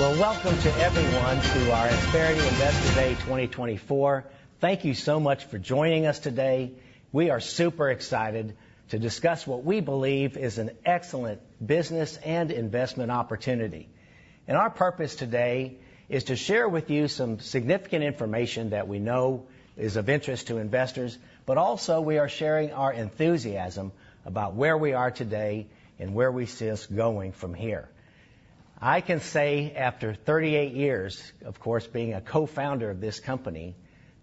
Well, welcome to everyone to our Insperity Investor Day 2024. Thank you so much for joining us today. We are super excited to discuss what we believe is an excellent business and investment opportunity. And our purpose today is to share with you some significant information that we know is of interest to investors, but also, we are sharing our enthusiasm about where we are today and where we see this going from here. I can say after 38 years, of course, being a co-founder of this company,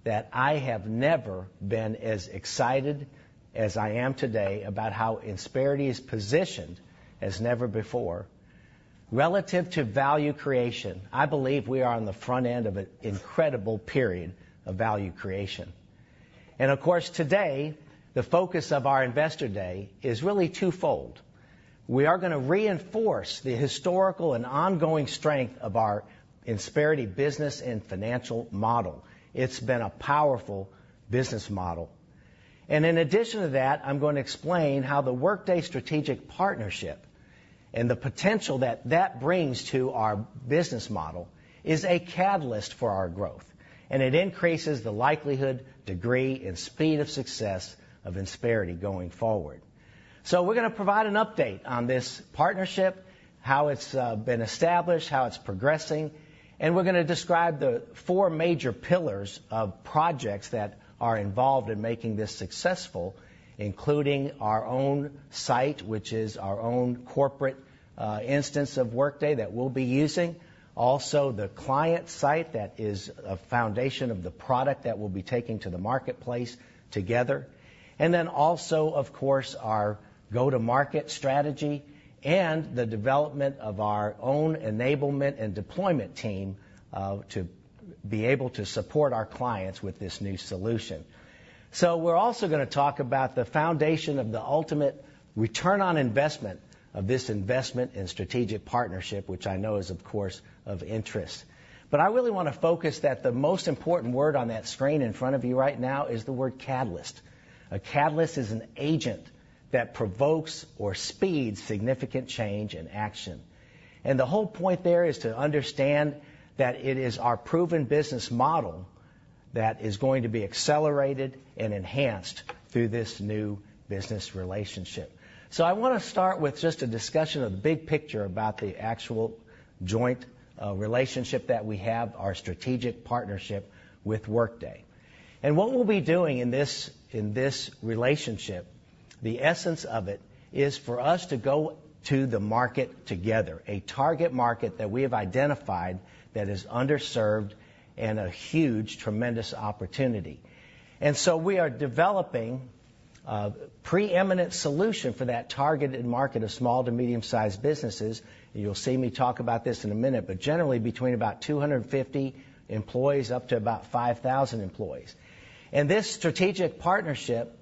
that I have never been as excited as I am today about how Insperity is positioned as never before. Relative to value creation, I believe we are on the front end of an incredible period of value creation. And of course, today, the focus of our Investor Day is really twofold. We are going to reinforce the historical and ongoing strength of our Insperity business and financial model. It's been a powerful business model. In addition to that, I'm going to explain how the Workday strategic partnership and the potential that that brings to our business model is a catalyst for our growth, and it increases the likelihood, degree, and speed of success of Insperity going forward. We're going to provide an update on this partnership, how it's been established, how it's progressing, and we're going to describe the four major pillars of projects that are involved in making this successful, including our own site, which is our own corporate instance of Workday that we'll be using. Also, the client site that is a foundation of the product that we'll be taking to the marketplace together. And then also, of course, our go-to-market strategy and the development of our own enablement and deployment team to be able to support our clients with this new solution. So we're also going to talk about the foundation of the ultimate return on investment of this investment and strategic partnership, which I know is, of course, of interest. But I really want to focus that the most important word on that screen in front of you right now is the word catalyst. A catalyst is an agent that provokes or speeds significant change and action. And the whole point there is to understand that it is our proven business model that is going to be accelerated and enhanced through this new business relationship. So I want to start with just a discussion of the big picture about the actual joint relationship that we have, our strategic partnership with Workday. And what we'll be doing in this, in this relationship, the essence of it, is for us to go to the market together, a target market that we have identified that is underserved and a huge, tremendous opportunity. And so we are developing a preeminent solution for that targeted market of small to medium-sized businesses. You'll see me talk about this in a minute, but generally between about 250 employees up to about 5,000 employees. And this strategic partnership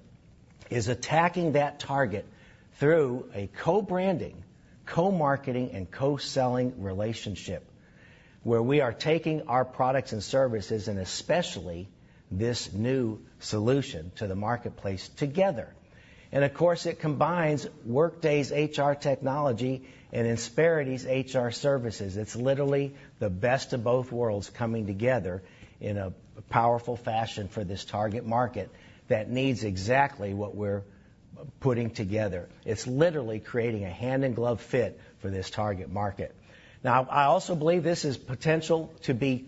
is attacking that target through a co-branding, co-marketing, and co-selling relationship, where we are taking our products and services, and especially this new solution, to the marketplace together. And of course, it combines Workday's HR technology and Insperity's HR services. It's literally the best of both worlds coming together in a powerful fashion for this target market that needs exactly what we're putting together. It's literally creating a hand-in-glove fit for this target market. Now, I also believe this has potential to be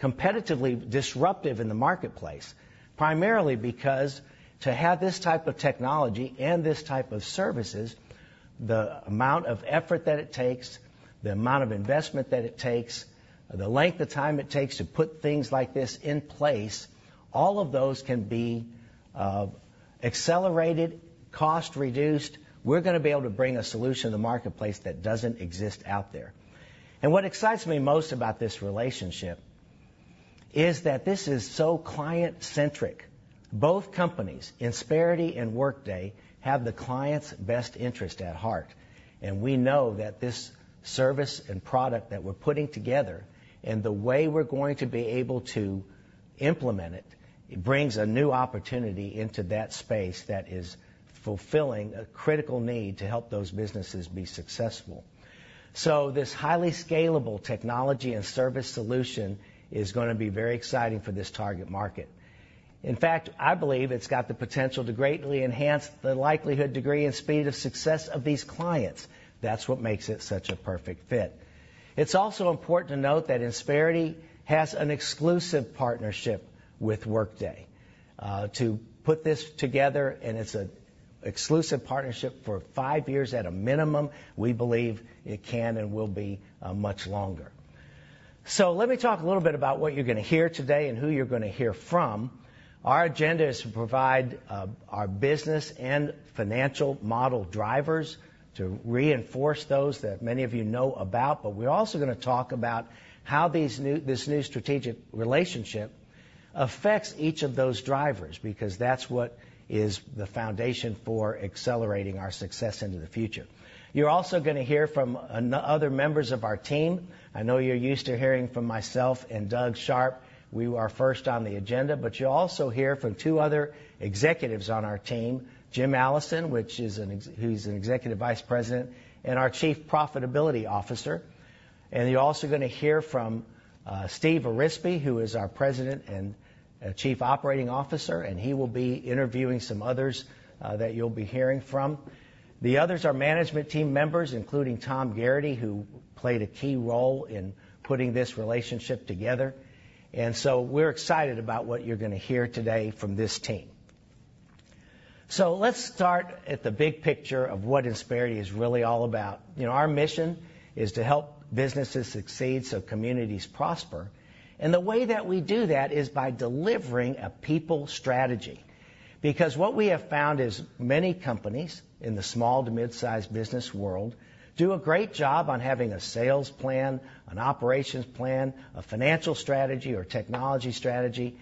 competitively disruptive in the marketplace, primarily because to have this type of technology and this type of services, the amount of effort that it takes, the amount of investment that it takes, the length of time it takes to put things like this in place, all of those can be accelerated, cost reduced. We're going to be able to bring a solution to the marketplace that doesn't exist out there. And what excites me most about this relationship is that this is so client-centric. Both companies, Insperity and Workday, have the client's best interest at heart, and we know that this service and product that we're putting together and the way we're going to be able to implement it, it brings a new opportunity into that space that is fulfilling a critical need to help those businesses be successful. So this highly scalable technology and service solution is going to be very exciting for this target market. In fact, I believe it's got the potential to greatly enhance the likelihood, degree, and speed of success of these clients. That's what makes it such a perfect fit. It's also important to note that Insperity has an exclusive partnership with Workday, to put this together, and it's an exclusive partnership for five years at a minimum. We believe it can and will be, much longer. So let me talk a little bit about what you're going to hear today and who you're going to hear from. Our agenda is to provide our business and financial model drivers to reinforce those that many of you know about, but we're also going to talk about how this new strategic relationship affects each of those drivers, because that's what is the foundation for accelerating our success into the future. You're also going to hear from other members of our team. I know you're used to hearing from myself and Doug Sharp. We are first on the agenda, but you'll also hear from two other executives on our team, Jim Allison, who's an Executive Vice President and our Chief Profitability Officer. And you're also going to hear from, Steve Arizpe, who is our President and Chief Operating Officer, and he will be interviewing some others, that you'll be hearing from. The others are management team members, including Tom Gearty, who played a key role in putting this relationship together. And so we're excited about what you're going to hear today from this team. So let's start at the big picture of what Insperity is really all about. You know, our mission is to help businesses succeed so communities prosper, and the way that we do that is by delivering a people strategy. Because what we have found is many companies in the small to mid-sized business world do a great job on having a sales plan, an operations plan, a financial strategy or technology strategy,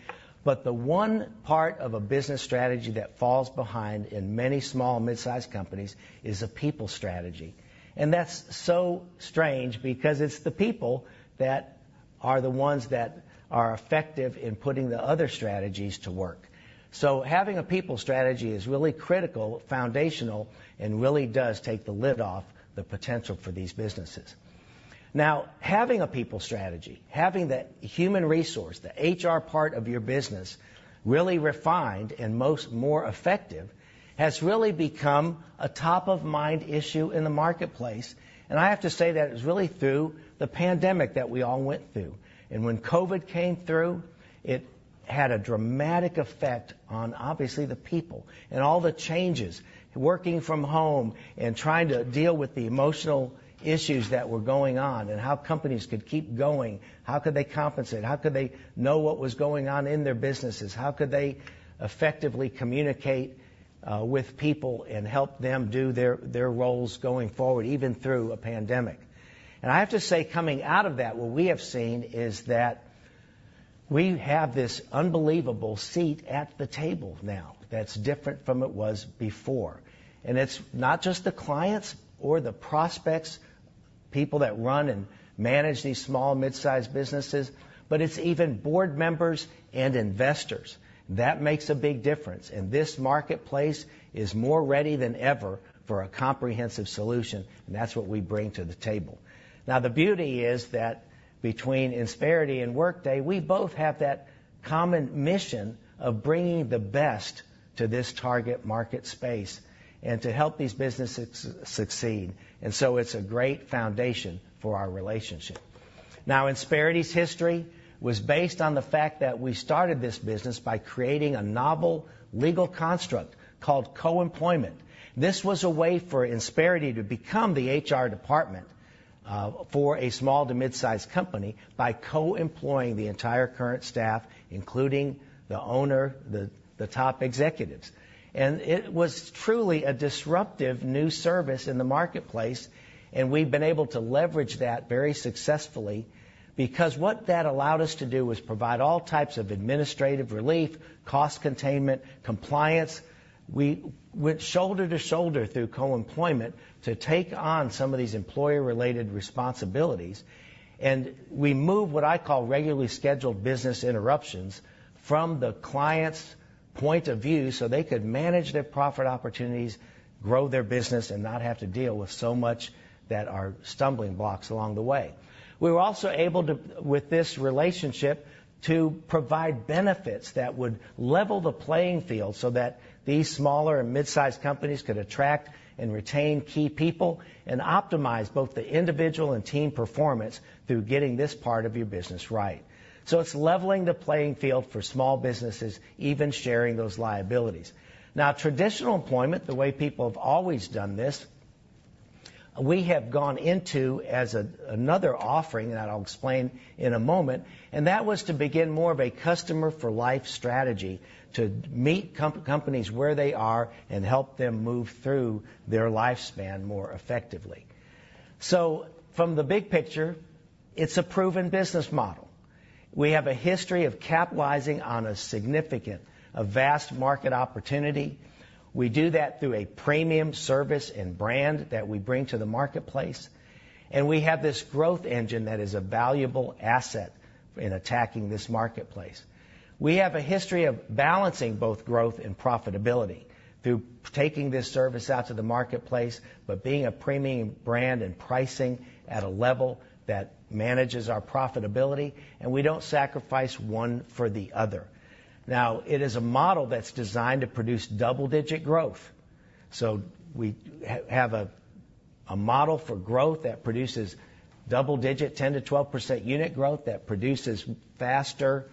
but the one part of a business strategy that falls behind in many small and mid-sized companies is a people strategy. And that's so strange, because it's the people that are the ones that are effective in putting the other strategies to work. So having a people strategy is really critical, foundational, and really does take the lid off the potential for these businesses. Now, having a people strategy, having the human resource, the HR part of your business, really refined and much more effective, has really become a top-of-mind issue in the marketplace. And I have to say that it's really through the pandemic that we all went through. When COVID came through, it had a dramatic effect on, obviously, the people and all the changes, working from home and trying to deal with the emotional issues that were going on, and how companies could keep going. How could they compensate? How could they know what was going on in their businesses? How could they effectively communicate with people and help them do their roles going forward, even through a pandemic? I have to say, coming out of that, what we have seen is that we have this unbelievable seat at the table now that's different from it was before. It's not just the clients or the prospects, people that run and manage these small and mid-sized businesses, but it's even board members and investors. That makes a big difference, and this marketplace is more ready than ever for a comprehensive solution, and that's what we bring to the table. Now, the beauty is that between Insperity and Workday, we both have that common mission of bringing the best to this target market space and to help these businesses succeed. And so it's a great foundation for our relationship. Now, Insperity's history was based on the fact that we started this business by creating a novel legal construct called co-employment. This was a way for Insperity to become the HR department for a small to mid-sized company by co-employing the entire current staff, including the owner, the top executives. It was truly a disruptive new service in the marketplace, and we've been able to leverage that very successfully, because what that allowed us to do was provide all types of administrative relief, cost containment, compliance. We went shoulder to shoulder through co-employment to take on some of these employer-related responsibilities, and we moved what I call regularly scheduled business interruptions from the client's point of view, so they could manage their profit opportunities, grow their business, and not have to deal with so much that are stumbling blocks along the way. We were also able to, with this relationship, to provide benefits that would level the playing field so that these smaller and mid-sized companies could attract and retain key people and optimize both the individual and team performance through getting this part of your business right. So it's leveling the playing field for small businesses, even sharing those liabilities. Now, traditional employment, the way people have always done this, we have gone into as another offering, and I'll explain in a moment, and that was to begin more of a customer-for-life strategy, to meet companies where they are and help them move through their lifespan more effectively. So from the big picture, it's a proven business model. We have a history of capitalizing on a significant, vast market opportunity. We do that through a premium service and brand that we bring to the marketplace, and we have this growth engine that is a valuable asset in attacking this marketplace. We have a history of balancing both growth and profitability through taking this service out to the marketplace, but being a premium brand and pricing at a level that manages our profitability, and we don't sacrifice one for the other. Now, it is a model that's designed to produce double-digit growth. So we have a model for growth that produces double-digit, 10%-12% unit growth, that produces faster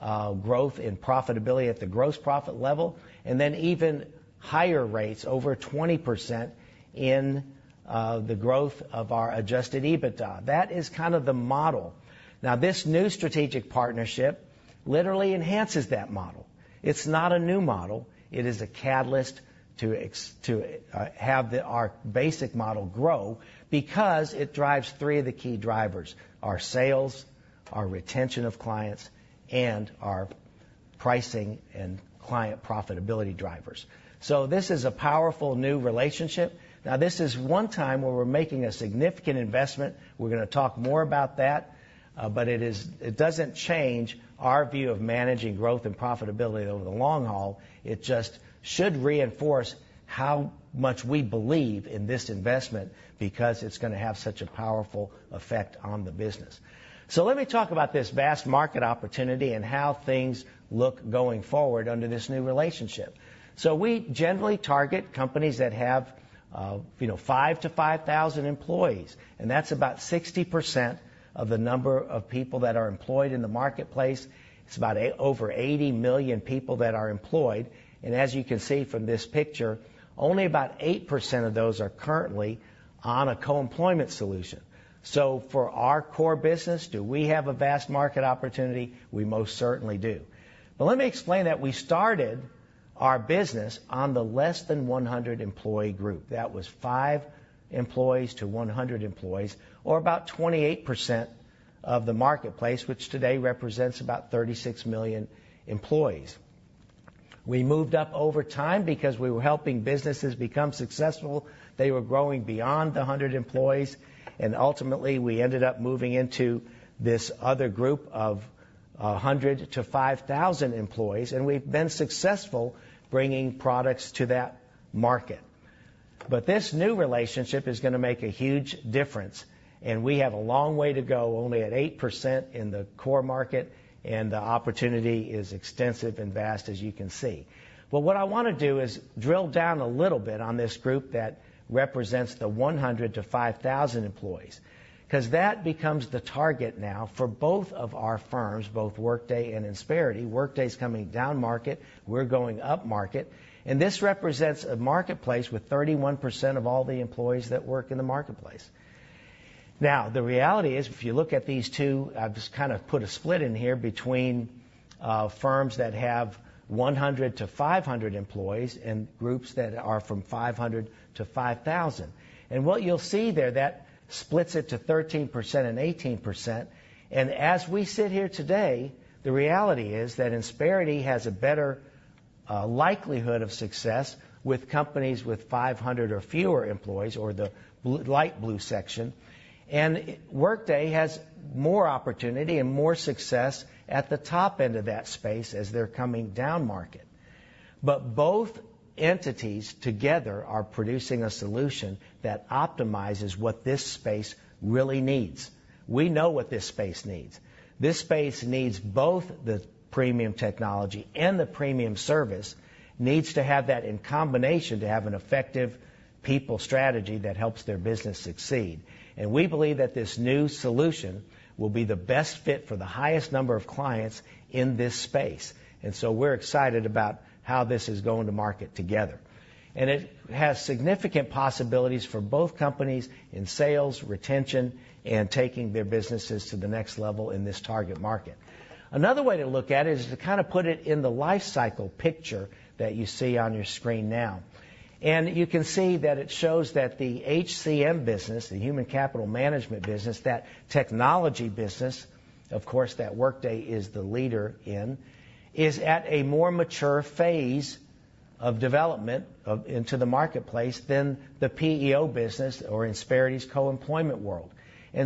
growth in profitability at the gross profit level, and then even higher rates, over 20%, in the growth of our Adjusted EBITDA. That is kind of the model. Now, this new strategic partnership literally enhances that model. It's not a new model. It is a catalyst to have our basic model grow, because it drives three of the key drivers, our sales, our retention of clients, and our pricing and client profitability drivers. So this is a powerful new relationship. Now, this is one time where we're making a significant investment. We're gonna talk more about that, but it doesn't change our view of managing growth and profitability over the long haul. It just should reinforce how much we believe in this investment, because it's gonna have such a powerful effect on the business. So let me talk about this vast market opportunity and how things look going forward under this new relationship. So we generally target companies that have, you know, 5 to 5,000 employees, and that's about 60% of the number of people that are employed in the marketplace. It's about over 80 million people that are employed, and as you can see from this picture, only about 8% of those are currently on a co-employment solution. So for our core business, do we have a vast market opportunity? We most certainly do. But let me explain that we started our business on the less than 100 employee group. That was 5 employees to 100 employees, or about 28% of the marketplace, which today represents about 36 million employees. We moved up over time because we were helping businesses become successful. They were growing beyond the 100 employees, and ultimately, we ended up moving into this other group of 100 to 5,000 employees, and we've been successful bringing products to that market. But this new relationship is gonna make a huge difference, and we have a long way to go, only at 8% in the core market, and the opportunity is extensive and vast, as you can see. But what I wanna do is drill down a little bit on this group that represents the 100-5,000 employees, 'cause that becomes the target now for both of our firms, both Workday and Insperity. Workday's coming down market, we're going up market, and this represents a marketplace with 31% of all the employees that work in the marketplace. Now, the reality is, if you look at these two, I've just kind of put a split in here between firms that have 100-500 employees and groups that are from 500-5,000. What you'll see there, that splits it to 13% and 18%. As we sit here today, the reality is that Insperity has a better likelihood of success with companies with 500 or fewer employees, or the blue-light blue section, and Workday has more opportunity and more success at the top end of that space as they're coming down market. Both entities together are producing a solution that optimizes what this space really needs. We know what this space needs. This space needs both the premium technology and the premium service, needs to have that in combination to have an effective people strategy that helps their business succeed. We believe that this new solution will be the best fit for the highest number of clients in this space, and so we're excited about how this is going to market together. It has significant possibilities for both companies in sales, retention, and taking their businesses to the next level in this target market. Another way to look at it is to kind of put it in the life cycle picture that you see on your screen now. You can see that it shows that the HCM business, the Human Capital Management business, that technology business, of course, that Workday is the leader in, is at a more mature phase of development into the marketplace than the PEO business or Insperity's co-employment world.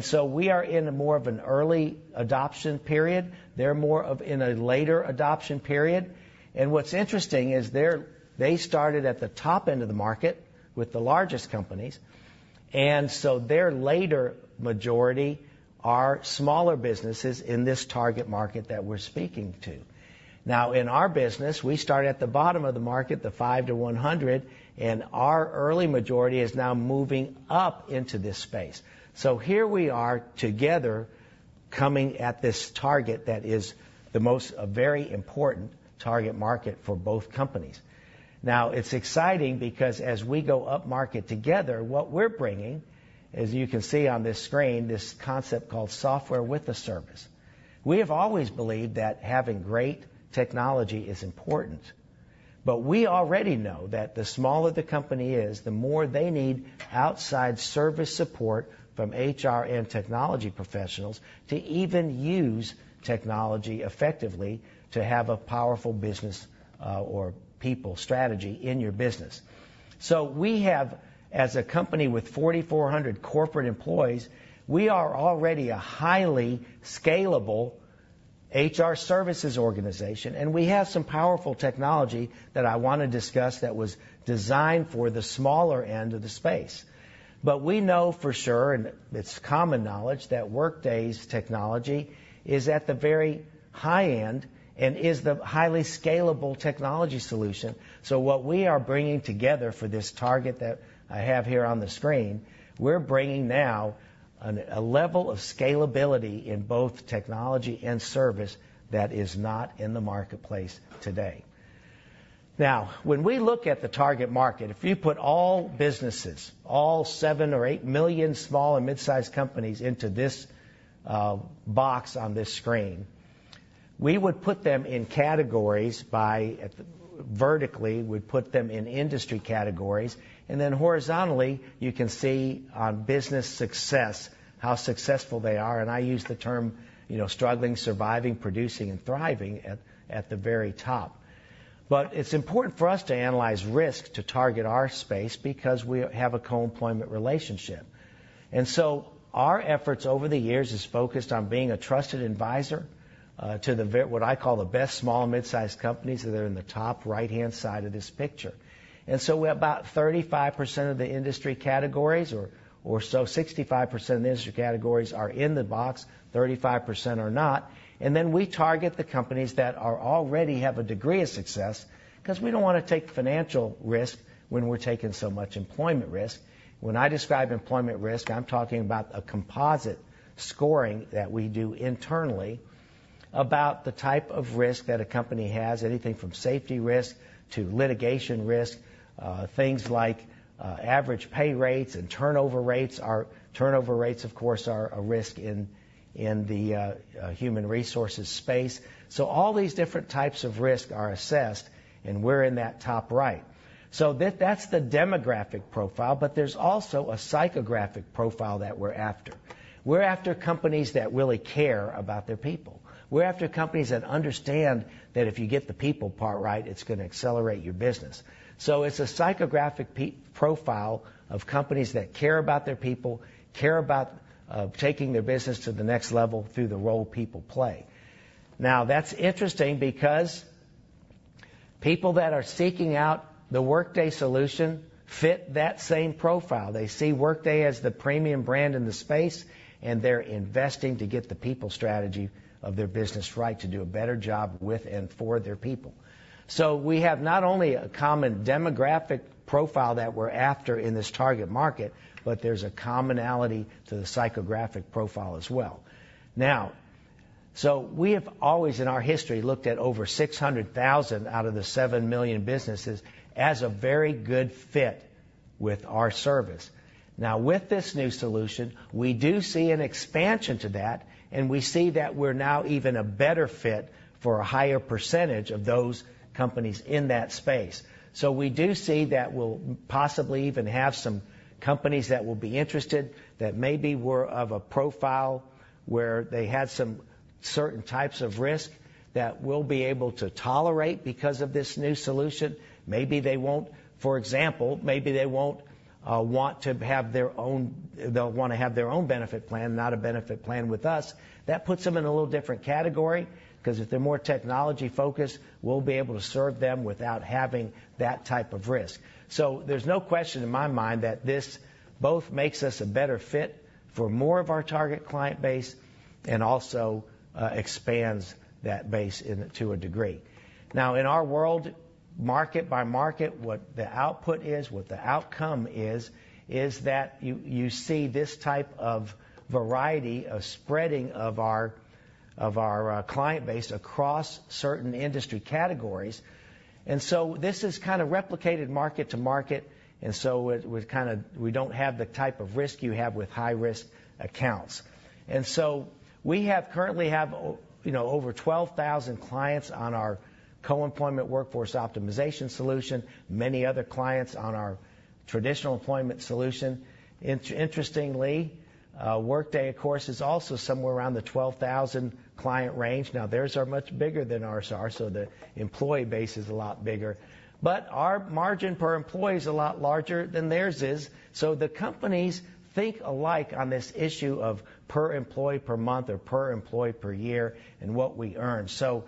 So we are in a more of an early adoption period. They're more of in a later adoption period. What's interesting is they started at the top end of the market with the largest companies, and so their late majority are smaller businesses in this target market that we're speaking to. Now, in our business, we start at the bottom of the market, the 5-100, and our early majority is now moving up into this space. So here we are together, coming at this target that is the most, very important target market for both companies. Now, it's exciting because as we go up market together, what we're bringing, as you can see on this screen, this concept called software with a service. We have always believed that having great technology is important, but we already know that the smaller the company is, the more they need outside service support from HR and technology professionals to even use technology effectively to have a powerful business, or people strategy in your business. So we have, as a company with 4,400 corporate employees, we are already a highly scalable HR services organization, and we have some powerful technology that I wanna discuss that was designed for the smaller end of the space. But we know for sure, and it's common knowledge, that Workday's technology is at the very high end and is the highly scalable technology solution. So what we are bringing together for this target that I have here on the screen, we're bringing now an, a level of scalability in both technology and service that is not in the marketplace today. Now, when we look at the target market, if you put all businesses, all 7 or 8 million small and mid-sized companies, into this box on this screen, we would put them in categories by... vertically, we'd put them in industry categories, and then horizontally, you can see on business success, how successful they are. And I use the term, you know, struggling, surviving, producing, and thriving at the very top. But it's important for us to analyze risk to target our space because we have a co-employment relationship. And so our efforts over the years is focused on being a trusted advisor to the what I call the best small and mid-sized companies that are in the top right-hand side of this picture. And so we have about 35% of the industry categories or so 65% of the industry categories are in the box, 35% are not. And then we target the companies that are already have a degree of success, 'cause we don't wanna take financial risk when we're taking so much employment risk. When I describe employment risk, I'm talking about a composite scoring that we do internally about the type of risk that a company has, anything from safety risk to litigation risk, things like average pay rates and turnover rates. Turnover rates, of course, are a risk in the human resources space. So all these different types of risk are assessed, and we're in that top right. So that's the demographic profile, but there's also a psychographic profile that we're after. We're after companies that really care about their people. We're after companies that understand that if you get the people part right, it's gonna accelerate your business. So it's a psychographic profile of companies that care about their people, care about taking their business to the next level through the role people play. Now, that's interesting because people that are seeking out the Workday solution fit that same profile. They see Workday as the premium brand in the space, and they're investing to get the people strategy of their business right, to do a better job with and for their people. So we have not only a common demographic profile that we're after in this target market, but there's a commonality to the psychographic profile as well. Now, so we have always, in our history, looked at over 600,000 out of the 7 million businesses as a very good fit with our service. Now, with this new solution, we do see an expansion to that, and we see that we're now even a better fit for a higher percentage of those companies in that space. So we do see that we'll possibly even have some companies that will be interested, that maybe were of a profile where they had some certain types of risk that we'll be able to tolerate because of this new solution. Maybe they won't. For example, maybe they won't want to have their own, they'll want to have their own benefit plan, not a benefit plan with us. That puts them in a little different category, 'cause if they're more technology-focused, we'll be able to serve them without having that type of risk. So there's no question in my mind that this both makes us a better fit for more of our target client base and also expands that base in, to a degree. Now, in our world, market by market, what the output is, what the outcome is, is that you see this type of variety of spreading of our client base across certain industry categories. And so this is kind of replicated market to market, and so it we don't have the type of risk you have with high-risk accounts. And so we currently have, you know, over 12,000 clients on our co-employment Workforce Optimization solution, many other clients on our traditional employment solution. Interestingly, Workday, of course, is also somewhere around the 12,000 client range. Now, theirs are much bigger than ours are, so the employee base is a lot bigger. But our margin per employee is a lot larger than theirs is, so the companies think alike on this issue of per employee per month or per employee per year and what we earn. So,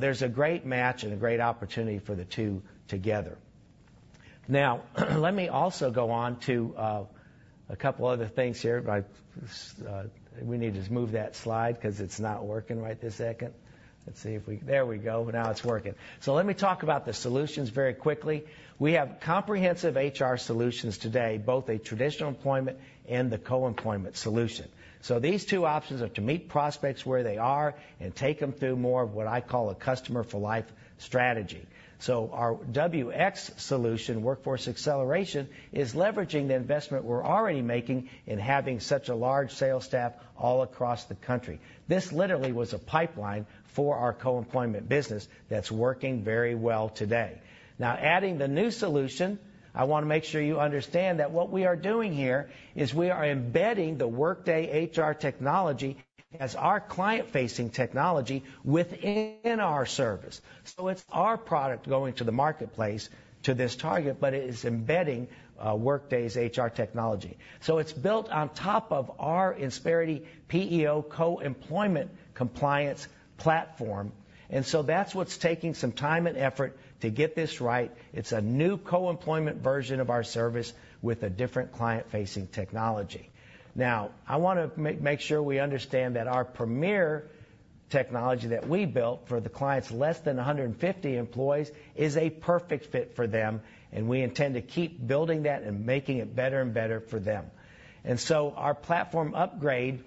there's a great match and a great opportunity for the two together. Now, let me also go on to a couple other things here. But, we need to just move that slide 'cause it's not working right this second. Let's see if we... There we go. Now it's working. So let me talk about the solutions very quickly. We have comprehensive HR solutions today, both a traditional employment and the co-employment solution. So these two options are to meet prospects where they are and take them through more of what I call a customer for life strategy. So our WX solution, Workforce Acceleration, is leveraging the investment we're already making in having such a large sales staff all across the country. This literally was a pipeline for our co-employment business that's working very well today. Now, adding the new solution, I want to make sure you understand that what we are doing here is we are embedding the Workday HR technology as our client-facing technology within our service. So it's our product going to the marketplace to this target, but it is embedding Workday's HR technology. So it's built on top of our Insperity PEO co-employment compliance platform, and so that's what's taking some time and effort to get this right. It's a new co-employment version of our service with a different client-facing technology. Now, I want to make sure we understand that our Premier technology that we built for the clients, less than 150 employees, is a perfect fit for them, and we intend to keep building that and making it better and better for them. And so our platform upgrade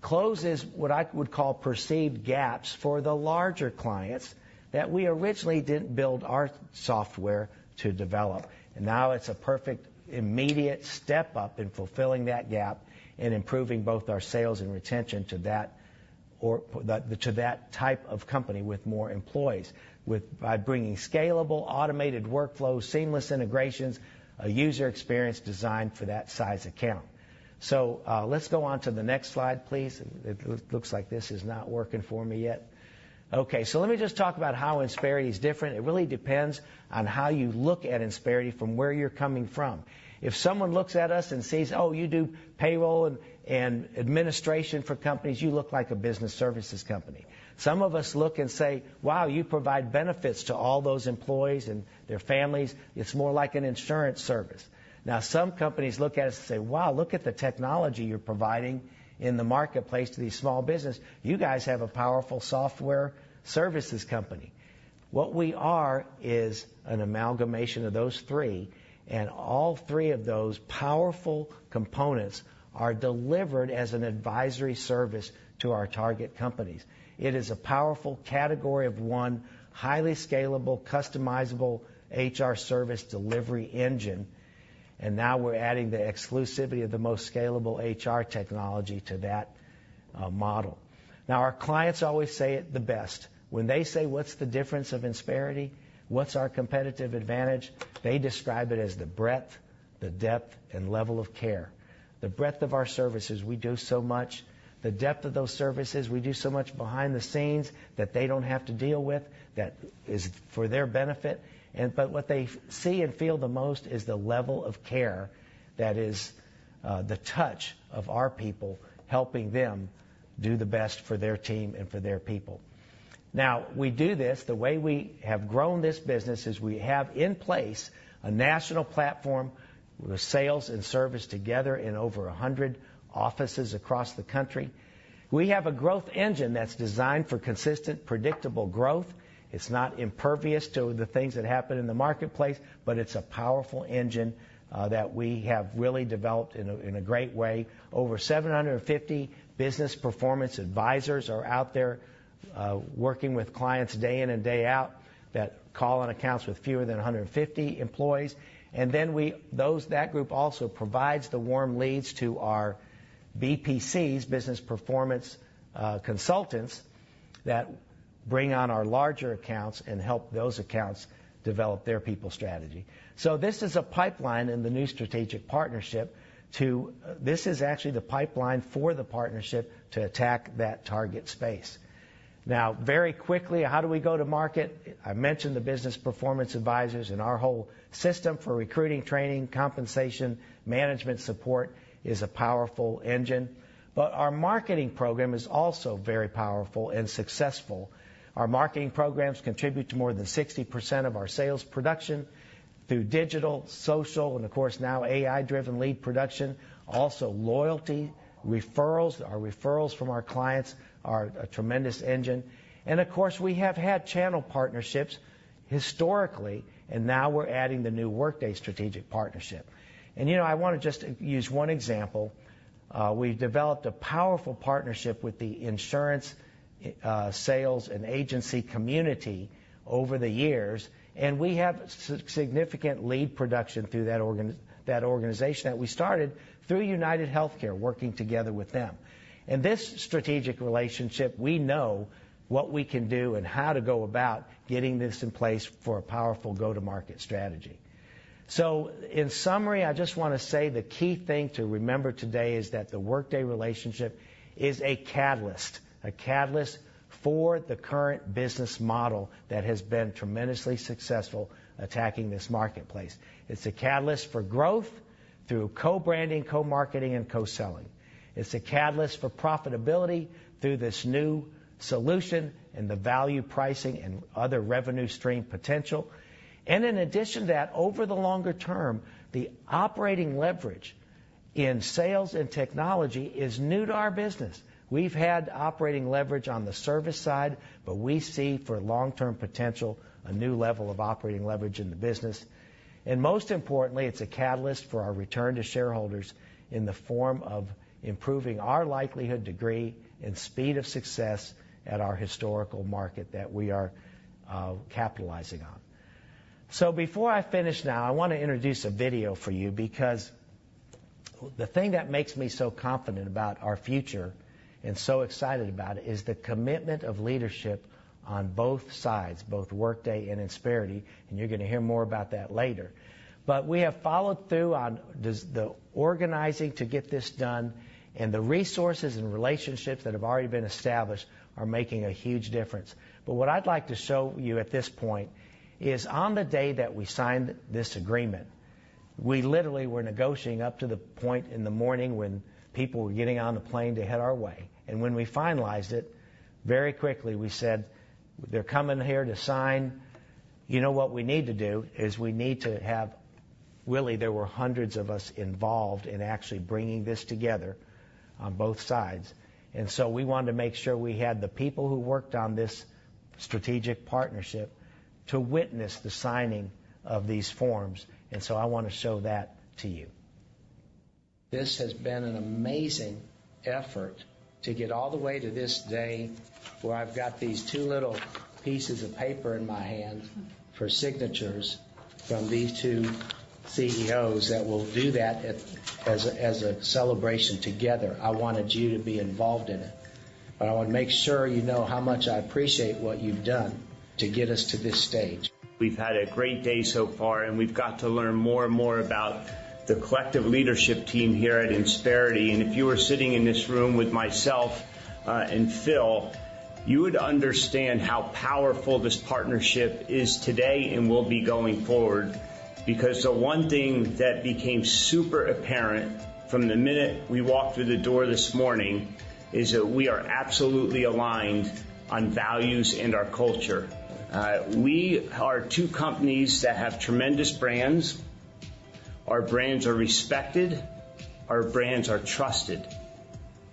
closes what I would call perceived gaps for the larger clients that we originally didn't build our software to develop. And now it's a perfect, immediate step up in fulfilling that gap and improving both our sales and retention to that or the, to that type of company with more employees, with by bringing scalable, automated workflows, seamless integrations, a user experience designed for that size account. So, let's go on to the next slide, please. It looks like this is not working for me yet... Okay, so let me just talk about how Insperity is different. It really depends on how you look at Insperity from where you're coming from. If someone looks at us and says, "Oh, you do payroll and, and administration for companies, you look like a business services company." Some of us look and say, "Wow, you provide benefits to all those employees and their families. It's more like an insurance service." Now, some companies look at us and say, "Wow, look at the technology you're providing in the marketplace to these small business. You guys have a powerful software services company." What we are is an amalgamation of those three, and all three of those powerful components are delivered as an advisory service to our target companies. It is a powerful category of one, highly scalable, customizable HR service delivery engine, and now we're adding the exclusivity of the most scalable HR technology to that, model. Now, our clients always say it the best. When they say, "What's the difference of Insperity? What's our competitive advantage?" They describe it as the breadth, the depth, and level of care. The breadth of our services, we do so much. The depth of those services, we do so much behind the scenes that they don't have to deal with, that is for their benefit. But what they see and feel the most is the level of care that is the touch of our people, helping them do the best for their team and for their people. Now, we do this, the way we have grown this business is we have in place a national platform with sales and service together in over 100 offices across the country. We have a growth engine that's designed for consistent, predictable growth. It's not impervious to the things that happen in the marketplace, but it's a powerful engine that we have really developed in a great way. Over 750 business performance advisors are out there working with clients day in and day out, that call on accounts with fewer than 150 employees. And then those, that group also provides the warm leads to our BPCs, business performance consultants, that bring on our larger accounts and help those accounts develop their people strategy. So this is a pipeline in the new strategic partnership to... This is actually the pipeline for the partnership to attack that target space. Now, very quickly, how do we go to market? I mentioned the business performance advisors, and our whole system for recruiting, training, compensation, management support is a powerful engine. But our marketing program is also very powerful and successful. Our marketing programs contribute to more than 60% of our sales production through digital, social, and, of course, now, AI-driven lead production, also loyalty, referrals. Our referrals from our clients are a tremendous engine. And, of course, we have had channel partnerships historically, and now we're adding the new Workday strategic partnership. And, you know, I want to just use one example. We've developed a powerful partnership with the insurance, sales, and agency community over the years, and we have significant lead production through that organization, that we started through UnitedHealthcare, working together with them. In this strategic relationship, we know what we can do and how to go about getting this in place for a powerful go-to-market strategy. In summary, I just want to say the key thing to remember today is that the Workday relationship is a catalyst, a catalyst for the current business model that has been tremendously successful attacking this marketplace. It's a catalyst for growth through co-branding, co-marketing, and co-selling. It's a catalyst for profitability through this new solution and the value pricing and other revenue stream potential. In addition to that, over the longer term, the operating leverage in sales and technology is new to our business. We've had operating leverage on the service side, but we see, for long-term potential, a new level of operating leverage in the business. Most importantly, it's a catalyst for our return to shareholders in the form of improving our likelihood, degree, and speed of success at our historical market that we are capitalizing on. So before I finish now, I want to introduce a video for you because the thing that makes me so confident about our future and so excited about it is the commitment of leadership on both sides, both Workday and Insperity, and you're going to hear more about that later. But we have followed through on just the organizing to get this done, and the resources and relationships that have already been established are making a huge difference. But what I'd like to show you at this point is, on the day that we signed this agreement, we literally were negotiating up to the point in the morning when people were getting on the plane to head our way. And when we finalized it, very quickly, we said, "They're coming here to sign. You know, what we need to do is we need to have..." Really, there were hundreds of us involved in actually bringing this together on both sides. And so we wanted to make sure we had the people who worked on this strategic partnership to witness the signing of these forms, and so I want to show that to you. This has been an amazing effort to get all the way to this day, where I've got these two little pieces of paper in my hand for signatures from these two CEOs that will do that at—as, as a celebration together. I wanted you to be involved in it, but I want to make sure you know how much I appreciate what you've done... to get us to this stage. We've had a great day so far, and we've got to learn more and more about the collective leadership team here at Insperity. If you were sitting in this room with myself and Paull, you would understand how powerful this partnership is today and will be going forward. Because the one thing that became super apparent from the minute we walked through the door this morning is that we are absolutely aligned on values and our culture. We are two companies that have tremendous brands. Our brands are respected, our brands are trusted.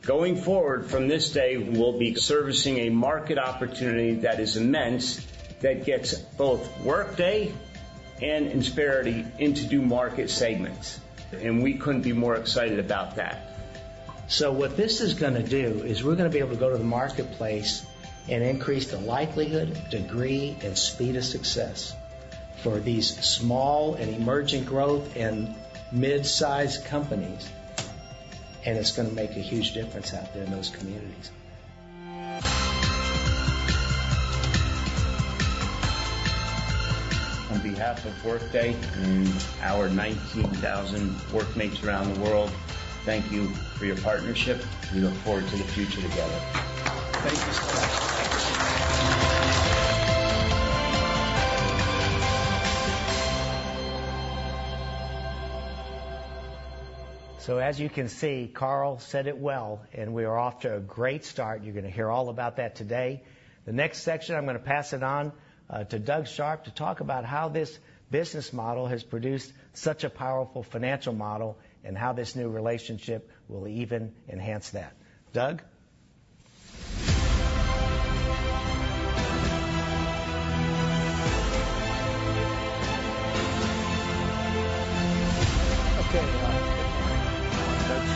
Going forward, from this day, we'll be servicing a market opportunity that is immense, that gets both Workday and Insperity into new market segments, and we couldn't be more excited about that. So what this is gonna do is we're gonna be able to go to the marketplace and increase the likelihood, degree, and speed of success for these small and emerging growth and mid-sized companies, and it's gonna make a huge difference out there in those communities. On behalf of Workday and our 19,000 workmates around the world, thank you for your partnership. We look forward to the future together. Thank you so much. So as you can see, Carl said it well, and we are off to a great start. You're gonna hear all about that today. The next section, I'm gonna pass it on to Doug Sharp, to talk about how this business model has produced such a powerful financial model, and how this new relationship will even enhance that. Doug?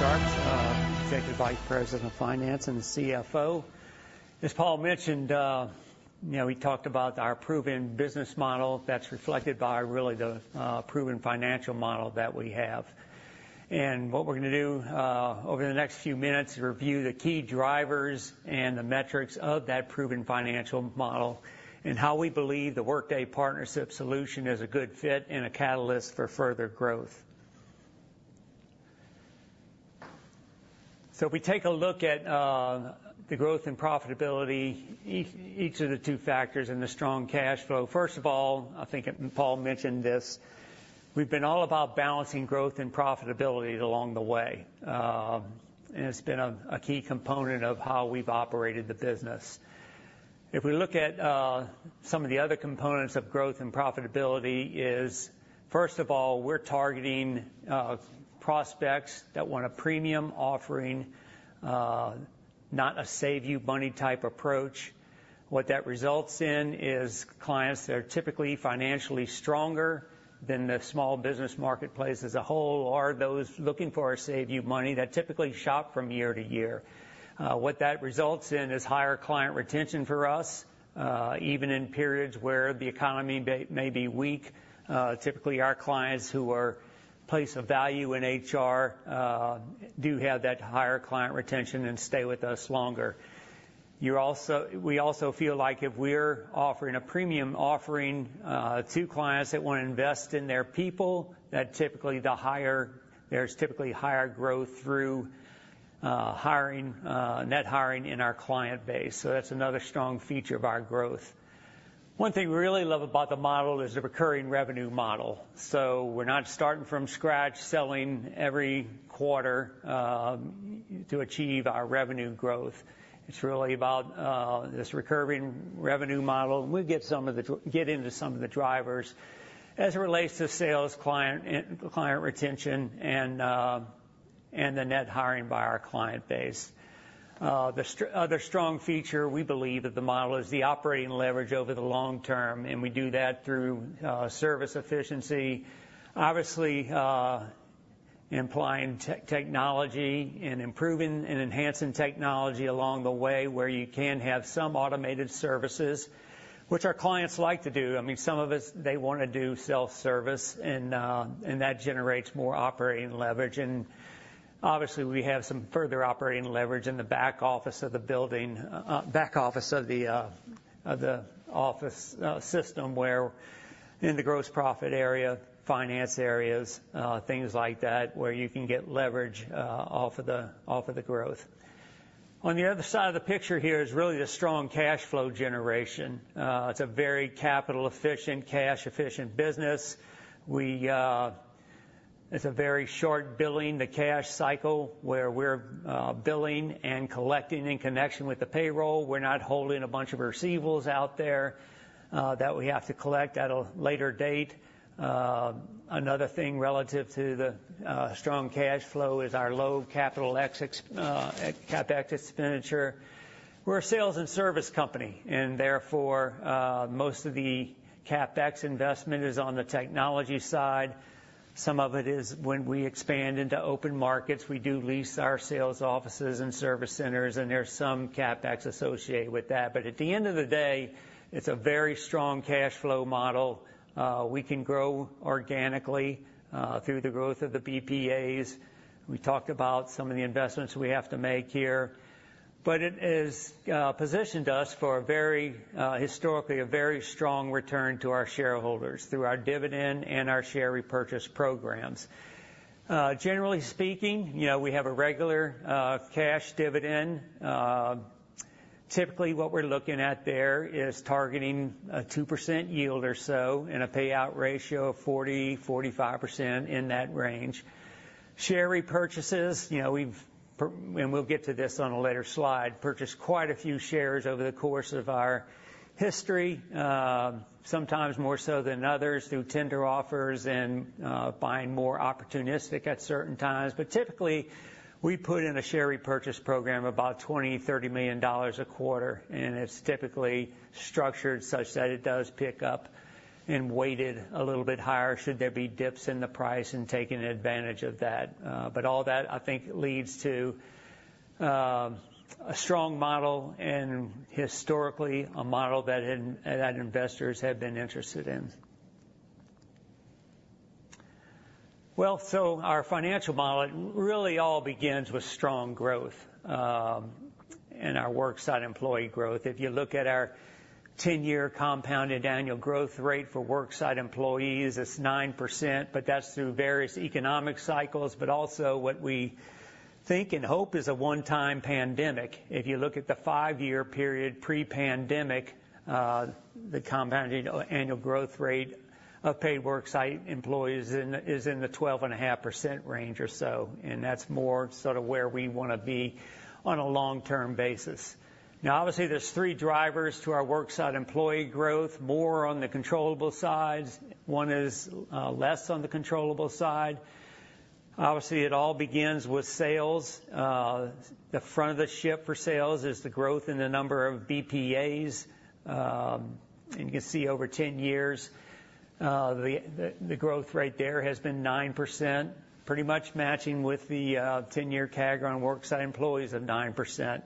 Okay, Doug Sharp, Executive Vice President of Finance and CFO. As Paul mentioned, you know, we talked about our proven business model that's reflected by really the proven financial model that we have. And what we're gonna do, over the next few minutes, is review the key drivers and the metrics of that proven financial model, and how we believe the Workday partnership solution is a good fit and a catalyst for further growth. So if we take a look at the growth and profitability, each of the two factors and the strong cash flow. First of all, I think Paul mentioned this, we've been all about balancing growth and profitability along the way. And it's been a key component of how we've operated the business. If we look at some of the other components of growth and profitability is, first of all, we're targeting prospects that want a premium offering, not a save-you-money type approach. What that results in is clients that are typically financially stronger than the small business marketplace as a whole, or those looking for a save-you-money, that typically shop from year to year. What that results in is higher client retention for us, even in periods where the economy may be weak. Typically, our clients who are place a value in HR do have that higher client retention and stay with us longer. We also feel like if we're offering a premium offering to clients that wanna invest in their people, that typically, the higher—there's typically higher growth through hiring, net hiring in our client base. So that's another strong feature of our growth. One thing we really love about the model is the recurring revenue model. We're not starting from scratch, selling every quarter, to achieve our revenue growth. It's really about this recurring revenue model. We'll get into some of the drivers as it relates to sales, client and client retention, and the net hiring by our client base. The strong feature, we believe, of the model is the operating leverage over the long term, and we do that through service efficiency. Obviously, implying technology and improving and enhancing technology along the way, where you can have some automated services, which our clients like to do. I mean, some of us, they wanna do self-service, and that generates more operating leverage. Obviously, we have some further operating leverage in the back office of the office system, where in the gross profit area, finance areas, things like that, where you can get leverage off of the growth. On the other side of the picture here is really the strong cash flow generation. It's a very capital-efficient, cash-efficient business. It's a very short billing-to-cash cycle, where we're billing and collecting in connection with the payroll. We're not holding a bunch of receivables out there that we have to collect at a later date. Another thing relative to the strong cash flow is our low CapEx expenditure. We're a sales and service company, and therefore most of the CapEx investment is on the technology side. Some of it is when we expand into open markets, we do lease our sales offices and service centers, and there's some CapEx associated with that. But at the end of the day, it's a very strong cash flow model. We can grow organically through the growth of the BPAs. We talked about some of the investments we have to make here... But it has positioned us for a very historically, a very strong return to our shareholders through our dividend and our share repurchase programs. Generally speaking, you know, we have a regular cash dividend. Typically, what we're looking at there is targeting a 2% yield or so, and a payout ratio of 40%-45%, in that range. Share repurchases, you know, we've and we'll get to this on a later slide, purchased quite a few shares over the course of our history, sometimes more so than others, through tender offers and, buying more opportunistic at certain times. But typically, we put in a share repurchase program about $20 million-$30 million a quarter, and it's typically structured such that it does pick up and weighted a little bit higher, should there be dips in the price, and taking advantage of that. But all that, I think, leads to a strong model and historically, a model that investors have been interested in. Well, so our financial model, it really all begins with strong growth, and our worksite employee growth. If you look at our 10-year compounded annual growth rate for worksite employees, it's 9%, but that's through various economic cycles, but also what we think and hope is a one-time pandemic. If you look at the 5-year period pre-pandemic, the compounded annual growth rate of paid worksite employees is in the 12.5% range or so, and that's more sort of where we wanna be on a long-term basis. Now, obviously, there's 3 drivers to our worksite employee growth, more on the controllable sides. One is, less on the controllable side. Obviously, it all begins with sales. The front of the ship for sales is the growth in the number of BPAs. You can see over 10 years, the growth rate there has been 9%, pretty much matching with the 10-year CAGR on worksite employees of 9%.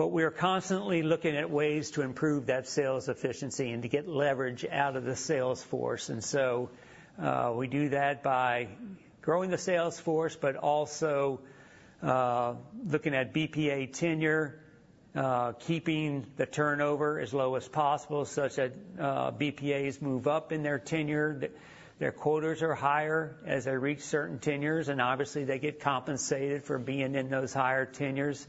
But we are constantly looking at ways to improve that sales efficiency and to get leverage out of the sales force. And so, we do that by growing the sales force, but also, looking at BPA tenure, keeping the turnover as low as possible, such that BPAs move up in their tenure. Their quotas are higher as they reach certain tenures, and obviously, they get compensated for being in those higher tenures.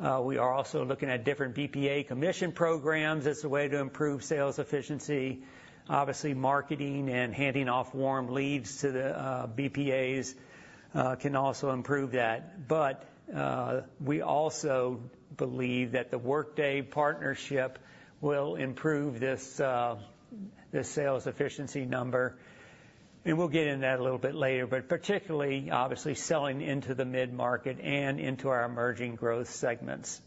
We are also looking at different BPA commission programs as a way to improve sales efficiency. Obviously, marketing and handing off warm leads to the BPAs can also improve that. But we also believe that the Workday partnership will improve this sales efficiency number, and we'll get into that a little bit later. But particularly, obviously, selling into the mid-market and into our emerging growth segments.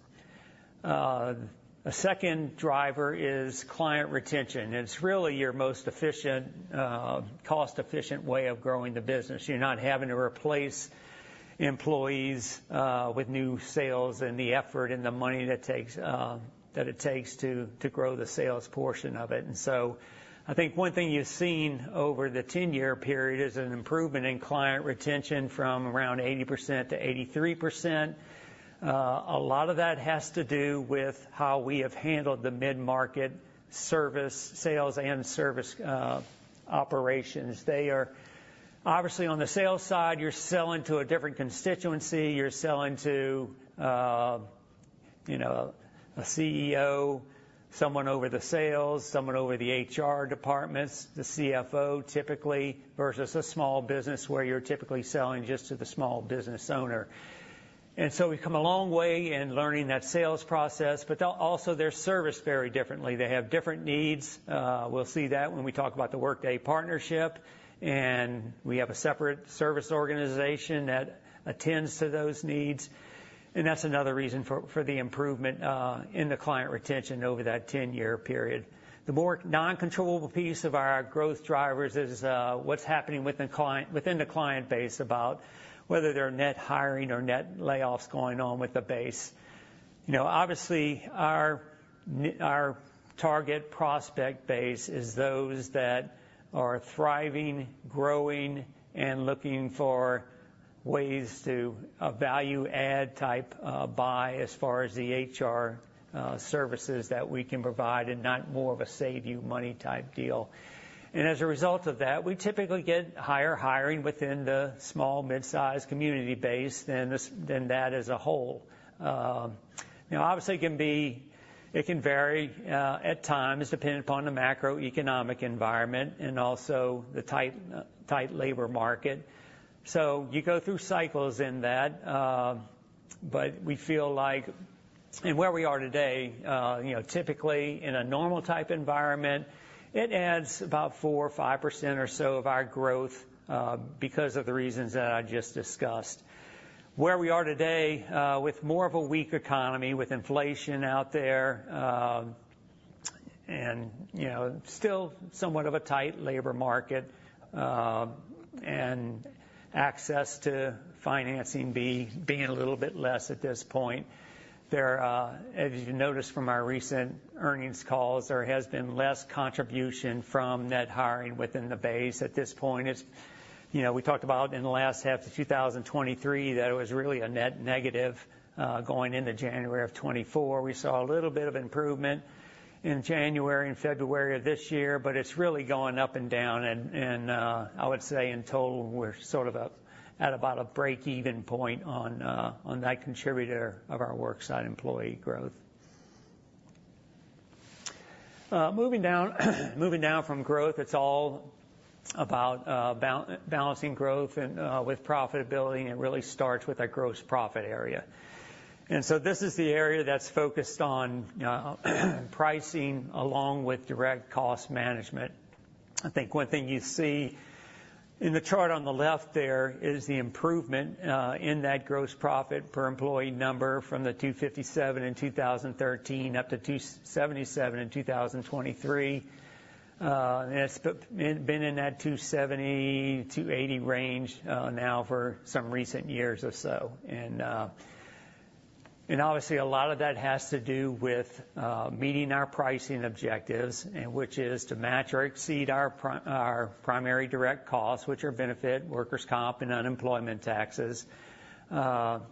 A second driver is client retention. It's really your most efficient, cost-efficient way of growing the business. You're not having to replace employees with new sales and the effort and the money that it takes to grow the sales portion of it. And so I think one thing you've seen over the 10-year period is an improvement in client retention from around 80%-83%. A lot of that has to do with how we have handled the mid-market service, sales and service operations. They are... Obviously, on the sales side, you're selling to a different constituency. You're selling to, you know, a CEO, someone over the sales, someone over the HR departments, the CFO, typically, versus a small business, where you're typically selling just to the small business owner. And so we've come a long way in learning that sales process, but they'll also, they're serviced very differently. They have different needs. We'll see that when we talk about the Workday partnership, and we have a separate service organization that attends to those needs, and that's another reason for the improvement in the client retention over that ten-year period. The more non-controllable piece of our growth drivers is what's happening within the client base about whether there are net hiring or net layoffs going on with the base. You know, obviously, our target prospect base is those that are thriving, growing, and looking for ways to, a value add type, buy as far as the HR, services that we can provide, and not more of a save you money type deal. As a result of that, we typically get higher hiring within the small, mid-sized community base than this, than that as a whole. You know, obviously, it can be... It can vary, at times, depending upon the macroeconomic environment and also the tight, tight labor market. You go through cycles in that, but we feel like and where we are today, you know, typically in a normal type environment, it adds about 4 or 5% or so of our growth, because of the reasons that I just discussed. Where we are today, with more of a weak economy, with inflation out there, and, you know, still somewhat of a tight labor market, and access to financing being a little bit less at this point. There, as you noticed from our recent earnings calls, there has been less contribution from net hiring within the base at this point. It's, you know, we talked about in the last half of 2023, that it was really a net negative, going into January of 2024. We saw a little bit of improvement in January and February of this year, but it's really going up and down, and, I would say in total, we're sort of, at about a break-even point on, on that contributor of our worksite employee growth. Moving down from growth, it's all about balancing growth and profitability, and it really starts with our gross profit area. This is the area that's focused on pricing along with direct cost management. I think one thing you see in the chart on the left there is the improvement in that gross profit per employee number from the $257 in 2013 up to $277 in 2023. It's been in that 270-280 range now for some recent years or so. Obviously, a lot of that has to do with meeting our pricing objectives, which is to match or exceed our primary direct costs, which are benefits, workers' comp, and unemployment taxes. Pricing...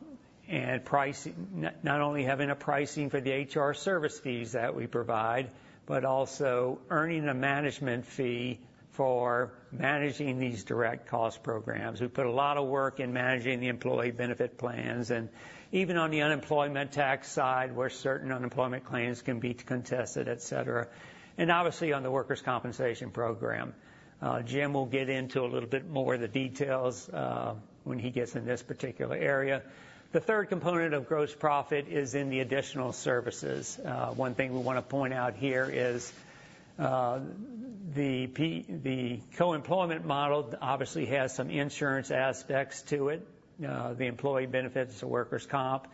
Not only having a pricing for the HR service fees that we provide, but also earning a management fee for managing these direct cost programs. We put a lot of work in managing the employee benefit plans, and even on the unemployment tax side, where certain unemployment claims can be contested, et cetera, and obviously on the workers' compensation program. Jim will get into a little bit more of the details when he gets in this particular area. The third component of gross profit is in the additional services. One thing we want to point out here is the co-employment model obviously has some insurance aspects to it, the employee benefits, the workers' comp,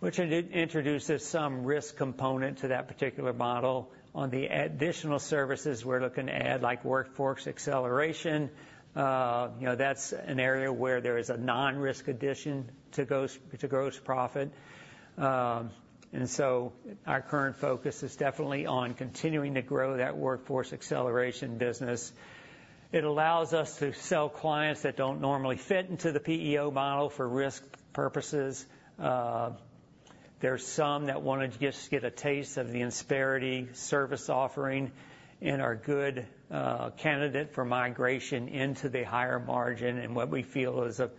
which introduces some risk component to that particular model. On the additional services, we're looking to add, like workforce acceleration. You know, that's an area where there is a non-risk addition to gross, to gross profit. And so our current focus is definitely on continuing to grow that Workforce Acceleration business. It allows us to sell clients that don't normally fit into the PEO model for risk purposes. There's some that want to just get a taste of the Insperity service offering and are a good candidate for migration into the higher margin, and what we feel is a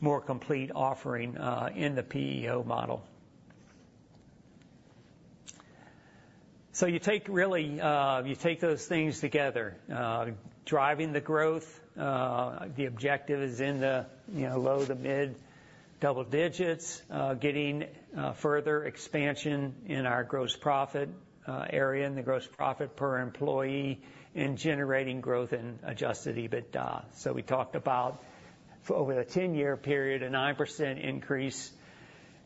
more complete offering, in the PEO model. So you take, really, you take those things together. Driving the growth, the objective is in the, you know, low to mid-double digits, getting further expansion in our gross profit area and the gross profit per employee, and generating growth in Adjusted EBITDA. So we talked about, for over the 10-year period, a 9% increase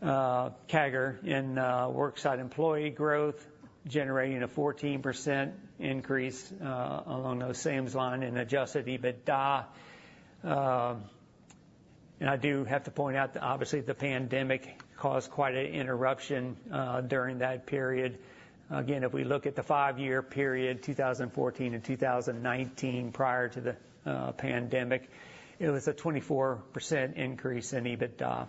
CAGR in worksite employee growth, generating a 14% increase along those same line in adjusted EBITDA. And I do have to point out that, obviously, the pandemic caused quite an interruption during that period. Again, if we look at the 5-year period, 2014-2019, prior to the pandemic, it was a 24% increase in EBITDA.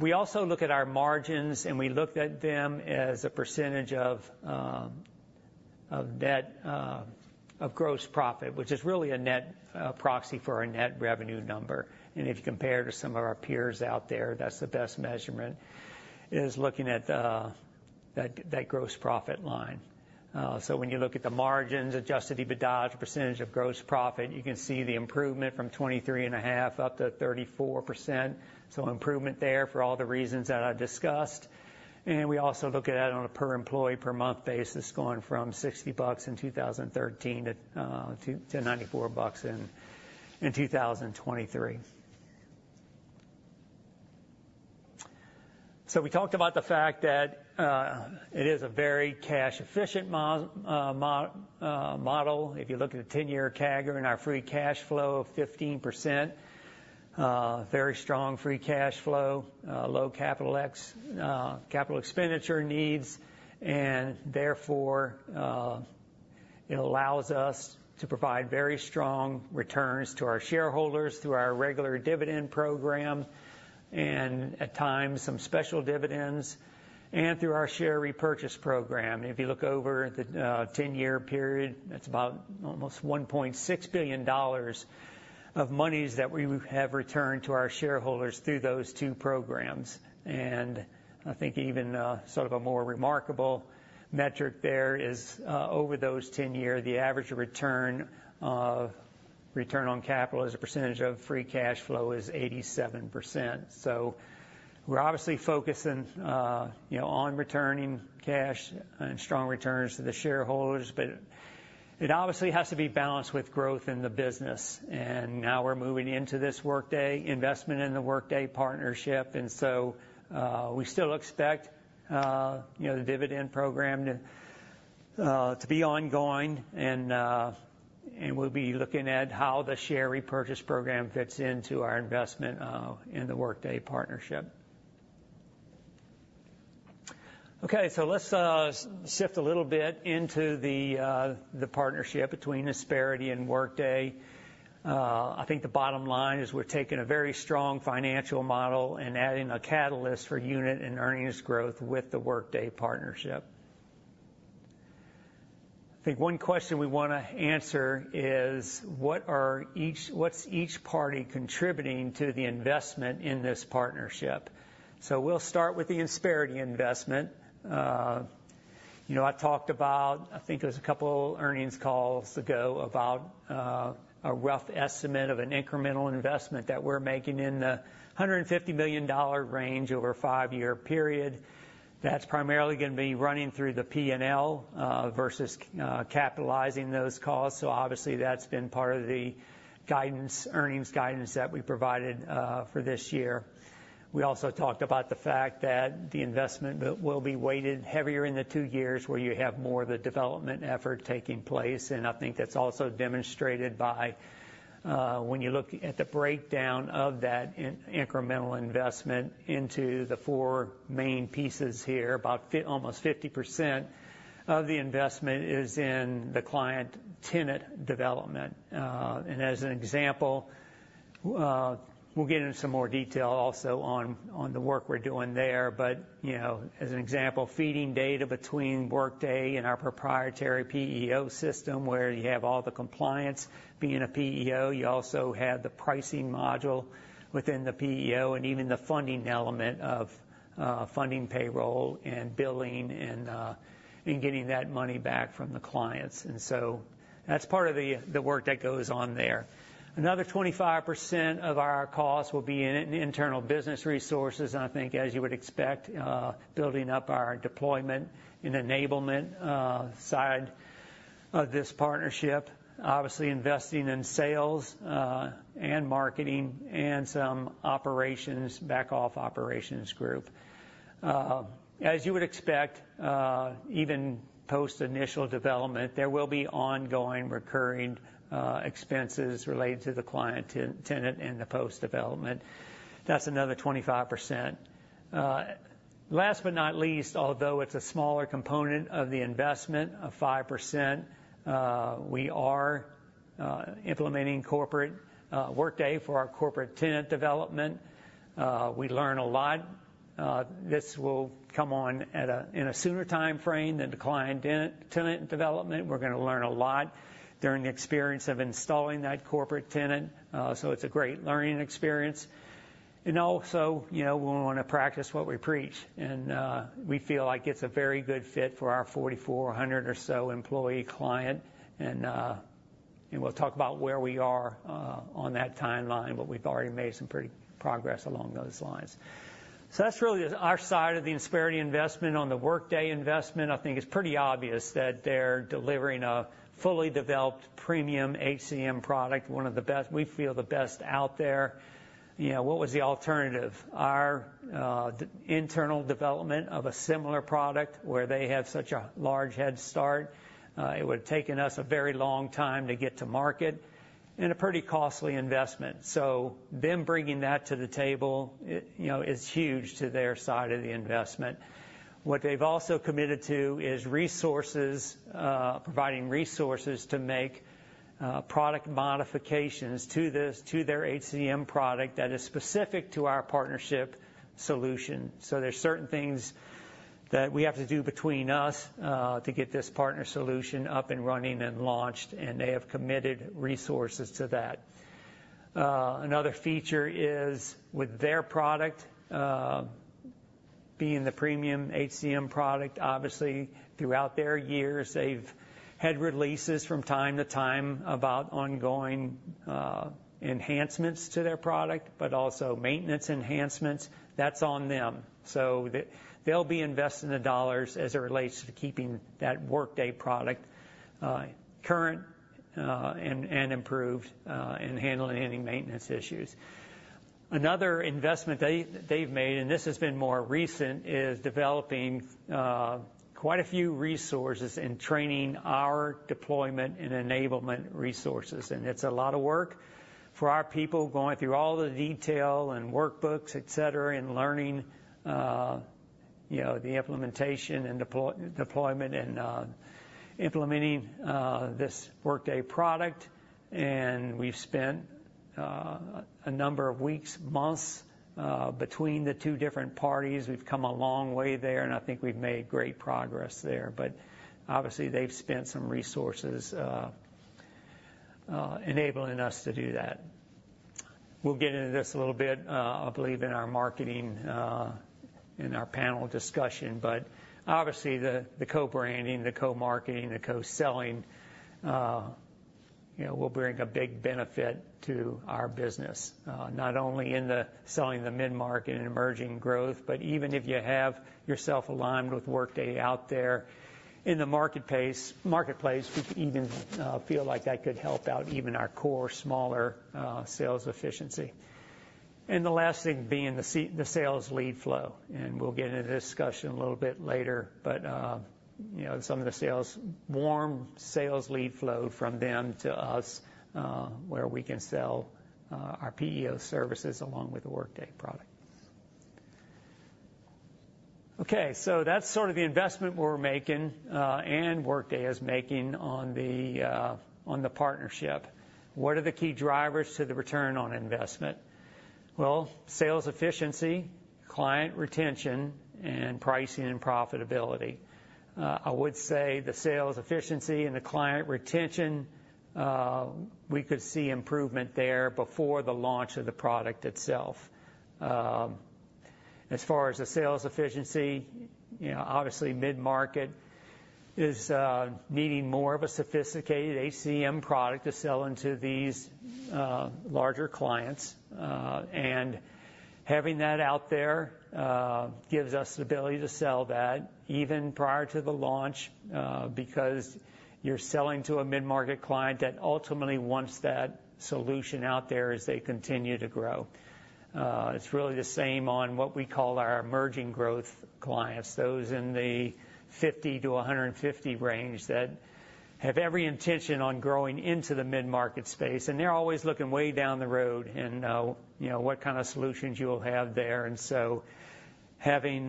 We also look at our margins, and we looked at them as a percentage of that gross profit, which is really a net proxy for our net revenue number. And if you compare to some of our peers out there, that's the best measurement, is looking at that gross profit line. So when you look at the margins, adjusted EBITDA, the percentage of gross profit, you can see the improvement from 23.5% up to 34%. So improvement there for all the reasons that I've discussed. And we also look at it on a per-employee, per-month basis, going from $60 in 2013 to $94 in 2023. So we talked about the fact that it is a very cash-efficient model. If you look at a 10-year CAGR in our free cash flow of 15%, very strong free cash flow, low capital expenditure needs, and therefore it allows us to provide very strong returns to our shareholders through our regular dividend program, and at times, some special dividends, and through our share repurchase program. If you look over the 10-year period, that's about almost $1.6 billion of monies that we have returned to our shareholders through those two programs. And I think even sort of a more remarkable metric there is over those 10-year, the average return on capital as a percentage of free cash flow is 87%. So we're obviously focusing, you know, on returning cash and strong returns to the shareholders. It obviously has to be balanced with growth in the business, and now we're moving into this Workday investment in the Workday partnership. And so we still expect, you know, the dividend program to be ongoing, and we'll be looking at how the share repurchase program fits into our investment in the Workday partnership. Okay, so let's shift a little bit into the the partnership between Insperity and Workday. I think the bottom line is we're taking a very strong financial model and adding a catalyst for unit and earnings growth with the Workday partnership. I think one question we wanna answer is, what are each-- what's each party contributing to the investment in this partnership? So we'll start with the Insperity investment. You know, I talked about, I think it was a couple earnings calls ago, about a rough estimate of an incremental investment that we're making in the $150 million range over a 5-year period. That's primarily gonna be running through the P&L versus capitalizing those costs. So obviously, that's been part of the guidance, earnings guidance that we provided for this year. We also talked about the fact that the investment will be weighted heavier in the two years, where you have more of the development effort taking place. And I think that's also demonstrated by, when you look at the breakdown of that incremental investment into the 4 main pieces here, about almost 50% of the investment is in the client tenant development. And as an example, we'll get into some more detail also on, on the work we're doing there. But, you know, as an example, feeding data between Workday and our proprietary PEO system, where you have all the compliance. Being a PEO, you also have the pricing module within the PEO, and even the funding element of, funding payroll and billing and, and getting that money back from the clients. That's part of the work that goes on there. Another 25% of our costs will be in internal business resources, and I think, as you would expect, building up our deployment and enablement side of this partnership. Obviously, investing in sales and marketing and some operations, back-office operations group. As you would expect, even post-initial development, there will be ongoing, recurring expenses related to the client tenant and the post-development. That's another 25%. Last but not least, although it's a smaller component of the investment, of 5%, we are implementing corporate Workday for our corporate tenant development. We learn a lot. This will come on in a sooner timeframe than the client tenant development. We're gonna learn a lot during the experience of installing that corporate tenant, so it's a great learning experience. And also, you know, we wanna practice what we preach, and we feel like it's a very good fit for our 4,400 or so employee client. And we'll talk about where we are on that timeline, but we've already made some pretty progress along those lines. So that's really our side of the Insperity investment. On the Workday investment, I think it's pretty obvious that they're delivering a fully developed premium HCM product, one of the best, we feel, the best out there. You know, what was the alternative? Our internal development of a similar product, where they have such a large head start, it would have taken us a very long time to get to market and a pretty costly investment. So them bringing that to the table, you know, is huge to their side of the investment. What they've also committed to is resources, providing resources to make product modifications to this, to their HCM product that is specific to our partnership solution. So there's certain things that we have to do between us to get this partner solution up and running and launched, and they have committed resources to that. Another feature is, with their product being the premium HCM product, obviously, throughout their years, they've had releases from time to time about ongoing enhancements to their product, but also maintenance enhancements. That's on them. So they, they'll be investing the dollars as it relates to keeping that Workday product current and improved and handling any maintenance issues. Another investment they, they've made, and this has been more recent, is developing quite a few resources and training our deployment and enablement resources. It's a lot of work for our people, going through all the detail and workbooks, et cetera, and learning you know the implementation and deployment and implementing this Workday product. We've spent a number of weeks, months between the two different parties. We've come a long way there, and I think we've made great progress there. But obviously, they've spent some resources enabling us to do that. We'll get into this a little bit, I believe, in our marketing in our panel discussion, but obviously, the co-branding, the co-marketing, the co-selling... You know, will bring a big benefit to our business, not only in selling the mid-market and emerging growth, but even if you have yourself aligned with Workday out there in the marketplace, we even feel like that could help out even our core, smaller sales efficiency. And the last thing being the sales lead flow, and we'll get into the discussion a little bit later, but, you know, some of the sales, warm sales lead flow from them to us, where we can sell our PEO services along with the Workday product. Okay, so that's sort of the investment we're making, and Workday is making on the partnership. What are the key drivers to the return on investment? Well, sales efficiency, client retention, and pricing and profitability. I would say the sales efficiency and the client retention, we could see improvement there before the launch of the product itself. As far as the sales efficiency, you know, obviously, mid-market is needing more of a sophisticated HCM product to sell into these larger clients. And having that out there gives us the ability to sell that even prior to the launch, because you're selling to a mid-market client that ultimately wants that solution out there as they continue to grow. It's really the same on what we call our emerging growth clients, those in the 50-150 range that have every intention on growing into the mid-market space, and they're always looking way down the road and, you know, what kind of solutions you'll have there. Having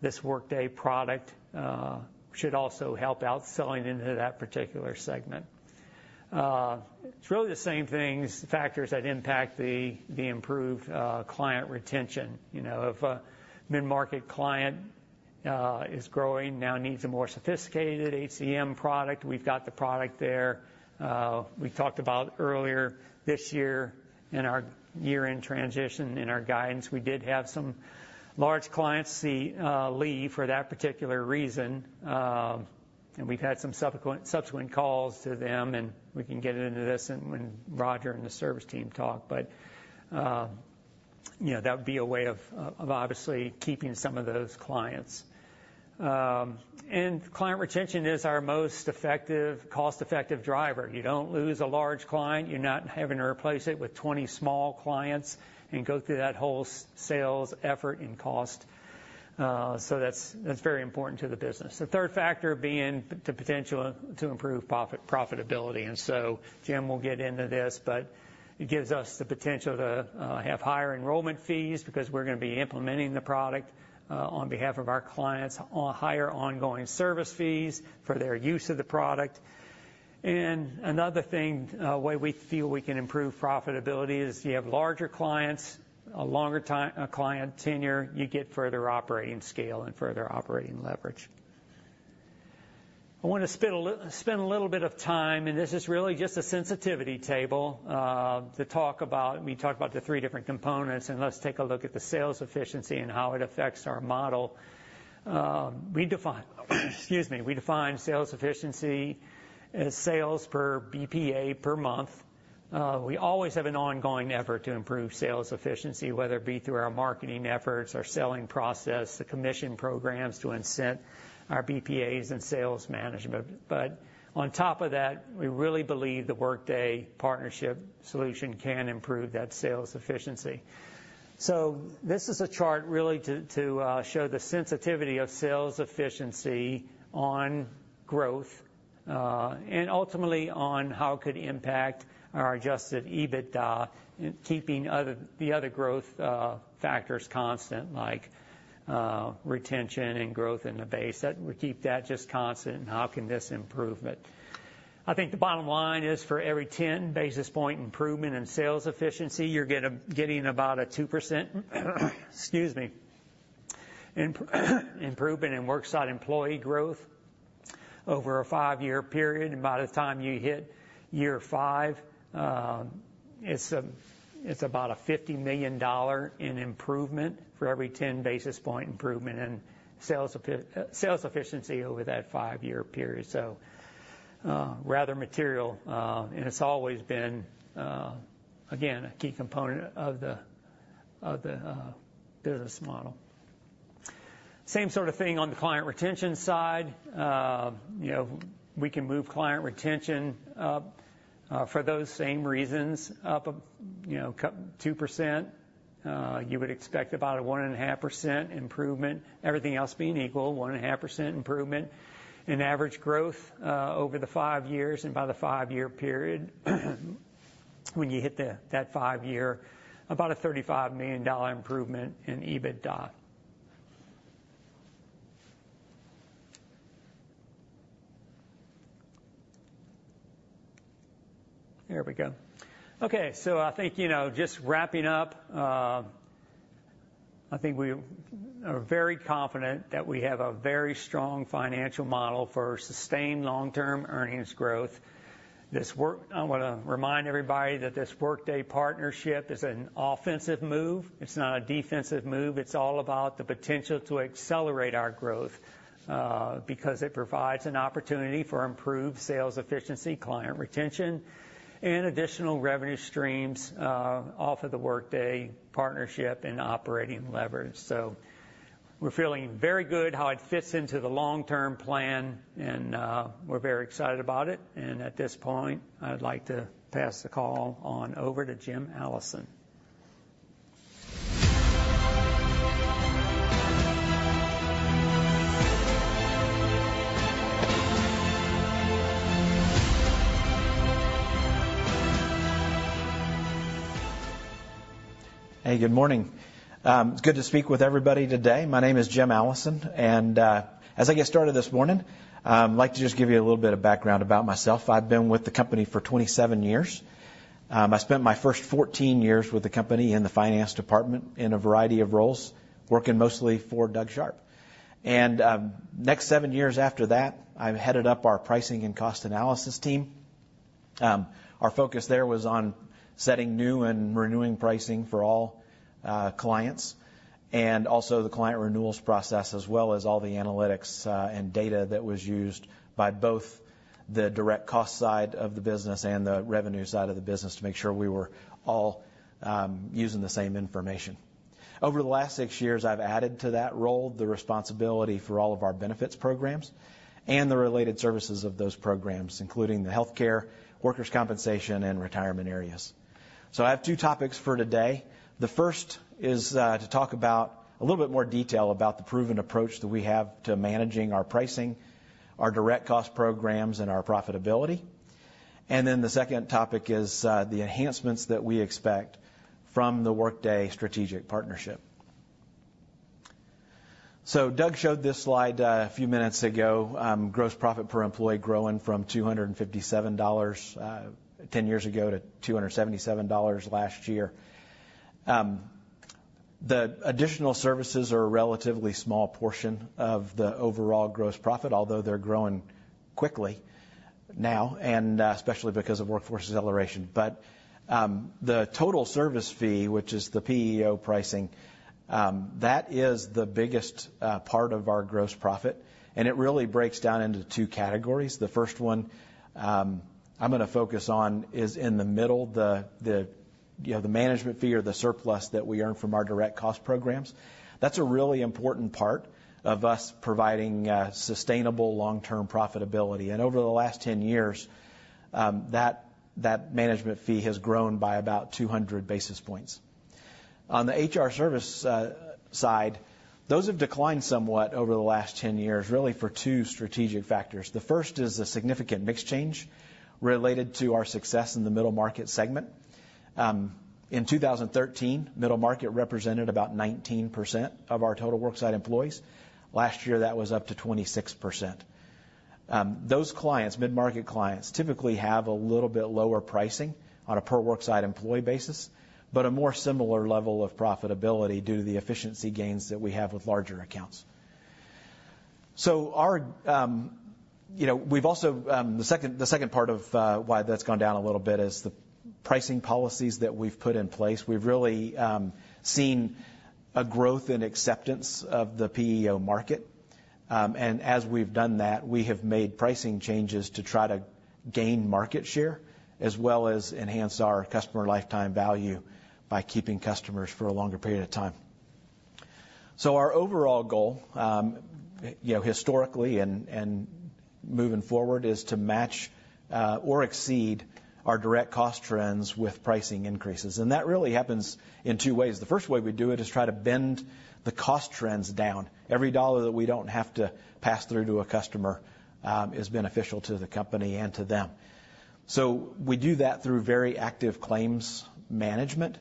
this Workday product should also help out selling into that particular segment. It's really the same things, factors that impact the improved client retention. You know, if a mid-market client is growing, now needs a more sophisticated HCM product. We've got the product there. We talked about earlier this year in our year-end transition, in our guidance, we did have some large clients leave for that particular reason. And we've had some subsequent calls to them, and we can get into this when Roger and the service team talk. But you know, that would be a way of obviously keeping some of those clients. And client retention is our most effective, cost-effective driver. You don't lose a large client, you're not having to replace it with 20 small clients and go through that whole sales effort and cost. So that's, that's very important to the business. The third factor being the potential to improve profitability. And so Jim will get into this, but it gives us the potential to have higher enrollment fees because we're gonna be implementing the product on behalf of our clients, on higher ongoing service fees for their use of the product. And another way we feel we can improve profitability is you have larger clients, a longer client tenure, you get further operating scale and further operating leverage. I wanna spend a little bit of time, and this is really just a sensitivity table, to talk about... We talked about the three different components, and let's take a look at the sales efficiency and how it affects our model. We define sales efficiency as sales per BPA per month. We always have an ongoing effort to improve sales efficiency, whether it be through our marketing efforts, our selling process, the commission programs to incent our BPAs and sales management. But on top of that, we really believe the Workday partnership solution can improve that sales efficiency. So this is a chart really to show the sensitivity of sales efficiency on growth, and ultimately on how it could impact our adjusted EBITDA and keeping the other growth factors constant, like retention and growth in the base. That we keep that just constant, and how can this improve it? I think the bottom line is for every 10 basis point improvement in sales efficiency, you're getting about a 2%, excuse me, improvement in worksite employee growth over a five-year period. By the time you hit year 5, it's about a $50 million improvement for every 10 basis point improvement in sales efficiency over that five-year period. Rather material, and it's always been, again, a key component of the business model. Same sort of thing on the client retention side. You know, we can move client retention, for those same reasons, up, up, you know, 2%. You would expect about a 1.5% improvement, everything else being equal, 1.5% improvement in average growth over the 5 years and by the 5-year period. When you hit that 5-year, about a $35 million improvement in EBITDA. Okay, so I think, you know, just wrapping up, I think we are very confident that we have a very strong financial model for sustained long-term earnings growth. I want to remind everybody that this Workday partnership is an offensive move. It's not a defensive move. It's all about the potential to accelerate our growth because it provides an opportunity for improved sales efficiency, client retention, and additional revenue streams off of the Workday partnership and operating leverage. So we're feeling very good how it fits into the long-term plan, and we're very excited about it. And at this point, I'd like to pass the call on over to Jim Allison. Hey, good morning. It's good to speak with everybody today. My name is Jim Allison, and as I get started this morning, I'd like to just give you a little bit of background about myself. I've been with the company for 27 years. I spent my first 14 years with the company in the finance department in a variety of roles, working mostly for Doug Sharp. And next 7 years after that, I headed up our pricing and cost analysis team. Our focus there was on setting new and renewing pricing for all clients, and also the client renewals process, as well as all the analytics and data that was used by both the direct cost side of the business and the revenue side of the business to make sure we were all using the same information. Over the last six years, I've added to that role, the responsibility for all of our benefits programs and the related services of those programs, including the healthcare, workers' compensation, and retirement areas. I have two topics for today. The first is, to talk about a little bit more detail about the proven approach that we have to managing our pricing, our direct cost programs, and our profitability. Then the second topic is, the enhancements that we expect from the Workday strategic partnership. Doug showed this slide, a few minutes ago. Gross profit per employee growing from $257 ten years ago to $277 last year. The additional services are a relatively small portion of the overall gross profit, although they're growing quickly now, and, especially because of Workforce Acceleration. But, the total service fee, which is the PEO pricing, that is the biggest part of our gross profit, and it really breaks down into two categories. The first one, I'm gonna focus on is in the middle, you know, the management fee or the surplus that we earn from our direct cost programs. That's a really important part of us providing sustainable long-term profitability. And over the last 10 years, that management fee has grown by about 200 basis points. On the HR service side, those have declined somewhat over the last 10 years, really for two strategic factors. The first is the significant mix change related to our success in the middle market segment. In 2013, middle market represented about 19% of our total worksite employees. Last year, that was up to 26%. Those clients, mid-market clients, typically have a little bit lower pricing on a per-worksite employee basis, but a more similar level of profitability due to the efficiency gains that we have with larger accounts. So our, you know, we've also, the second part of why that's gone down a little bit is the pricing policies that we've put in place. We've really seen a growth in acceptance of the PEO market. And as we've done that, we have made pricing changes to try to gain market share, as well as enhance our customer lifetime value by keeping customers for a longer period of time. So our overall goal, you know, historically and moving forward, is to match or exceed our direct cost trends with pricing increases, and that really happens in two ways. The first way we do it is try to bend the cost trends down. Every dollar that we don't have to pass through to a customer is beneficial to the company and to them. So we do that through very active claims management,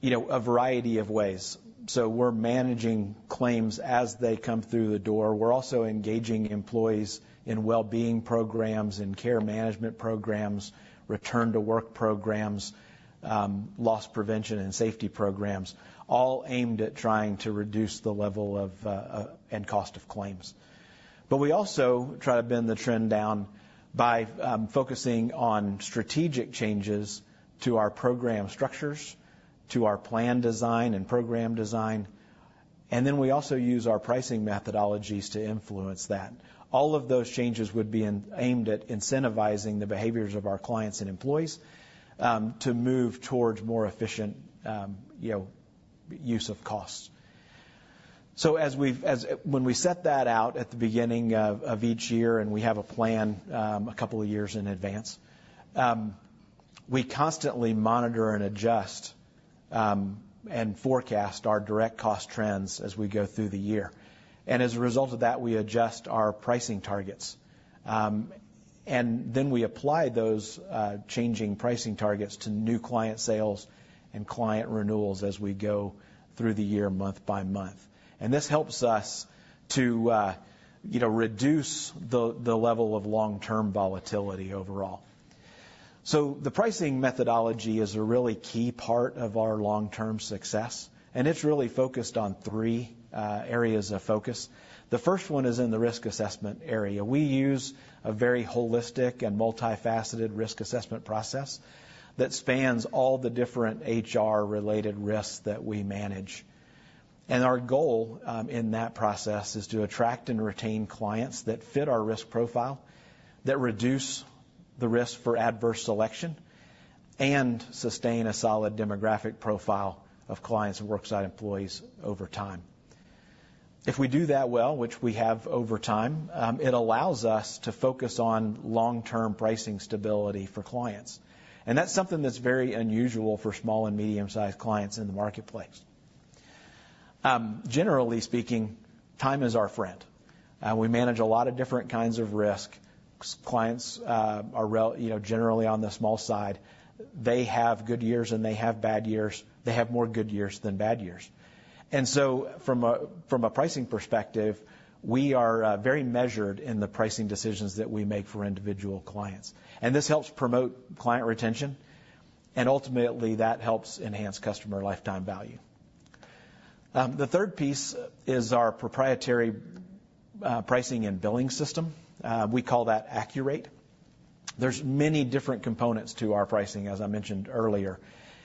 you know, a variety of ways. So we're managing claims as they come through the door. We're also engaging employees in well-being programs, in care management programs, return to work programs, loss prevention and safety programs, all aimed at trying to reduce the level of and cost of claims. But we also try to bend the trend down by focusing on strategic changes to our program structures, to our plan design and program design, and then we also use our pricing methodologies to influence that. All of those changes would be aimed at incentivizing the behaviors of our clients and employees to move towards more efficient, you know, use of costs. When we set that out at the beginning of each year, and we have a plan a couple of years in advance, we constantly monitor and adjust and forecast our direct cost trends as we go through the year. And as a result of that, we adjust our pricing targets and then we apply those changing pricing targets to new client sales and client renewals as we go through the year, month by month. This helps us to, you know, reduce the level of long-term volatility overall. The pricing methodology is a really key part of our long-term success, and it's really focused on three areas of focus. The first one is in the risk assessment area. We use a very holistic and multifaceted risk assessment process that spans all the different HR-related risks that we manage. Our goal in that process is to attract and retain clients that fit our risk profile, that reduce the risk for adverse selection, and sustain a solid demographic profile of clients and worksite employees over time. If we do that well, which we have over time, it allows us to focus on long-term pricing stability for clients, and that's something that's very unusual for small and medium-sized clients in the marketplace. Generally speaking, time is our friend. We manage a lot of different kinds of risk. Clients are you know, generally on the small side. They have good years, and they have bad years. They have more good years than bad years. And so from a pricing perspective, we are very measured in the pricing decisions that we make for individual clients, and this helps promote client retention, and ultimately, that helps enhance customer lifetime value. The third piece is our proprietary pricing and billing system. We call that AllocIT. There's many different components to our pricing, as I mentioned earlier,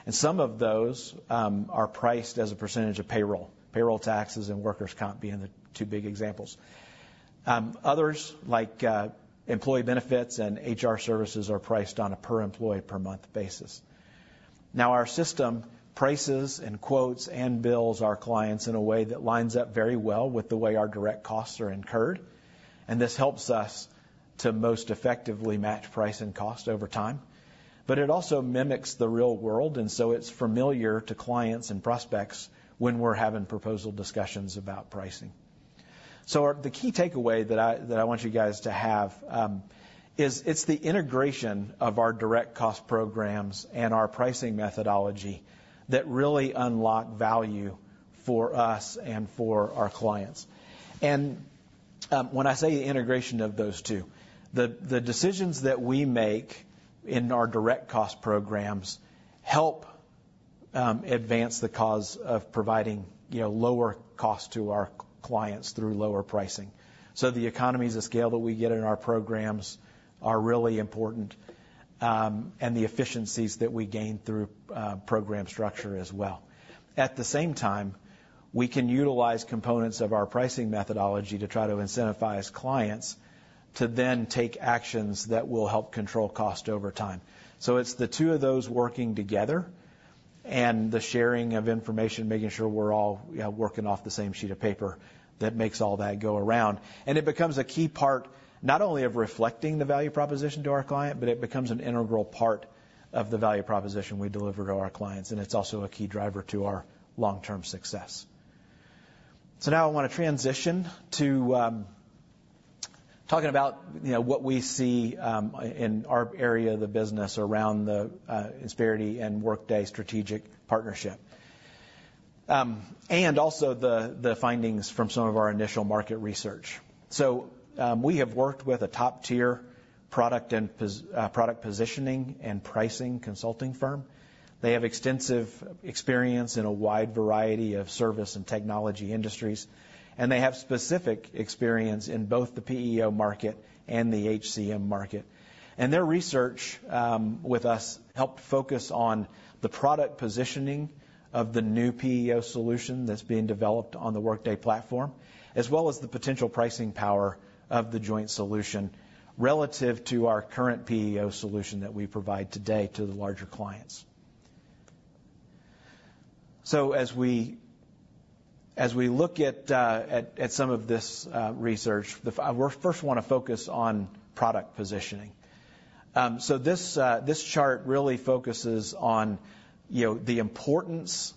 and some of those are priced as a percentage of payroll. Payroll taxes and workers' comp being the two big examples. Others, like employee benefits and HR services, are priced on a per-employee, per-month basis. Now, our system prices and quotes and bills our clients in a way that lines up very well with the way our direct costs are incurred, and this helps us to most effectively match price and cost over time. But it also mimics the real world, and so it's familiar to clients and prospects when we're having proposal discussions about pricing. The key takeaway that I want you guys to have is it's the integration of our direct cost programs and our pricing methodology that really unlock value for us and for our clients. When I say the integration of those two, the decisions that we make in our direct cost programs help advance the cause of providing, you know, lower cost to our clients through lower pricing. So the economies of scale that we get in our programs are really important, and the efficiencies that we gain through program structure as well. At the same time, we can utilize components of our pricing methodology to try to incentivize clients to then take actions that will help control cost over time. So it's the two of those working together, and the sharing of information, making sure we're all working off the same sheet of paper, that makes all that go around. And it becomes a key part, not only of reflecting the value proposition to our client, but it becomes an integral part of the value proposition we deliver to our clients, and it's also a key driver to our long-term success. So now I want to transition to talking about, you know, what we see in our area of the business around the Insperity and Workday strategic partnership, and also the findings from some of our initial market research. So we have worked with a top-tier product positioning and pricing consulting firm. They have extensive experience in a wide variety of service and technology industries, and they have specific experience in both the PEO market and the HCM market. And their research with us helped focus on the product positioning of the new PEO solution that's being developed on the Workday platform, as well as the potential pricing power of the joint solution relative to our current PEO solution that we provide today to the larger clients. So as we look at some of this research, we first want to focus on product positioning. So this chart really focuses on, you know, the importance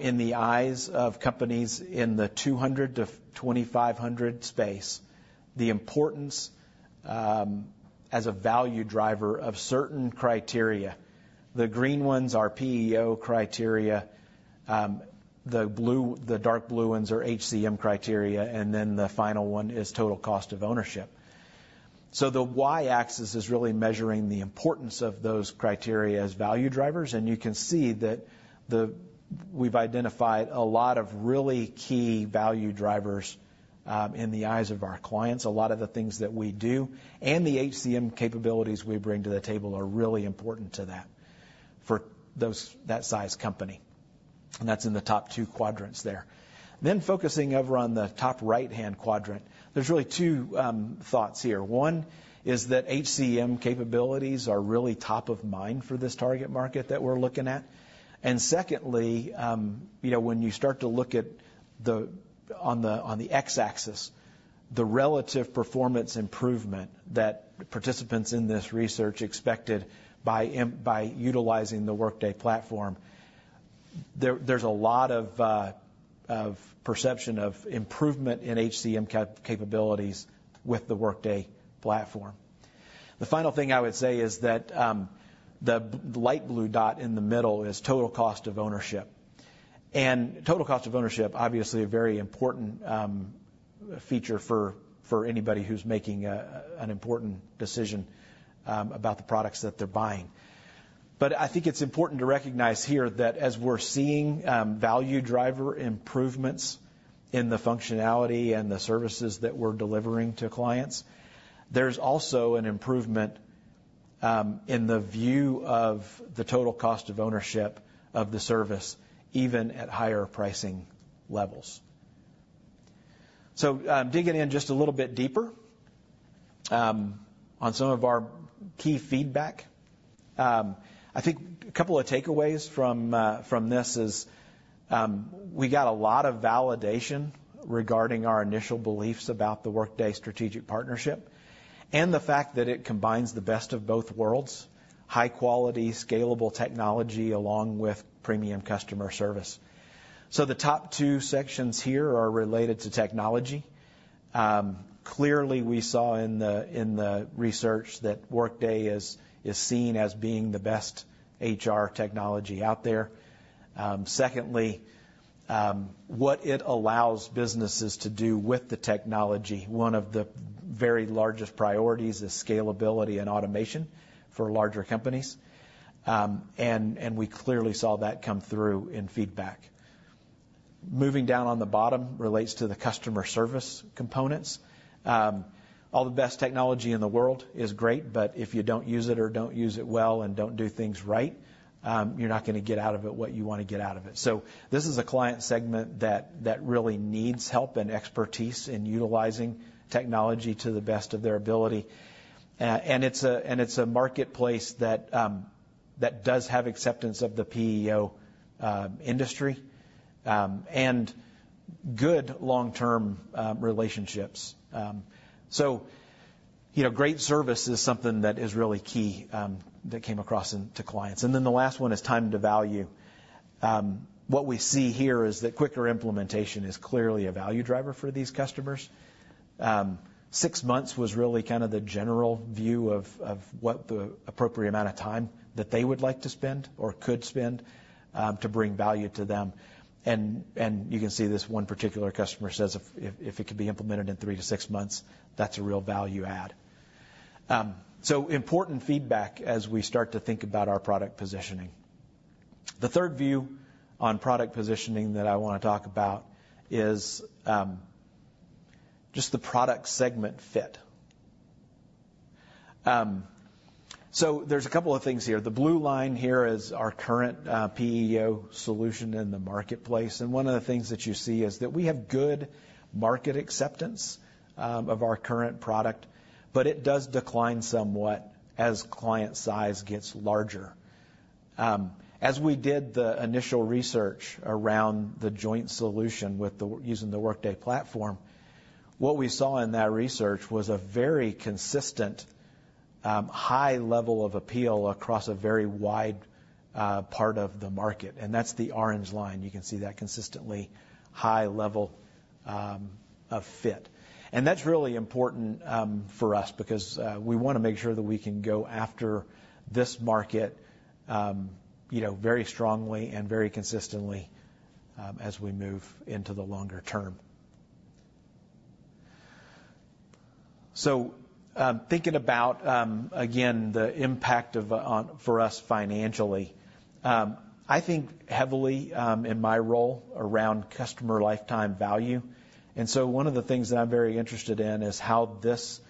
in the eyes of companies in the 200-2,500 space, the importance as a value driver of certain criteria. The green ones are PEO criteria, the blue, the dark blue ones are HCM criteria, and then the final one is total cost of ownership. So the Y-axis is really measuring the importance of those criteria as value drivers, and you can see that we've identified a lot of really key value drivers in the eyes of our clients. A lot of the things that we do and the HCM capabilities we bring to the table are really important to that for those-- that size company, and that's in the top two quadrants there. Then, focusing over on the top right-hand quadrant, there's really two thoughts here. One is that HCM capabilities are really top of mind for this target market that we're looking at. And secondly, you know, when you start to look at the, on the, on the X-axis, the relative performance improvement that participants in this research expected by by utilizing the Workday platform, there, there's a lot of of perception of improvement in HCM capabilities with the Workday platform. The final thing I would say is that, the light blue dot in the middle is total cost of ownership. Total cost of ownership, obviously, a very important feature for anybody who's making an important decision about the products that they're buying. But I think it's important to recognize here that as we're seeing value driver improvements in the functionality and the services that we're delivering to clients, there's also an improvement in the view of the total cost of ownership of the service, even at higher pricing levels. So, digging in just a little bit deeper on some of our key feedback. I think a couple of takeaways from this is we got a lot of validation regarding our initial beliefs about the Workday strategic partnership and the fact that it combines the best of both worlds, high quality, scalable technology, along with premium customer service. So the top two sections here are related to technology. Clearly, we saw in the research that Workday is seen as being the best HR technology out there. Secondly, what it allows businesses to do with the technology, one of the very largest priorities is scalability and automation for larger companies. And we clearly saw that come through in feedback. Moving down on the bottom relates to the customer service components. All the best technology in the world is great, but if you don't use it or don't use it well and don't do things right, you're not gonna get out of it, what you wanna get out of it. So this is a client segment that really needs help and expertise in utilizing technology to the best of their ability. It's a marketplace that does have acceptance of the PEO industry, and good long-term relationships. So, you know, great service is something that is really key, that came across into clients. And then the last one is time to value. What we see here is that quicker implementation is clearly a value driver for these customers. Six months was really kind of the general view of what the appropriate amount of time that they would like to spend or could spend, to bring value to them. And you can see this one particular customer says, if it could be implemented in 3-6 months, that's a real value add. So important feedback as we start to think about our product positioning. The third view on product positioning that I wanna talk about is, just the product segment fit. So there's a couple of things here. The blue line here is our current PEO solution in the marketplace, and one of the things that you see is that we have good market acceptance of our current product, but it does decline somewhat as client size gets larger. As we did the initial research around the joint solution using the Workday platform, what we saw in that research was a very consistent high level of appeal across a very wide part of the market, and that's the orange line. You can see that consistently high level of fit. That's really important for us because we wanna make sure that we can go after this market, you know, very strongly and very consistently, as we move into the longer term. So, thinking about again, the impact for us financially, I think heavily in my role around customer lifetime value. One of the things that I'm very interested in is how this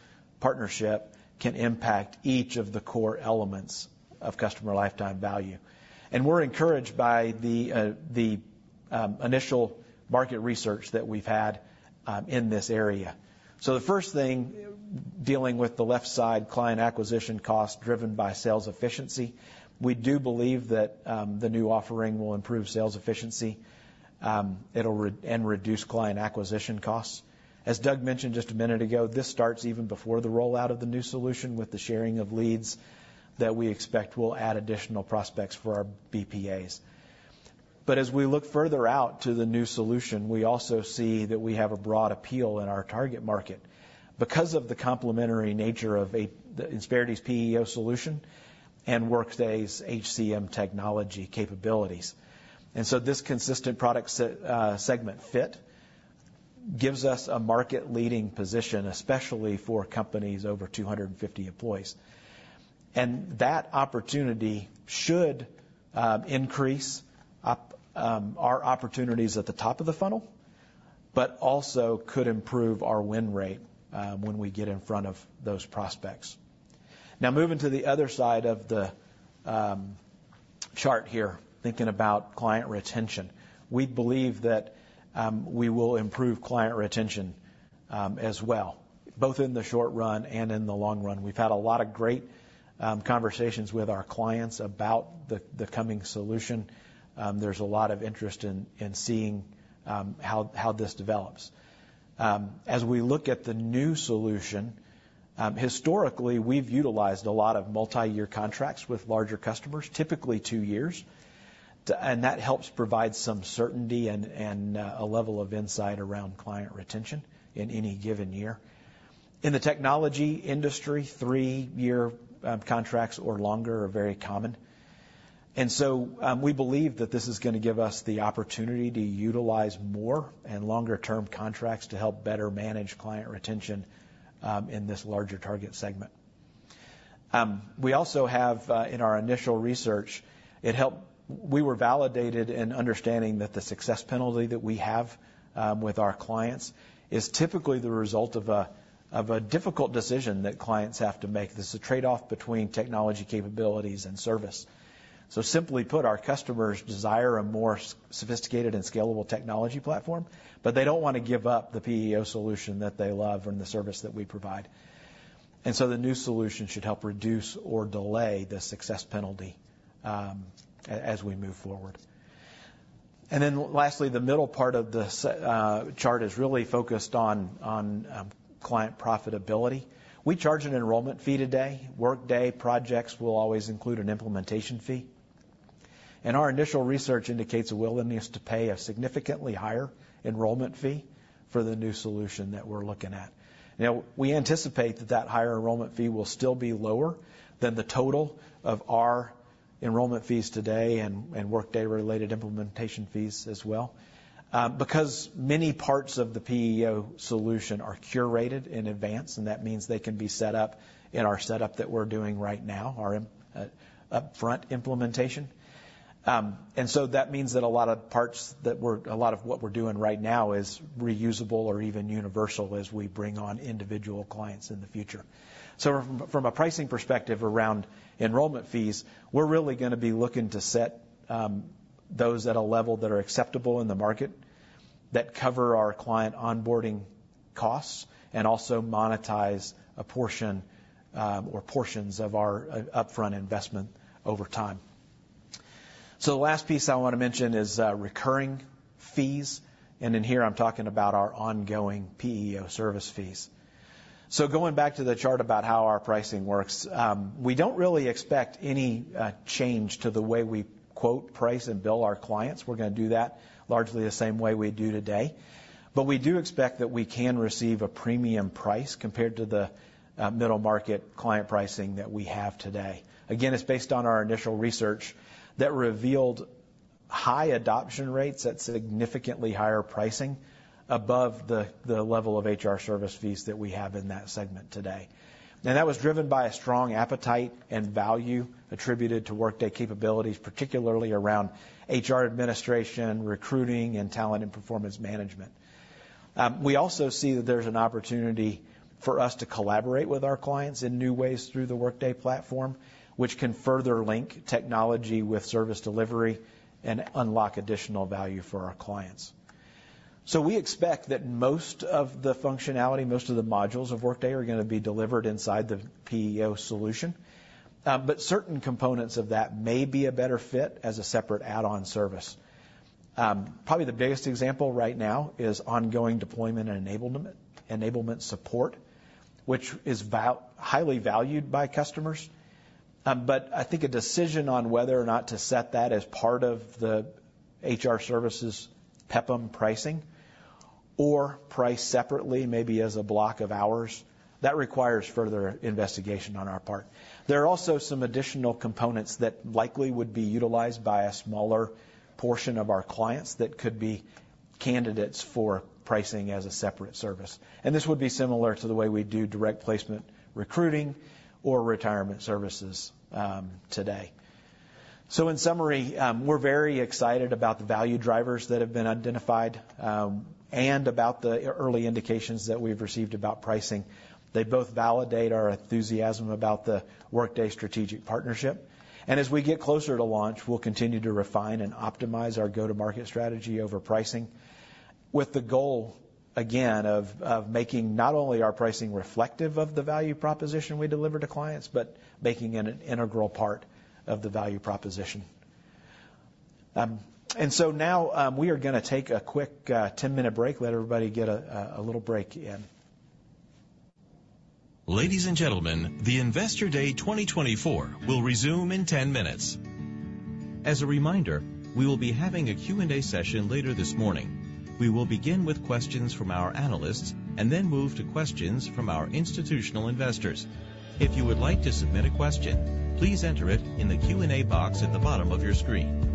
partnership can impact each of the core elements of customer lifetime value. We're encouraged by the initial market research that we've had in this area. The first thing, dealing with the left-side client acquisition cost driven by sales efficiency, we do believe that the new offering will improve sales efficiency, it'll reduce client acquisition costs. As Doug mentioned just a minute ago, this starts even before the rollout of the new solution with the sharing of leads that we expect will add additional prospects for our BPAs. But as we look further out to the new solution, we also see that we have a broad appeal in our target market because of the complementary nature of Insperity's PEO solution and Workday's HCM technology capabilities. And so this consistent product segment fit gives us a market-leading position, especially for companies over 250 employees. And that opportunity should increase our opportunities at the top of the funnel, but also could improve our win rate when we get in front of those prospects. Now, moving to the other side of the chart here, thinking about client retention. We believe that, we will improve client retention, as well, both in the short run and in the long run. We've had a lot of great conversations with our clients about the coming solution. There's a lot of interest in seeing how this develops. As we look at the new solution, historically, we've utilized a lot of multiyear contracts with larger customers, typically two years, and that helps provide some certainty and a level of insight around client retention in any given year.... In the technology industry, three-year contracts or longer are very common. And so, we believe that this is going to give us the opportunity to utilize more and longer-term contracts to help better manage client retention, in this larger target segment. We also have in our initial research we were validated in understanding that the Success Penalty that we have with our clients is typically the result of a difficult decision that clients have to make. This is a trade-off between technology capabilities and service. So simply put, our customers desire a more sophisticated and scalable technology platform, but they don't want to give up the PEO solution that they love and the service that we provide. And so the new solution should help reduce or delay the Success Penalty, as we move forward. And then lastly, the middle part of the chart is really focused on client profitability. We charge an enrollment fee today. Workday projects will always include an implementation fee. Our initial research indicates a willingness to pay a significantly higher enrollment fee for the new solution that we're looking at. Now, we anticipate that that higher enrollment fee will still be lower than the total of our enrollment fees today and, and Workday-related implementation fees as well. Because many parts of the PEO solution are curated in advance, and that means they can be set up in our setup that we're doing right now, our upfront implementation. And so that means that a lot of parts, a lot of what we're doing right now is reusable or even universal as we bring on individual clients in the future. So from a pricing perspective around enrollment fees, we're really going to be looking to set those at a level that are acceptable in the market, that cover our client onboarding costs, and also monetize a portion or portions of our upfront investment over time. So the last piece I want to mention is recurring fees, and in here, I'm talking about our ongoing PEO service fees. So going back to the chart about how our pricing works, we don't really expect any change to the way we quote, price, and bill our clients. We're going to do that largely the same way we do today. But we do expect that we can receive a premium price compared to the middle-market client pricing that we have today. Again, it's based on our initial research that revealed high adoption rates at significantly higher pricing above the level of HR service fees that we have in that segment today. And that was driven by a strong appetite and value attributed to Workday capabilities, particularly around HR administration, recruiting, and talent and performance management. We also see that there's an opportunity for us to collaborate with our clients in new ways through the Workday platform, which can further link technology with service delivery and unlock additional value for our clients. So we expect that most of the functionality, most of the modules of Workday are going to be delivered inside the PEO solution. But certain components of that may be a better fit as a separate add-on service. Probably the biggest example right now is ongoing deployment and enablement, enablement support, which is highly valued by customers. But I think a decision on whether or not to set that as part of the HR services PEPM pricing or priced separately, maybe as a block of hours, that requires further investigation on our part. There are also some additional components that likely would be utilized by a smaller portion of our clients that could be candidates for pricing as a separate service. And this would be similar to the way we do direct placement, recruiting, or retirement services, today. So in summary, we're very excited about the value drivers that have been identified, and about the early indications that we've received about pricing. They both validate our enthusiasm about the Workday strategic partnership. As we get closer to launch, we'll continue to refine and optimize our go-to-market strategy over pricing, with the goal, again, of making not only our pricing reflective of the value proposition we deliver to clients, but making it an integral part of the value proposition. So now, we are going to take a quick, 10-minute break, let everybody get a little break in. Ladies and gentlemen, the Investor Day 2024 will resume in 10 minutes. As a reminder, we will be having a Q&A session later this morning. We will begin with questions from our analysts and then move to questions from our institutional investors. If you would like to submit a question, please enter it in the Q&A box at the bottom of your screen.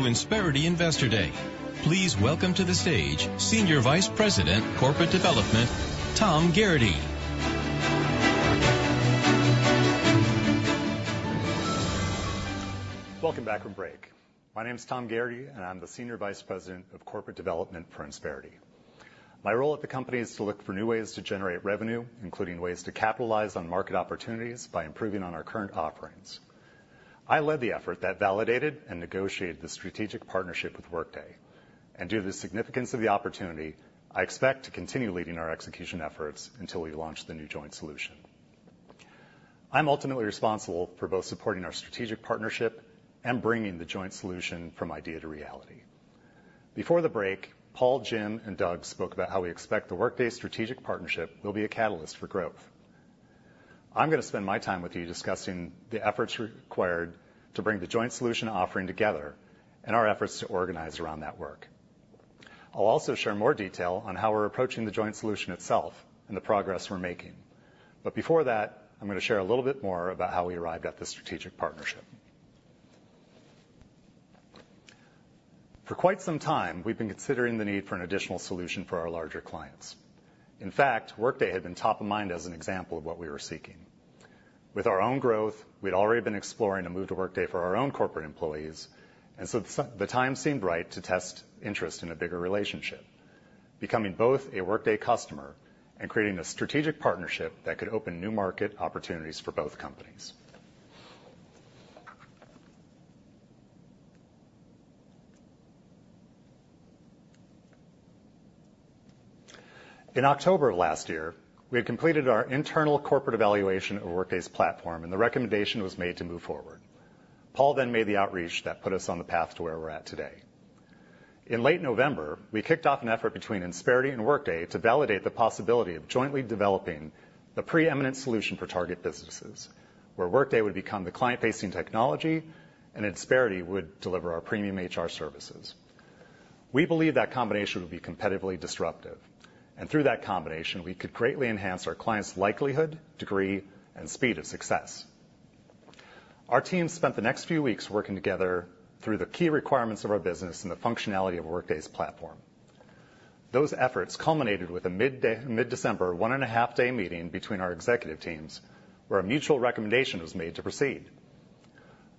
Ladies and gentlemen, welcome to Investor Day 2022 for Insperity. Welcome back to Insperity Investor Day. Please welcome to the stage Senior Vice President, Corporate Development, Tom Gerrity. Welcome back from break. My name is Tom Gearty, and I'm the Senior Vice President of Corporate Development for Insperity. My role at the company is to look for new ways to generate revenue, including ways to capitalize on market opportunities by improving on our current offerings. I led the effort that validated and negotiated the strategic partnership with Workday, and due to the significance of the opportunity, I expect to continue leading our execution efforts until we launch the new joint solution. I'm ultimately responsible for both supporting our strategic partnership and bringing the joint solution from idea to reality. Before the break, Paul, Jim, and Doug spoke about how we expect the Workday strategic partnership will be a catalyst for growth. I'm going to spend my time with you discussing the efforts required to bring the joint solution offering together and our efforts to organize around that work. I'll also share more detail on how we're approaching the joint solution itself and the progress we're making. But before that, I'm going to share a little bit more about how we arrived at this strategic partnership. For quite some time, we've been considering the need for an additional solution for our larger clients. In fact, Workday had been top of mind as an example of what we were seeking. With our own growth, we'd already been exploring a move to Workday for our own corporate employees, and so the time seemed right to test interest in a bigger relationship, becoming both a Workday customer and creating a strategic partnership that could open new market opportunities for both companies. In October of last year, we had completed our internal corporate evaluation of Workday's platform, and the recommendation was made to move forward. Paul then made the outreach that put us on the path to where we're at today. In late November, we kicked off an effort between Insperity and Workday to validate the possibility of jointly developing the preeminent solution for target businesses, where Workday would become the client-facing technology and Insperity would deliver our premium HR services. We believe that combination would be competitively disruptive, and through that combination, we could greatly enhance our clients' likelihood, degree, and speed of success. Our teams spent the next few weeks working together through the key requirements of our business and the functionality of Workday's platform. Those efforts culminated with a mid-December, 1.5-day meeting between our executive teams, where a mutual recommendation was made to proceed.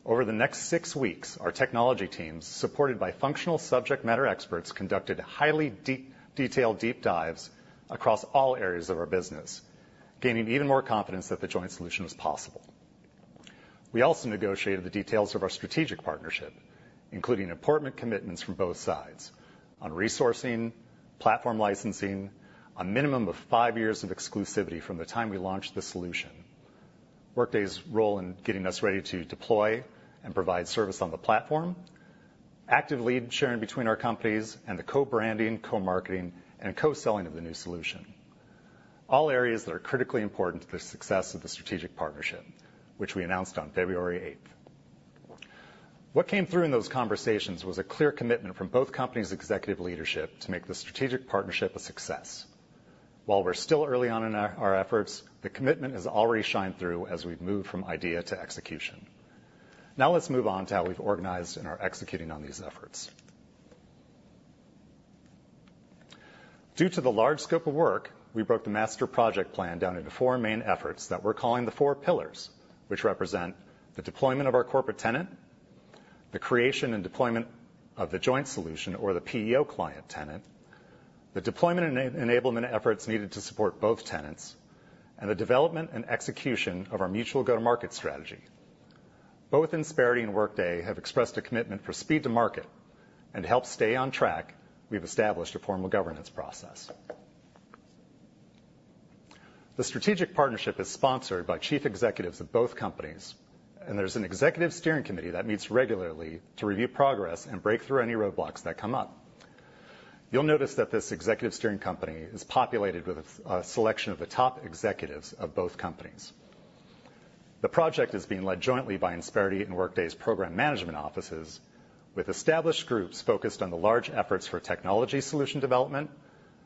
Over the next 6 weeks, our technology teams, supported by functional subject matter experts, conducted highly detailed, deep dives across all areas of our business, gaining even more confidence that the joint solution was possible. We also negotiated the details of our strategic partnership, including important commitments from both sides on resourcing, platform licensing, a minimum of 5 years of exclusivity from the time we launched the solution, Workday's role in getting us ready to deploy and provide service on the platform, active lead sharing between our companies, and the co-branding, co-marketing, and co-selling of the new solution. All areas that are critically important to the success of the strategic partnership, which we announced on February eighth. What came through in those conversations was a clear commitment from both companies' executive leadership to make the strategic partnership a success. While we're still early on in our, our efforts, the commitment has already shined through as we've moved from idea to execution... Now let's move on to how we've organized and are executing on these efforts. Due to the large scope of work, we broke the master project plan down into four main efforts that we're calling the four pillars, which represent the deployment of our corporate tenant, the creation and deployment of the joint solution or the PEO client tenant, the deployment and enablement efforts needed to support both tenants, and the development and execution of our mutual go-to-market strategy. Both Insperity and Workday have expressed a commitment for speed to market, and to help stay on track, we've established a formal governance process. The strategic partnership is sponsored by chief executives of both companies, and there's an executive steering committee that meets regularly to review progress and break through any roadblocks that come up. You'll notice that this executive steering committee is populated with a selection of the top executives of both companies. The project is being led jointly by Insperity and Workday's program management offices, with established groups focused on the large efforts for technology solution development,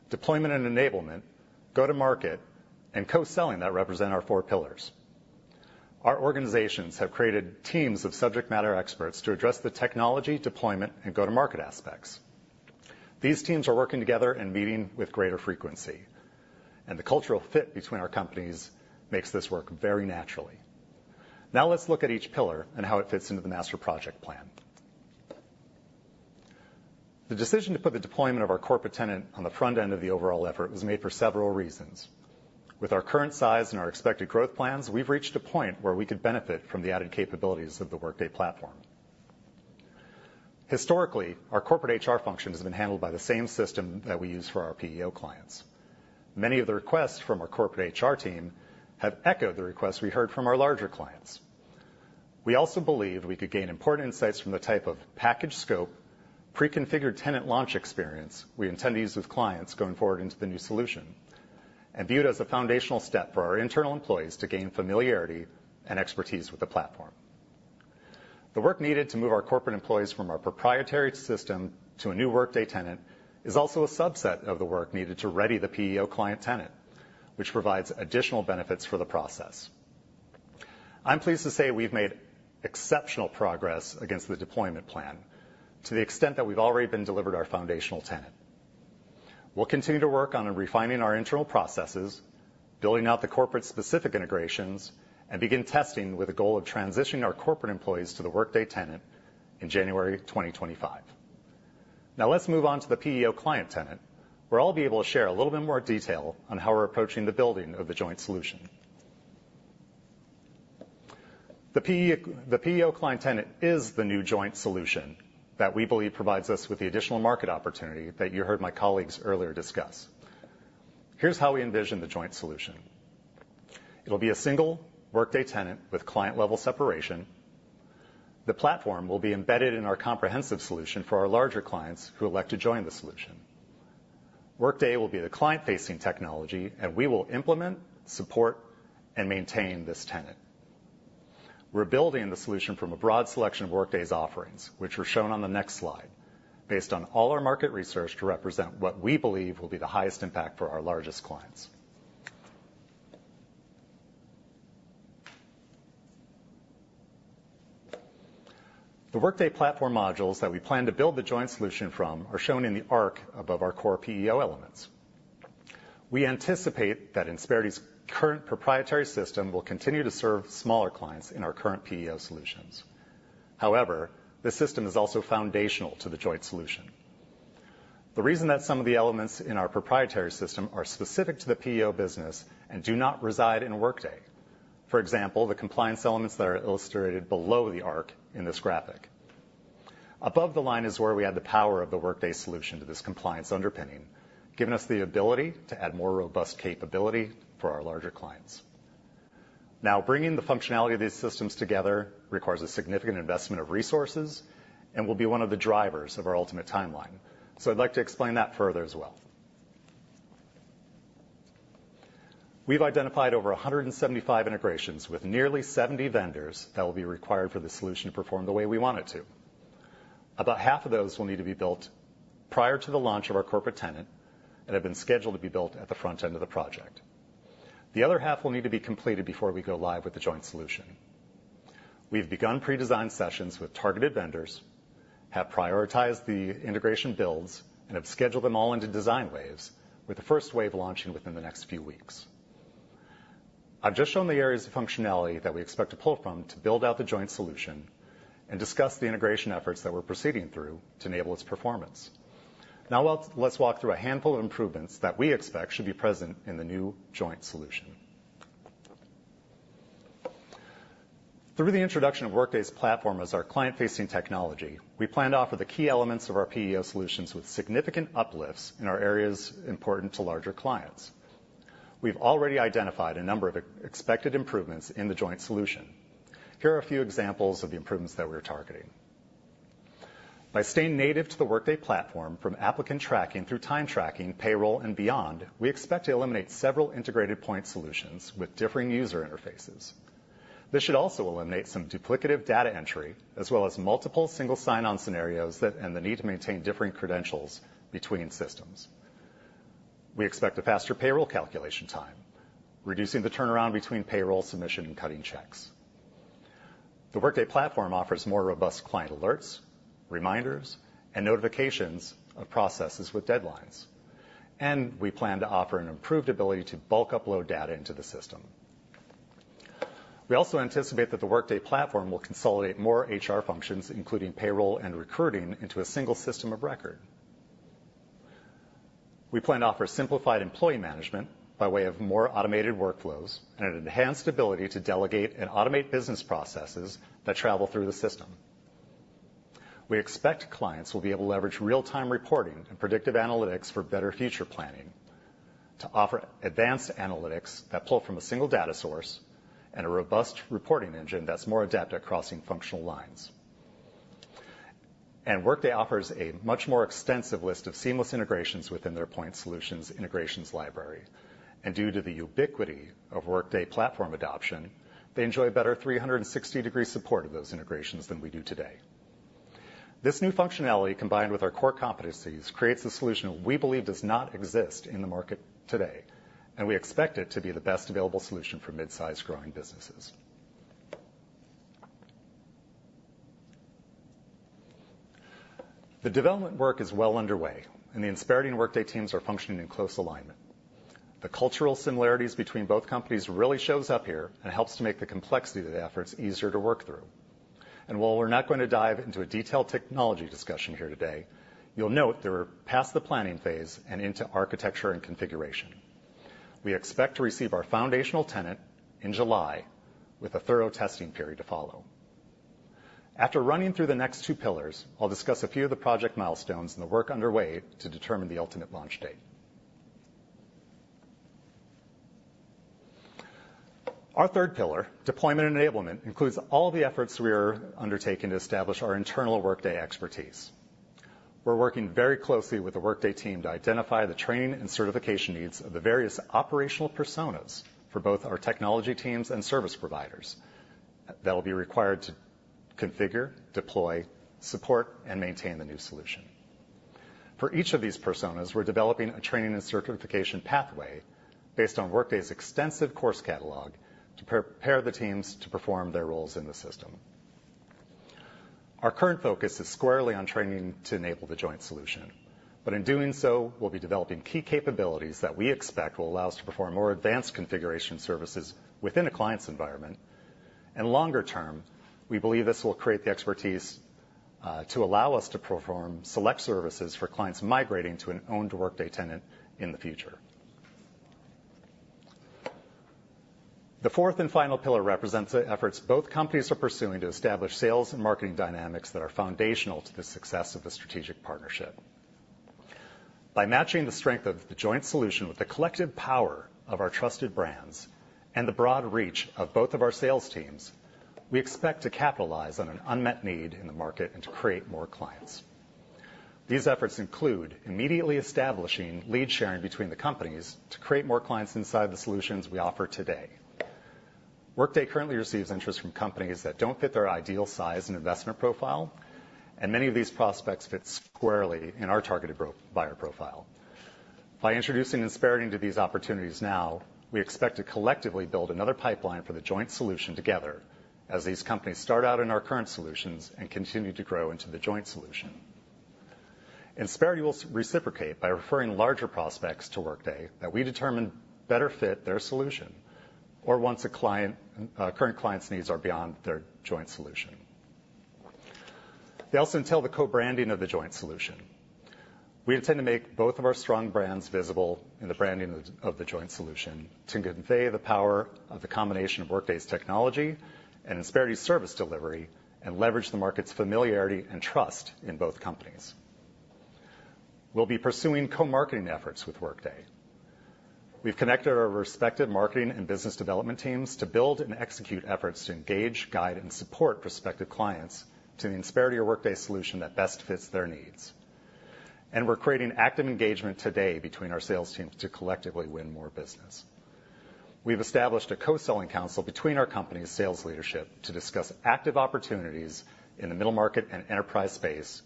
deployment and enablement, go-to-market, and co-selling that represent our four pillars. Our organizations have created teams of subject matter experts to address the technology, deployment, and go-to-market aspects. These teams are working together and meeting with greater frequency, and the cultural fit between our companies makes this work very naturally. Now let's look at each pillar and how it fits into the master project plan. The decision to put the deployment of our corporate tenant on the front end of the overall effort was made for several reasons. With our current size and our expected growth plans, we've reached a point where we could benefit from the added capabilities of the Workday platform. Historically, our corporate HR function has been handled by the same system that we use for our PEO clients. Many of the requests from our corporate HR team have echoed the requests we heard from our larger clients. We also believe we could gain important insights from the type of package scope, pre-configured tenant launch experience we intend to use with clients going forward into the new solution, and view it as a foundational step for our internal employees to gain familiarity and expertise with the platform. The work needed to move our corporate employees from our proprietary system to a new Workday tenant is also a subset of the work needed to ready the PEO client tenant, which provides additional benefits for the process. I'm pleased to say we've made exceptional progress against the deployment plan to the extent that we've already been delivered our foundational tenant. We'll continue to work on refining our internal processes, building out the corporate-specific integrations, and begin testing with the goal of transitioning our corporate employees to the Workday tenant in January 2025. Now let's move on to the PEO client tenant, where I'll be able to share a little bit more detail on how we're approaching the building of the joint solution. The PEO client tenant is the new joint solution that we believe provides us with the additional market opportunity that you heard my colleagues earlier discuss. Here's how we envision the joint solution. It'll be a single Workday tenant with client-level separation. The platform will be embedded in our comprehensive solution for our larger clients who elect to join the solution. Workday will be the client-facing technology, and we will implement, support, and maintain this tenant. We're building the solution from a broad selection of Workday's offerings, which are shown on the next slide, based on all our market research to represent what we believe will be the highest impact for our largest clients. The Workday platform modules that we plan to build the joint solution from are shown in the arc above our core PEO elements. We anticipate that Insperity's current proprietary system will continue to serve smaller clients in our current PEO solutions. However, this system is also foundational to the joint solution. The reason that some of the elements in our proprietary system are specific to the PEO business and do not reside in Workday, for example, the compliance elements that are illustrated below the arc in this graphic. Above the line is where we add the power of the Workday solution to this compliance underpinning, giving us the ability to add more robust capability for our larger clients. Now, bringing the functionality of these systems together requires a significant investment of resources and will be one of the drivers of our ultimate timeline. So I'd like to explain that further as well. We've identified over 175 integrations with nearly 70 vendors that will be required for the solution to perform the way we want it to. About half of those will need to be built prior to the launch of our corporate tenant and have been scheduled to be built at the front end of the project. The other half will need to be completed before we go live with the joint solution. We've begun pre-design sessions with targeted vendors, have prioritized the integration builds, and have scheduled them all into design waves, with the first wave launching within the next few weeks. I've just shown the areas of functionality that we expect to pull from to build out the joint solution and discuss the integration efforts that we're proceeding through to enable its performance. Now, let's walk through a handful of improvements that we expect should be present in the new joint solution. Through the introduction of Workday's platform as our client-facing technology, we plan to offer the key elements of our PEO solutions with significant uplifts in our areas important to larger clients. We've already identified a number of expected improvements in the joint solution. Here are a few examples of the improvements that we're targeting. By staying native to the Workday platform from applicant tracking through time tracking, payroll, and beyond, we expect to eliminate several integrated point solutions with differing user interfaces. This should also eliminate some duplicative data entry, as well as multiple single sign-on scenarios that and the need to maintain different credentials between systems. We expect a faster payroll calculation time, reducing the turnaround between payroll submission and cutting checks. The Workday platform offers more robust client alerts, reminders, and notifications of processes with deadlines, and we plan to offer an improved ability to bulk upload data into the system. We also anticipate that the Workday platform will consolidate more HR functions, including payroll and recruiting, into a single system of record. We plan to offer simplified employee management by way of more automated workflows and an enhanced ability to delegate and automate business processes that travel through the system. We expect clients will be able to leverage real-time reporting and predictive analytics for better future planning, to offer advanced analytics that pull from a single data source, and a robust reporting engine that's more adept at crossing functional lines. Workday offers a much more extensive list of seamless integrations within their point solutions integrations library, and due to the ubiquity of Workday platform adoption, they enjoy a better 360-degree support of those integrations than we do today. This new functionality, combined with our core competencies, creates a solution we believe does not exist in the market today, and we expect it to be the best available solution for mid-sized growing businesses. The development work is well underway, and the Insperity and Workday teams are functioning in close alignment. The cultural similarities between both companies really shows up here and helps to make the complexity of the efforts easier to work through. While we're not going to dive into a detailed technology discussion here today, you'll note that we're past the planning phase and into architecture and configuration. We expect to receive our foundational tenant in July, with a thorough testing period to follow. After running through the next two pillars, I'll discuss a few of the project milestones and the work underway to determine the ultimate launch date. Our third pillar, deployment and enablement, includes all the efforts we are undertaking to establish our internal Workday expertise. We're working very closely with the Workday team to identify the training and certification needs of the various operational personas for both our technology teams and service providers that will be required to configure, deploy, support, and maintain the new solution. For each of these personas, we're developing a training and certification pathway based on Workday's extensive course catalog to prepare the teams to perform their roles in the system. Our current focus is squarely on training to enable the joint solution, but in doing so, we'll be developing key capabilities that we expect will allow us to perform more advanced configuration services within a client's environment. Longer term, we believe this will create the expertise to allow us to perform select services for clients migrating to an owned Workday tenant in the future. The fourth and final pillar represents the efforts both companies are pursuing to establish sales and marketing dynamics that are foundational to the success of the strategic partnership. By matching the strength of the joint solution with the collective power of our trusted brands and the broad reach of both of our sales teams, we expect to capitalize on an unmet need in the market and to create more clients. These efforts include immediately establishing lead sharing between the companies to create more clients inside the solutions we offer today. Workday currently receives interest from companies that don't fit their ideal size and investment profile, and many of these prospects fit squarely in our targeted buyer profile. By introducing Insperity into these opportunities now, we expect to collectively build another pipeline for the joint solution together, as these companies start out in our current solutions and continue to grow into the joint solution. Insperity will reciprocate by referring larger prospects to Workday that we determine better fit their solution or once a current client's needs are beyond their joint solution. They also entail the co-branding of the joint solution. We intend to make both of our strong brands visible in the branding of the joint solution to convey the power of the combination of Workday's technology and Insperity's service delivery, and leverage the market's familiarity and trust in both companies. We'll be pursuing co-marketing efforts with Workday. We've connected our respective marketing and business development teams to build and execute efforts to engage, guide, and support prospective clients to the Insperity or Workday solution that best fits their needs. And we're creating active engagement today between our sales teams to collectively win more business. We've established a co-selling council between our companies' sales leadership to discuss active opportunities in the middle market and enterprise space,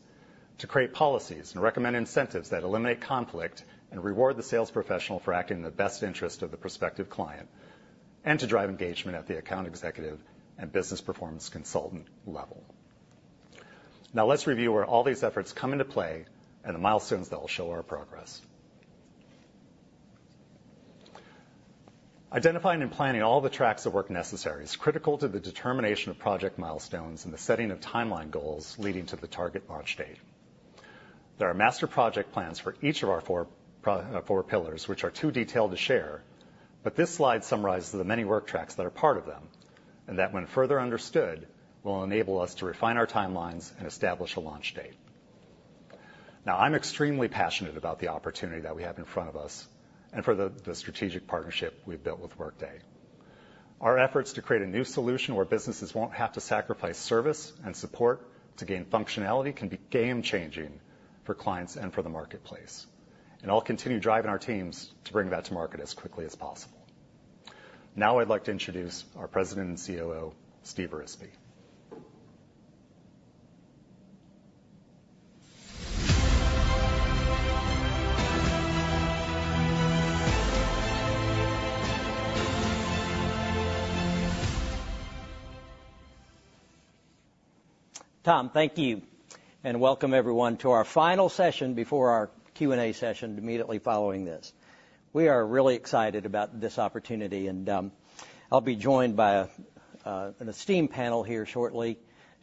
to create policies and recommend incentives that eliminate conflict and reward the sales professional for acting in the best interest of the prospective client, and to drive engagement at the account executive and business performance consultant level. Now, let's review where all these efforts come into play and the milestones that will show our progress. Identifying and planning all the tracks of work necessary is critical to the determination of project milestones and the setting of timeline goals leading to the target launch date. There are master project plans for each of our four pillars, which are too detailed to share, but this slide summarizes the many work tracks that are part of them, and that, when further understood, will enable us to refine our timelines and establish a launch date. Now, I'm extremely passionate about the opportunity that we have in front of us and for the strategic partnership we've built with Workday. Our efforts to create a new solution where businesses won't have to sacrifice service and support to gain functionality can be game changing for clients and for the marketplace, and I'll continue driving our teams to bring that to market as quickly as possible. Now I'd like to introduce our President and COO, Steve Arizpe. Tom, thank you, and welcome everyone to our final session before our Q&A session immediately following this. We are really excited about this opportunity, and, I'll be joined by a, an esteemed panel here shortly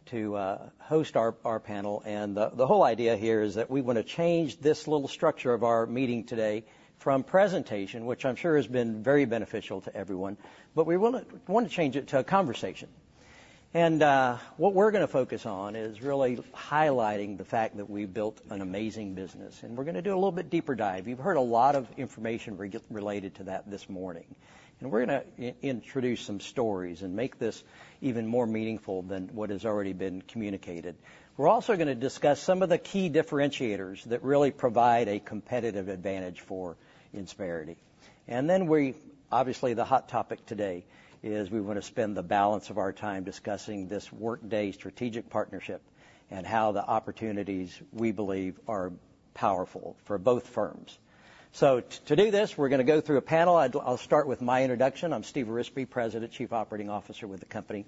to, host our, our panel. And the, the whole idea here is that we want to change this little structure of our meeting today from presentation, which I'm sure has been very beneficial to everyone, but we wanna change it to a conversation. And, what we're gonna focus on is really highlighting the fact that we've built an amazing business, and we're gonna do a little bit deeper dive. You've heard a lot of information related to that this morning, and we're gonna introduce some stories and make this even more meaningful than what has already been communicated. We're also gonna discuss some of the key differentiators that really provide a competitive advantage for Insperity. Then obviously, the hot topic today is we want to spend the balance of our time discussing this Workday strategic partnership and how the opportunities, we believe, are powerful for both firms. So to do this, we're gonna go through a panel. I'll start with my introduction. I'm Steve Arizpe, President, Chief Operating Officer with the company.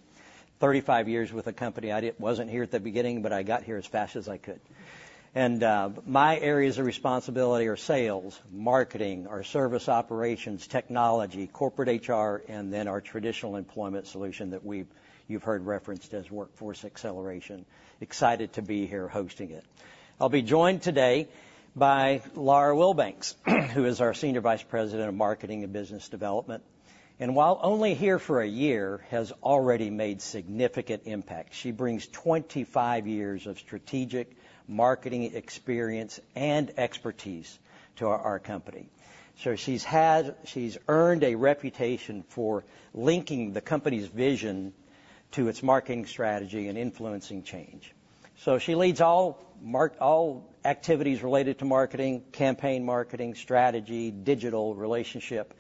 35 years with the company. I wasn't here at the beginning, but I got here as fast as I could. And my areas of responsibility are sales, marketing, our service operations, technology, corporate HR, and then our traditional employment solution that you've heard referenced as Workforce Acceleration. Excited to be here hosting it. I'll be joined today by Laura Wilbanks, who is our Senior Vice President of Marketing and Business Development. And while only here for a year, has already made significant impact. She brings 25 years of strategic marketing experience and expertise to our company. So she's earned a reputation for linking the company's vision to its marketing strategy and influencing change. So she leads all activities related to marketing, campaign marketing, strategy, digital, relationship,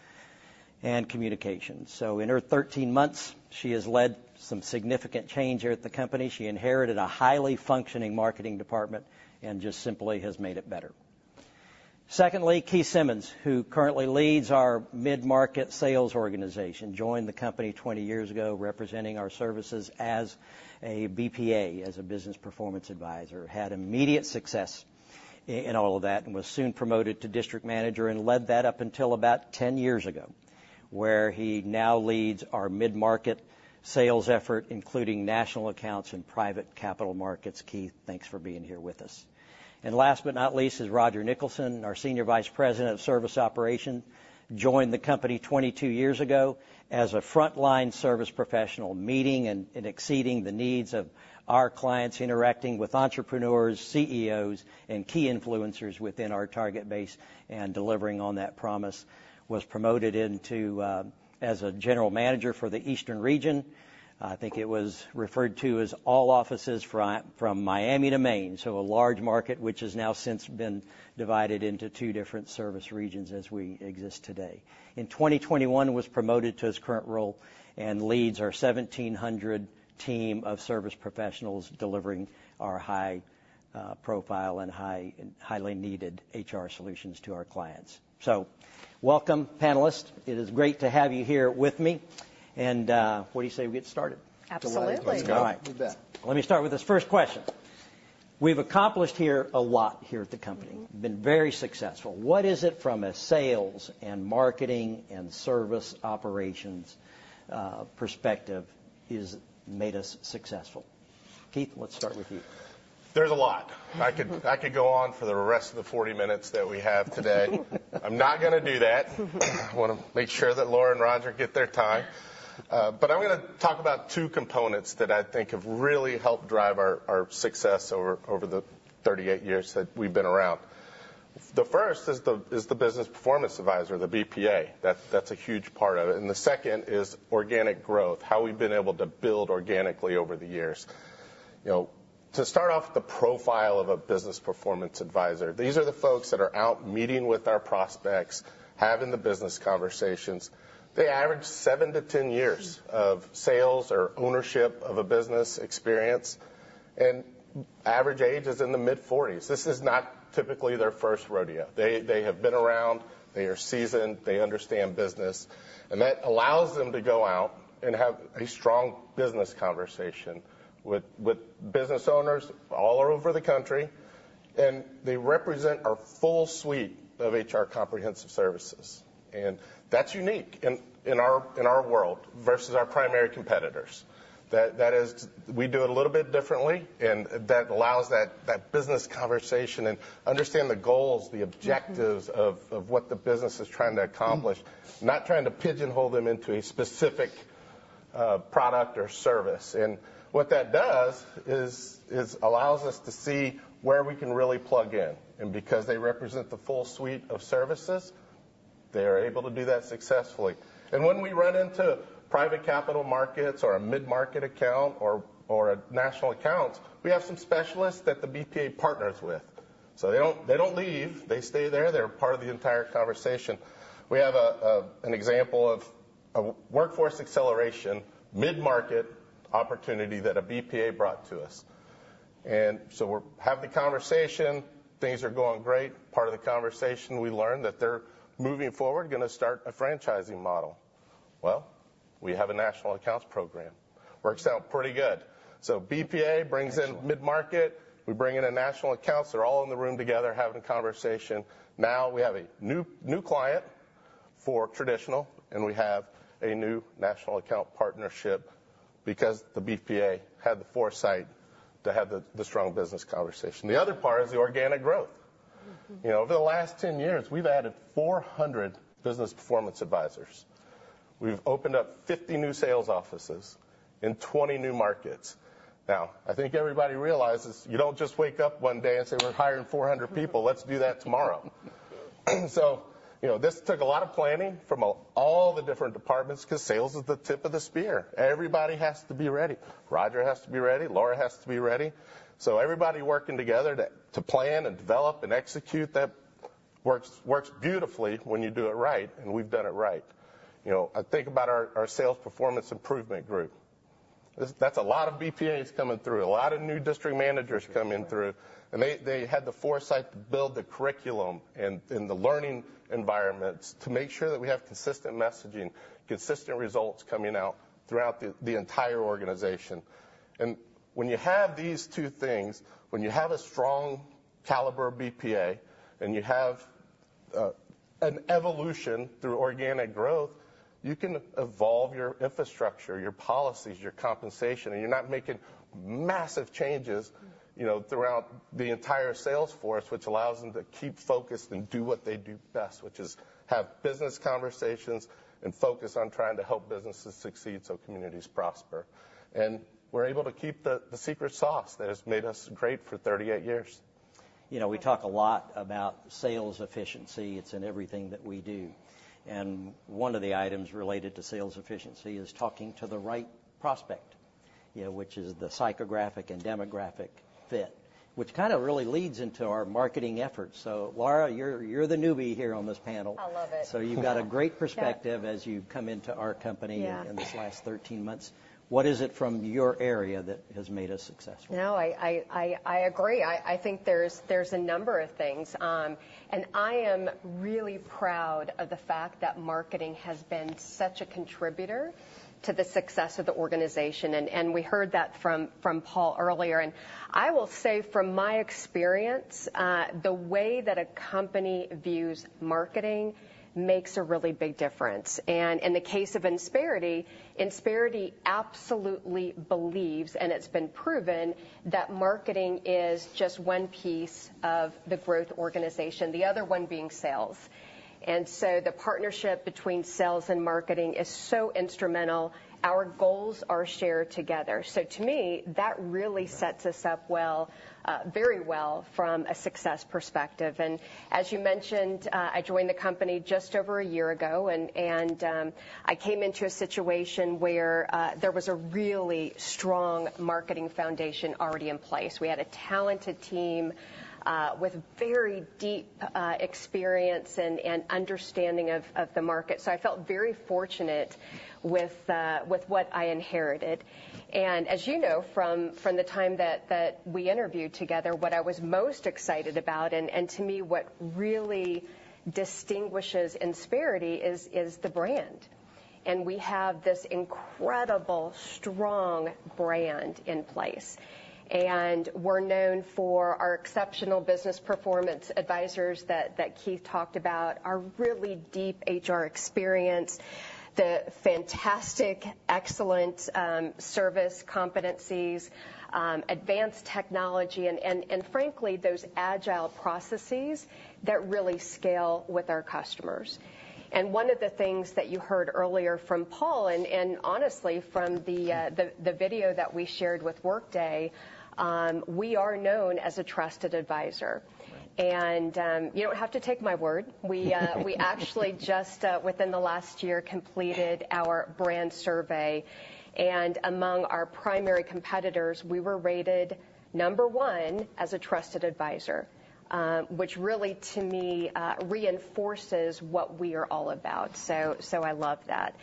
and communication. So in her 13 months, she has led some significant change here at the company. She inherited a highly functioning marketing department and just simply has made it better. Secondly, Keith Simmons, who currently leads our mid-market sales organization, joined the company 20 years ago, representing our services as a BPA, as a business performance advisor, had immediate success in all of that and was soon promoted to district manager and led that up until about 10 years ago, where he now leads our mid-market sales effort, including national accounts and private capital markets. Keith, thanks for being here with us. And last but not least, is Roger Nicholson, our Senior Vice President of Service Operations, joined the company 22 years ago as a frontline service professional, meeting and exceeding the needs of our clients, interacting with entrepreneurs, CEOs, and key influencers within our target base, and delivering on that promise. Was promoted into as a general manager for the Eastern region. I think it was referred to as all offices from Miami to Maine, so a large market, which has now since been divided into two different service regions as we exist today. In 2021, was promoted to his current role and leads our 1,700 team of service professionals, delivering our high profile and highly needed HR solutions to our clients. So welcome, panelists. It is great to have you here with me. What do you say we get started? Absolutely. Let's go. All right. You bet. Let me start with this first question. We've accomplished here a lot here at the company. Mm-hmm. Been very successful. What is it, from a sales and marketing and service operations, perspective, has made us successful? Keith, let's start with you. There's a lot. I could, I could go on for the rest of the 40 minutes that we have today. I'm not gonna do that. I wanna make sure that Laura and Roger get their time. But I'm gonna talk about two components that I think have really helped drive our, our success over, over the 38 years that we've been around. The first is the, is the business performance advisor, the BPA. That's, that's a huge part of it. And the second is organic growth, how we've been able to build organically over the years. You know, to start off with the profile of a business performance advisor, these are the folks that are out meeting with our prospects, having the business conversations. They average 7-10 years- Mm... of sales or ownership of a business experience, and average age is in the mid-40s. This is not typically their first rodeo. They have been around, they are seasoned, they understand business, and that allows them to go out and have a strong business conversation with business owners all over the country, and they represent our full suite of HR comprehensive services. And that's unique in our world versus our primary competitors. That is— We do it a little bit differently, and that allows that business conversation and understand the goals, the objectives- Mm-hmm... of what the business is trying to accomplish, not trying to pigeonhole them into a specific product or service. And what that does is allows us to see where we can really plug in, and because they represent the full suite of services, they are able to do that successfully. And when we run into private capital markets or a mid-market account or a national account, we have some specialists that the BPA partners with, so they don't leave. They stay there. They're part of the entire conversation. We have an example of a workforce acceleration mid-market opportunity that a BPA brought to us. And so we're having the conversation, things are going great. Part of the conversation, we learned that they're moving forward, gonna start a franchising model. Well, we have a national accounts program. Works out pretty good. So BPA brings in mid-market, we bring in the national accounts, they're all in the room together having a conversation. Now we have a new, new client for traditional, and we have a new national account partnership because the BPA had the foresight to have the, the strong business conversation. The other part is the organic growth. Mm-hmm. You know, over the last 10 years, we've added 400 business performance advisors. We've opened up 50 new sales offices in 20 new markets. Now, I think everybody realizes you don't just wake up one day and say, "We're hiring 400 people. Let's do that tomorrow." So, you know, this took a lot of planning from all the different departments, 'cause sales is the tip of the spear. Everybody has to be ready. Roger has to be ready, Laura has to be ready. So everybody working together to plan and develop and execute, that works beautifully when you do it right, and we've done it right. You know, I think about our Sales Performance Improvement group. That's a lot of BPAs coming through, a lot of new district managers coming through, and they had the foresight to build the curriculum and the learning environments to make sure that we have consistent messaging, consistent results coming out throughout the entire organization. And when you have these two things, when you have a strong caliber BPA, and you have an evolution through organic growth, you can evolve your infrastructure, your policies, your compensation, and you're not making massive changes, you know, throughout the entire sales force, which allows them to keep focused and do what they do best, which is have business conversations and focus on trying to help businesses succeed so communities prosper. And we're able to keep the secret sauce that has made us great for 38 years. You know, we talk a lot about sales efficiency, it's in everything that we do, and one of the items related to sales efficiency is talking to the right prospect, you know, which is the psychographic and demographic fit, which kind of really leads into our marketing efforts. So, Laura, you're, you're the newbie here on this panel. I love it. So you've got a great perspective- Yeah. as you've come into our company Yeah. in these last 13 months. What is it from your area that has made us successful? No, I agree. I think there's a number of things. I am really proud of the fact that marketing has been such a contributor to the success of the organization, and we heard that from Paul earlier. I will say from my experience, the way that a company views marketing makes a really big difference. In the case of Insperity, Insperity absolutely believes, and it's been proven, that marketing is just one piece of the growth organization, the other one being sales. And so the partnership between sales and marketing is so instrumental. Our goals are shared together. So to me, that really sets us up well, very well from a success perspective. And as you mentioned, I joined the company just over a year ago, and I came into a situation where there was a really strong marketing foundation already in place. We had a talented team with very deep experience and understanding of the market. So I felt very fortunate with what I inherited. And as you know from the time that we interviewed together, what I was most excited about, and to me, what really distinguishes Insperity is the brand. And we have this incredible, strong brand in place. And we're known for our exceptional business performance advisors that Keith talked about, our really deep HR experience, the fantastic, excellent service competencies, advanced technology, and frankly, those agile processes that really scale with our customers. And one of the things that you heard earlier from Paul, and honestly, from the video that we shared with Workday, we are known as a trusted advisor. Right. You don't have to take my word. We actually just, within the last year, completed our brand survey, and among our primary competitors, we were rated number one as a trusted advisor, which really, to me, reinforces what we are all about. So I love that.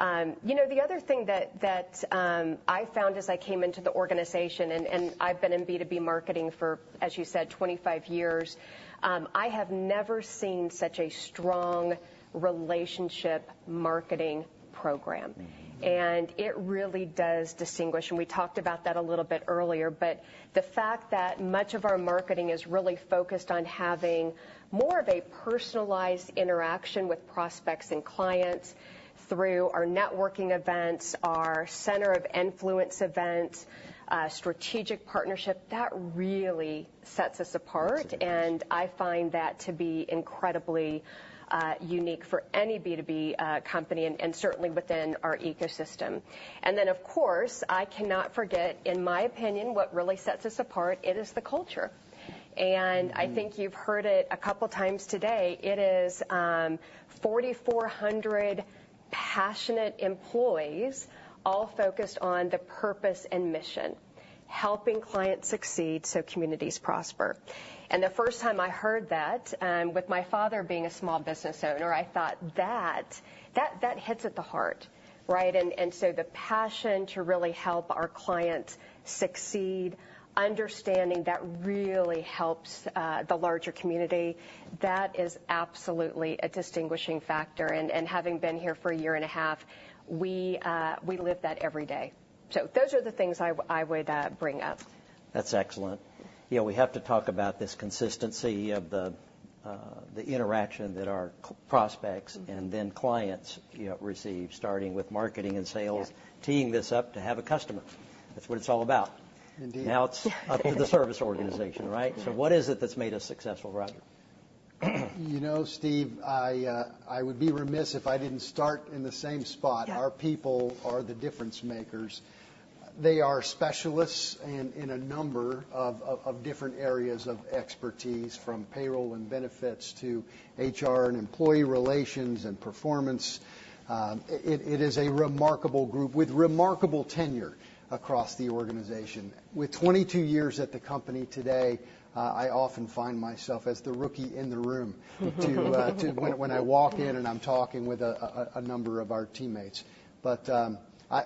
You know, the other thing that I found as I came into the organization, and I've been in B2B marketing for, as you said, 25 years, I have never seen such a strong relationship marketing program. Mm-hmm. It really does distinguish, and we talked about that a little bit earlier, but the fact that much of our marketing is really focused on having more of a personalized interaction with prospects and clients through our networking events, our center of influence events, strategic partnership, that really sets us apart- It does. And I find that to be incredibly unique for any B2B company and certainly within our ecosystem. And then, of course, I cannot forget, in my opinion, what really sets us apart. It is the culture. Mm-hmm. I think you've heard it a couple times today. It is 4,400 passionate employees, all focused on the purpose and mission: helping clients succeed so communities prosper. The first time I heard that, with my father being a small business owner, I thought, "That, that, that hits at the heart," right? And so the passion to really help our clients succeed, understanding that really helps the larger community, that is absolutely a distinguishing factor. And having been here for a year and a half, we live that every day. So those are the things I would bring up. That's excellent. Yeah, we have to talk about this consistency of the, the interaction that our prospects- Mm-hmm and then clients, you know, receive, starting with marketing and sales Yeah Teeing this up to have a customer. That's what it's all about. Indeed. Now it's up to the service organization, right? Yeah. So what is it that's made us successful, Roger? You know, Steve, I would be remiss if I didn't start in the same spot. Yeah. Our people are the difference makers. They are specialists in a number of different areas of expertise, from payroll and benefits to HR and employee relations and performance. It is a remarkable group with remarkable tenure across the organization. With 22 years at the company today, I often find myself as the rookie in the room. When I walk in and I'm talking with a number of our teammates. But,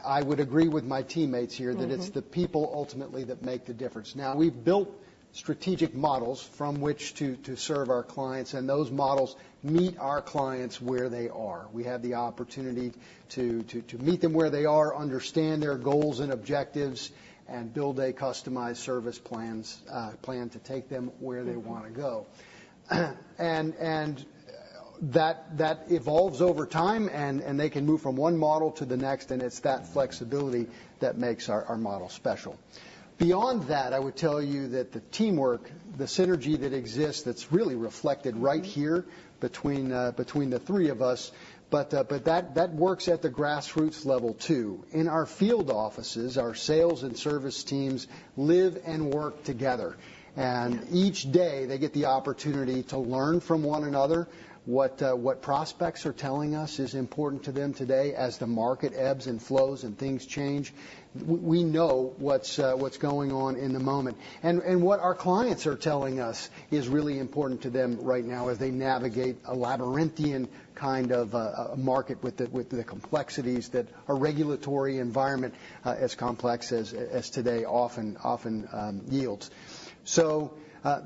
I would agree with my teammates here- Mm-hmm -that it's the people ultimately that make the difference. Now, we've built strategic models from which to serve our clients, and those models meet our clients where they are. We have the opportunity to meet them where they are, understand their goals and objectives, and build a customized service plan to take them where they want to go. And that evolves over time, and they can move from one model to the next, and it's that flexibility that makes our model special. Beyond that, I would tell you that the teamwork, the synergy that exists, that's really reflected right here- Mm-hmm -between, between the three of us, but, but that, that works at the grassroots level, too. In our field offices, our sales and service teams live and work together, and- Yeah Each day, they get the opportunity to learn from one another. What prospects are telling us is important to them today as the market ebbs and flows and things change, we know what's going on in the moment. And what our clients are telling us is really important to them right now as they navigate a labyrinthian kind of market with the complexities that a regulatory environment as complex as today often yields. So,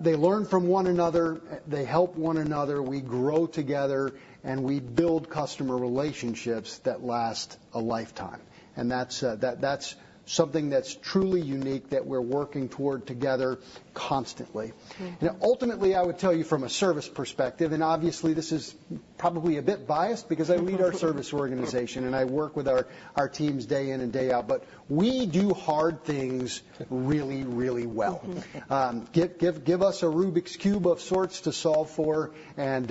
they learn from one another, they help one another, we grow together, and we build customer relationships that last a lifetime, and that's something that's truly unique that we're working toward together constantly. Mm-hmm. Now, ultimately, I would tell you from a service perspective, and obviously this is probably a bit biased, because I lead our service organization, and I work with our teams day in and day out, but we do hard things really, really well. Mm-hmm. Give us a Rubik's Cube of sorts to solve for, and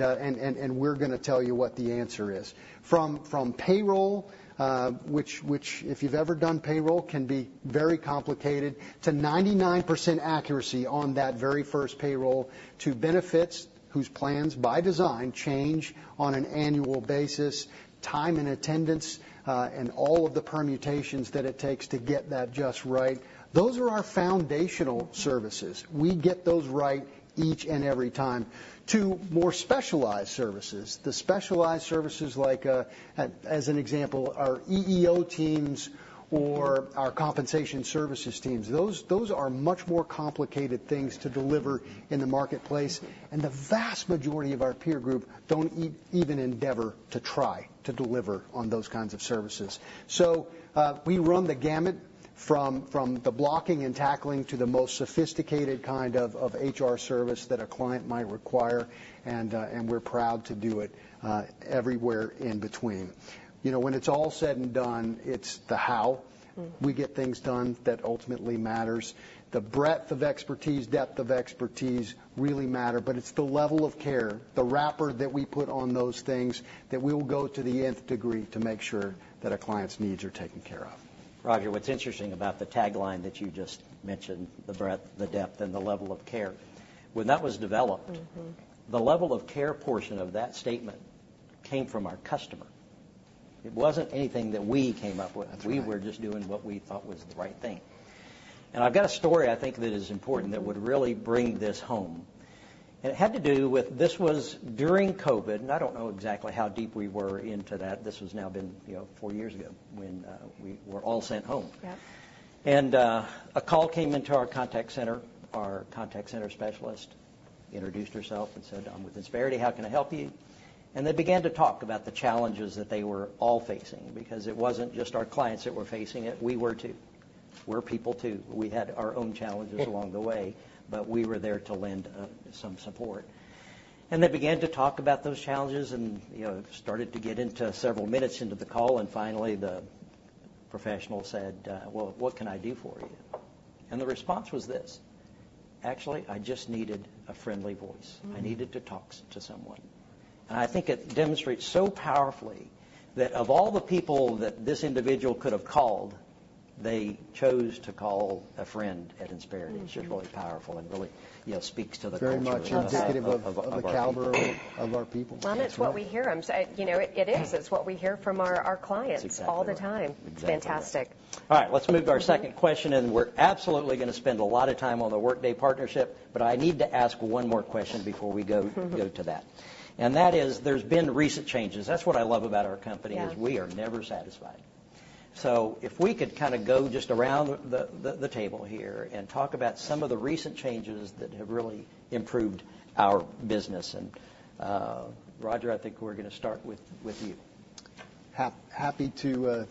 we're gonna tell you what the answer is. From payroll, which, if you've ever done payroll, can be very complicated, to 99% accuracy on that very first payroll, to benefits, whose plans, by design, change on an annual basis, time and attendance, and all of the permutations that it takes to get that just right, those are our foundational services. We get those right each and every time. To more specialized services, the specialized services like, as an example, our EEO teams or- Mm-hmm our compensation services teams. Those are much more complicated things to deliver in the marketplace, and the vast majority of our peer group don't even endeavor to try to deliver on those kinds of services. So, we run the gamut from the blocking and tackling to the most sophisticated kind of HR service that a client might require, and we're proud to do it everywhere in between. You know, when it's all said and done, it's the how- Mm-hmm We get things done that ultimately matters. The breadth of expertise, depth of expertise really matter, but it's the level of care, the wrapper that we put on those things, that we will go to the nth degree to make sure that a client's needs are taken care of. Roger, what's interesting about the tagline that you just mentioned, the breadth, the depth, and the level of care- Mm-hmm. when that was developed Mm-hmm The level of care portion of that statement came from our customer. It wasn't anything that we came up with. That's right. We were just doing what we thought was the right thing. I've got a story I think that is important- Mm-hmm -that would really bring this home. It had to do with... This was during COVID, and I don't know exactly how deep we were into that. This has now been, you know, 4 years ago, when we were all sent home. Yep. And a call came into our contact center. Our contact center specialist introduced herself and said, "I'm with Insperity. How can I help you?" And they began to talk about the challenges that they were all facing, because it wasn't just our clients that were facing it, we were, too. We're people, too. We had our own challenges along the way, but we were there to lend some support. And they began to talk about those challenges and, you know, started to get into several minutes into the call, and finally the professional said, "Well, what can I do for you?" And the response was this: "Actually, I just needed a friendly voice. Mm-hmm. I needed to talk to someone." And I think it demonstrates so powerfully that of all the people that this individual could have called... they chose to call a friend at Insperity, which is really powerful and really, you know, speaks to the culture- Very much indicative of the caliber of our people. Well, that's what we hear. So, you know, it is. It's what we hear from our clients- That's exactly right. all the time. Exactly right. Fantastic. All right, let's move to our second question, and we're absolutely gonna spend a lot of time on the Workday partnership, but I need to ask one more question before we go- Mm-hmm... go to that. And that is, there's been recent changes. That's what I love about our company- Yeah... is we are never satisfied. So if we could kind of go just around the table here and talk about some of the recent changes that have really improved our business. And, Roger, I think we're gonna start with you. Happy to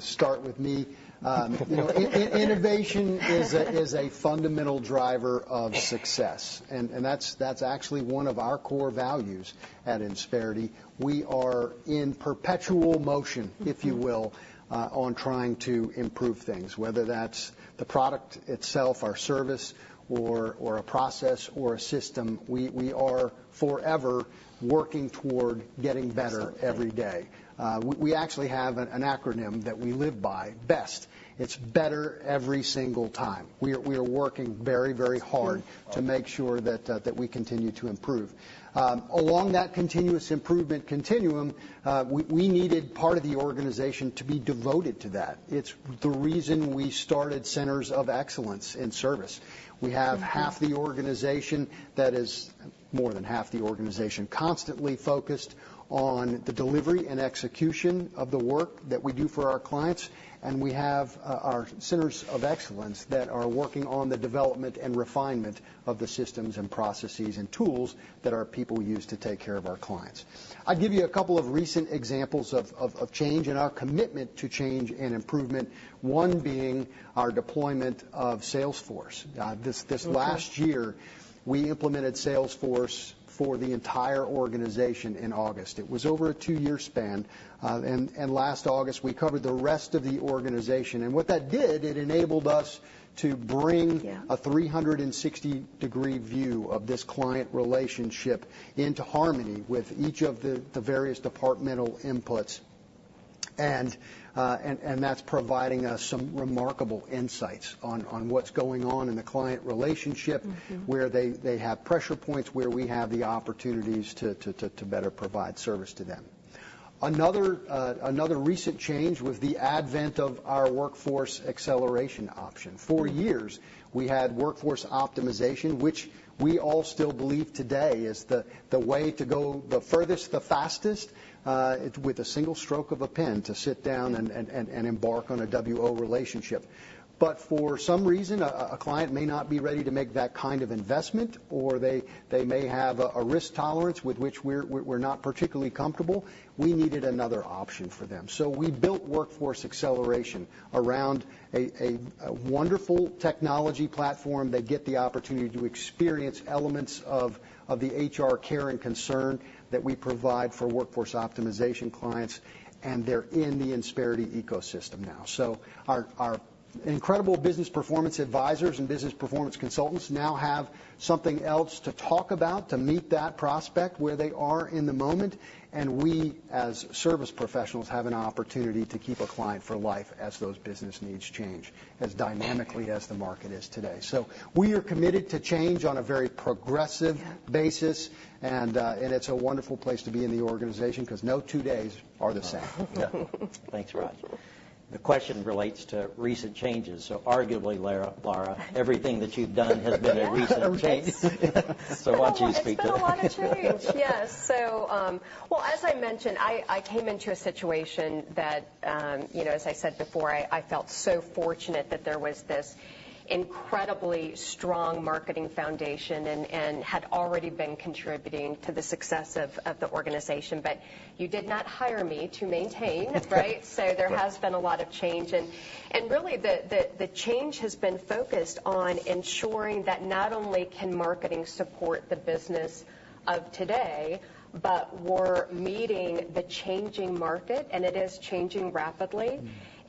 start with me. You know, innovation is a fundamental driver of success, and that's actually one of our core values at Insperity. We are in perpetual motion, if you will, on trying to improve things, whether that's the product itself, our service or a process or a system, we are forever working toward getting better every day. We actually have an acronym that we live by, BEST. It's Better Every Single Time. We are working very, very hard to make sure that we continue to improve. Along that continuous improvement continuum, we needed part of the organization to be devoted to that. It's the reason we started centers of excellence in service. Mm-hmm. We have half the organization that is... More than half the organization, constantly focused on the delivery and execution of the work that we do for our clients, and we have our centers of excellence that are working on the development and refinement of the systems and processes and tools that our people use to take care of our clients. I'll give you a couple of recent examples of change and our commitment to change and improvement, one being our deployment of Salesforce. This last year, we implemented Salesforce for the entire organization in August. It was over a two-year span. And last August, we covered the rest of the organization, and what that did, it enabled us to bring- Yeah... a 360-degree view of this client relationship into harmony with each of the, the various departmental inputs. And that's providing us some remarkable insights on what's going on in the client relationship- Mm-hmm... where they have pressure points, where we have the opportunities to better provide service to them. Another recent change was the advent of our Workforce Acceleration option. Mm-hmm. For years, we had Workforce Optimization, which we all still believe today is the way to go the furthest, the fastest, with a single stroke of a pen, to sit down and embark on a WO relationship. But for some reason, a client may not be ready to make that kind of investment, or they may have a risk tolerance with which we're not particularly comfortable. We needed another option for them. So we built Workforce Acceleration around a wonderful technology platform. They get the opportunity to experience elements of the HR care and concern that we provide for Workforce Optimization clients, and they're in the Insperity ecosystem now. So our incredible business performance advisors and business performance consultants now have something else to talk about, to meet that prospect where they are in the moment, and we, as service professionals, have an opportunity to keep a client for life as those business needs change, as dynamically as the market is today. So we are committed to change on a very progressive- Yeah... basis, and it's a wonderful place to be in the organization 'cause no two days are the same. Yeah. Thanks, Roger. The question relates to recent changes, so arguably, Laura, Laura, everything that you've done has been a recent change. Yes. Why don't you speak to that? It's been a lot of change, yes. So, well, as I mentioned, I came into a situation that, you know, as I said before, I felt so fortunate that there was this incredibly strong marketing foundation and had already been contributing to the success of the organization. But you did not hire me to maintain, right? Right. So there has been a lot of change, and really, the change has been focused on ensuring that not only can marketing support the business of today, but we're meeting the changing market, and it is changing rapidly.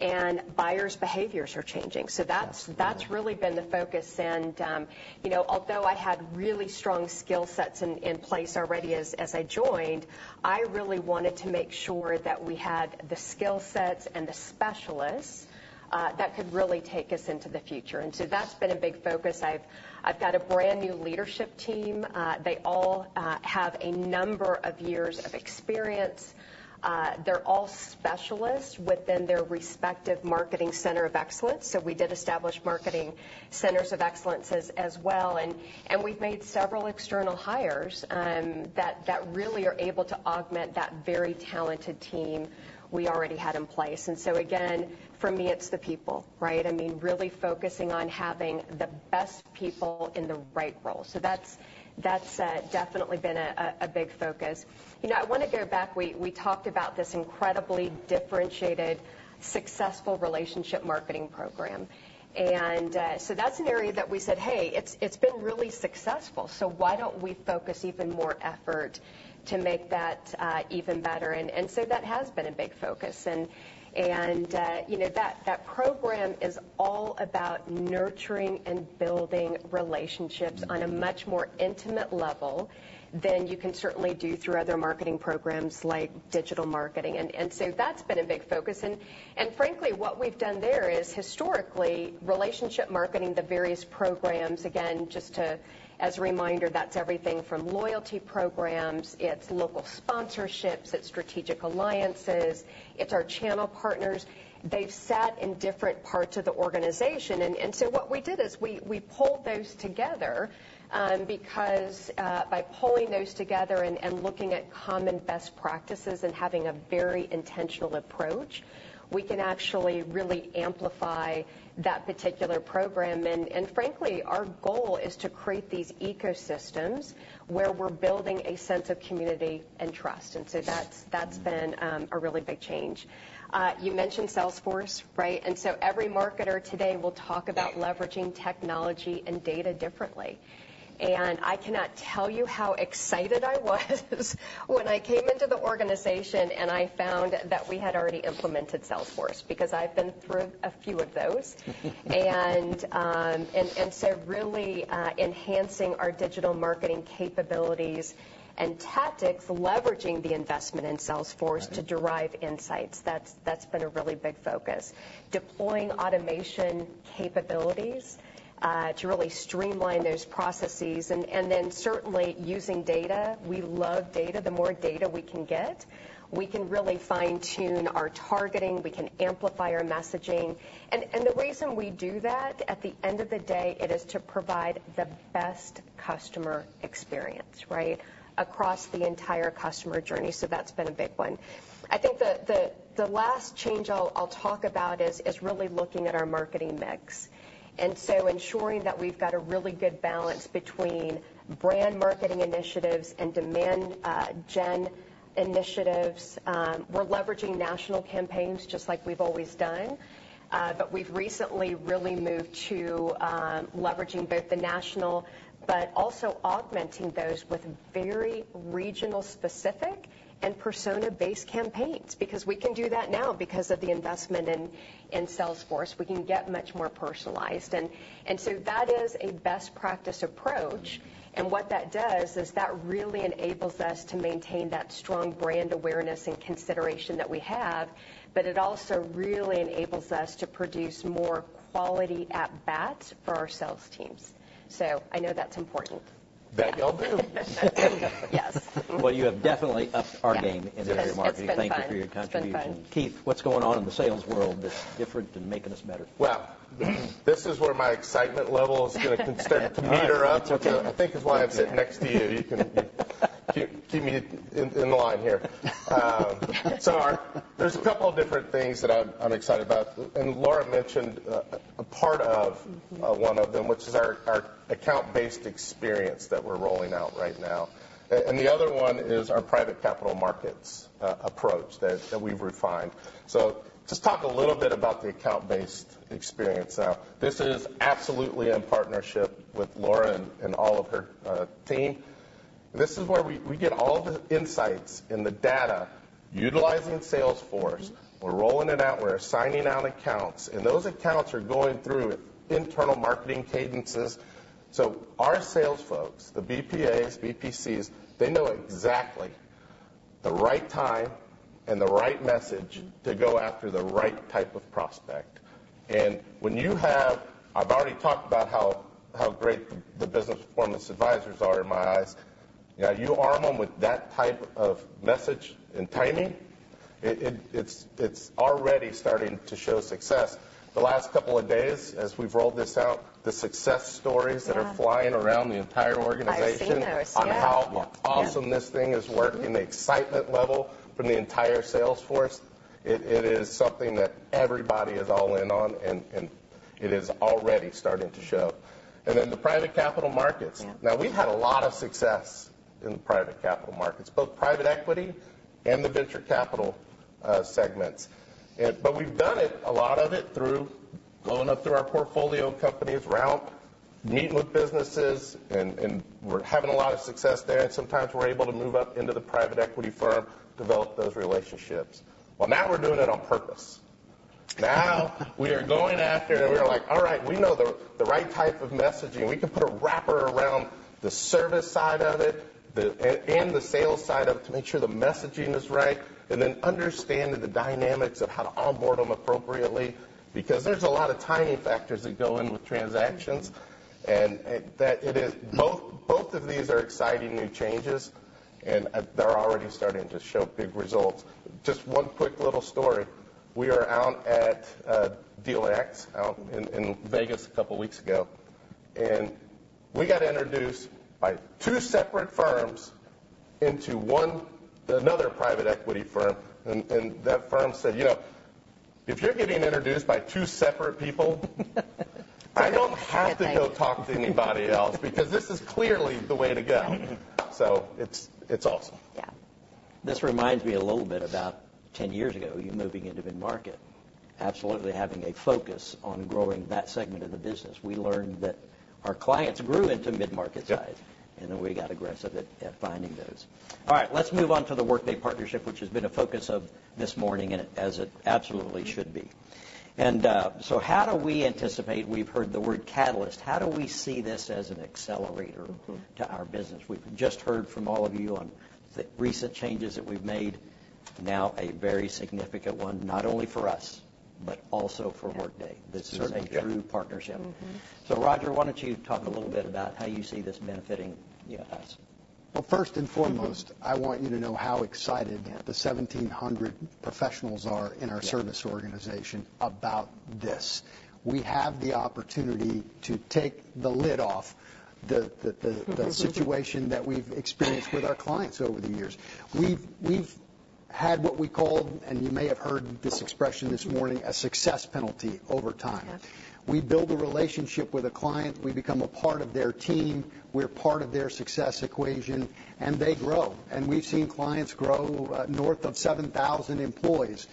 Mm. Buyers' behaviors are changing. Yes. Mm-hmm. So that's, that's really been the focus. And, you know, although I had really strong skill sets in place already as I joined, I really wanted to make sure that we had the skill sets and the specialists that could really take us into the future, and so that's been a big focus. I've got a brand-new leadership team. They all have a number of years of experience. They're all specialists within their respective marketing center of excellence. So we did establish marketing centers of excellence as well, and we've made several external hires that really are able to augment that very talented team we already had in place. And so again, for me, it's the people, right? I mean, really focusing on having the best people in the right role. So that's definitely been a big focus. You know, I wanna go back. We talked about this incredibly differentiated, successful relationship marketing program. And so that's an area that we said, "Hey, it's been really successful, so why don't we focus even more effort to make that even better?" And so that has been a big focus. And you know, that program is all about nurturing and building relationships on a much more intimate level than you can certainly do through other marketing programs like digital marketing. And so that's been a big focus. And frankly, what we've done there is, historically, relationship marketing, the various programs, again, just to, as a reminder, that's everything from loyalty programs, it's local sponsorships, it's strategic alliances, it's our channel partners. They've sat in different parts of the organization, and so what we did is we pulled those together, because by pulling those together and looking at common best practices and having a very intentional approach, we can actually really amplify that particular program. Frankly, our goal is to create these ecosystems where we're building a sense of community and trust, and so that's been a really big change. You mentioned Salesforce, right? And so every marketer today will talk about leveraging technology and data differently. And I cannot tell you how excited I was when I came into the organization, and I found that we had already implemented Salesforce, because I've been through a few of those. And so really, enhancing our digital marketing capabilities and tactics, leveraging the investment in Salesforce- Right. to derive insights, that's been a really big focus. Deploying automation capabilities to really streamline those processes, and then certainly using data. We love data. The more data we can get, we can really fine-tune our targeting, we can amplify our messaging. And the reason we do that, at the end of the day, it is to provide the best customer experience, right? Across the entire customer journey, so that's been a big one. I think the last change I'll talk about is really looking at our marketing mix, and so ensuring that we've got a really good balance between brand marketing initiatives and demand gen initiatives. We're leveraging national campaigns, just like we've always done, but we've recently really moved to leveraging both the national, but also augmenting those with very regional-specific and persona-based campaigns. Because we can do that now because of the investment in Salesforce, we can get much more personalized. And so that is a best practice approach. And what that does is that really enables us to maintain that strong brand awareness and consideration that we have, but it also really enables us to produce more quality at-bats for our sales teams. So I know that's important. That helped too. Yes. Well, you have definitely upped our game- Yeah in area marketing. It's been fun. Thank you for your contribution. It's been fun. Keith, what's going on in the sales world that's different and making us better? Well, this is where my excitement level is gonna start to heat up. That's okay. I think it's why I'm sitting next to you. You can keep me in line here. So there's a couple of different things that I'm excited about, and Laura mentioned a part of- Mm-hmm... one of them, which is our Account-Based experience that we're rolling out right now. And the other one is our private capital markets approach that we've refined. So just talk a little bit about the Account-Based Experience. Now, this is absolutely in partnership with Laura and all of her team. This is where we get all the insights and the data utilizing Salesforce. Mm-hmm. We're rolling it out, we're assigning out accounts, and those accounts are going through internal marketing cadences. So our sales folks, the BPAs, BPCs, they know exactly the right time and the right message to go after the right type of prospect. And when you have... I've already talked about how great the business performance advisors are in my eyes. Now, you arm them with that type of message and timing, it's already starting to show success. The last couple of days, as we've rolled this out, the success stories- Yeah that are flying around the entire organization- I've seen those, yeah. - on how awesome this thing is working, the excitement level from the entire sales force, it is something that everybody is all in on, and it is already starting to show. And then the private capital markets. Yeah. Now, we've had a lot of success in the private capital markets, both private equity and the venture capital segments. And, but we've done it, a lot of it, through going up through our portfolio of companies, we're out meeting with businesses, and, and we're having a lot of success there, and sometimes we're able to move up into the private equity firm, develop those relationships. Well, now we're doing it on purpose. Now we are going after it, and we are like, "All right, we know the, the right type of messaging." We can put a wrapper around the service side of it, the, and, and the sales side of it to make sure the messaging is right, and then understanding the dynamics of how to onboard them appropriately, because there's a lot of tiny factors that go in with transactions. And, that it is... Both, both of these are exciting new changes, and they're already starting to show big results. Just one quick little story. We are out at DealMax, out in Vegas a couple weeks ago, and we got introduced by two separate firms into one another private equity firm, and that firm said, "You know, if you're getting introduced by two separate people, I don't have to go talk to anybody else, because this is clearly the way to go." So it's awesome. Yeah. This reminds me a little bit about 10 years ago, you moving into mid-market. Absolutely having a focus on growing that segment of the business. We learned that our clients grew into mid-market size- Yep. and then we got aggressive at finding those. All right, let's move on to the Workday partnership, which has been a focus of this morning, and as it absolutely should be. And, so how do we anticipate... We've heard the word catalyst. How do we see this as an accelerator- Mm-hmm. to our business? We've just heard from all of you on the recent changes that we've made, now a very significant one, not only for us, but also for Workday. Certainly, yeah. This is a true partnership. Mm-hmm. So Roger, why don't you talk a little bit about how you see this benefiting, you know, us? Well, first and foremost, I want you to know how excited the 1,700 professionals are in our service organization about this. We have the opportunity to take the lid off the situation that we've experienced with our clients over the years. We've had what we call, and you may have heard this expression this morning, a Success Penalty over time. Yes. We build a relationship with a client, we become a part of their team, we're part of their success equation, and they grow. We've seen clients grow north of 7,000 employees,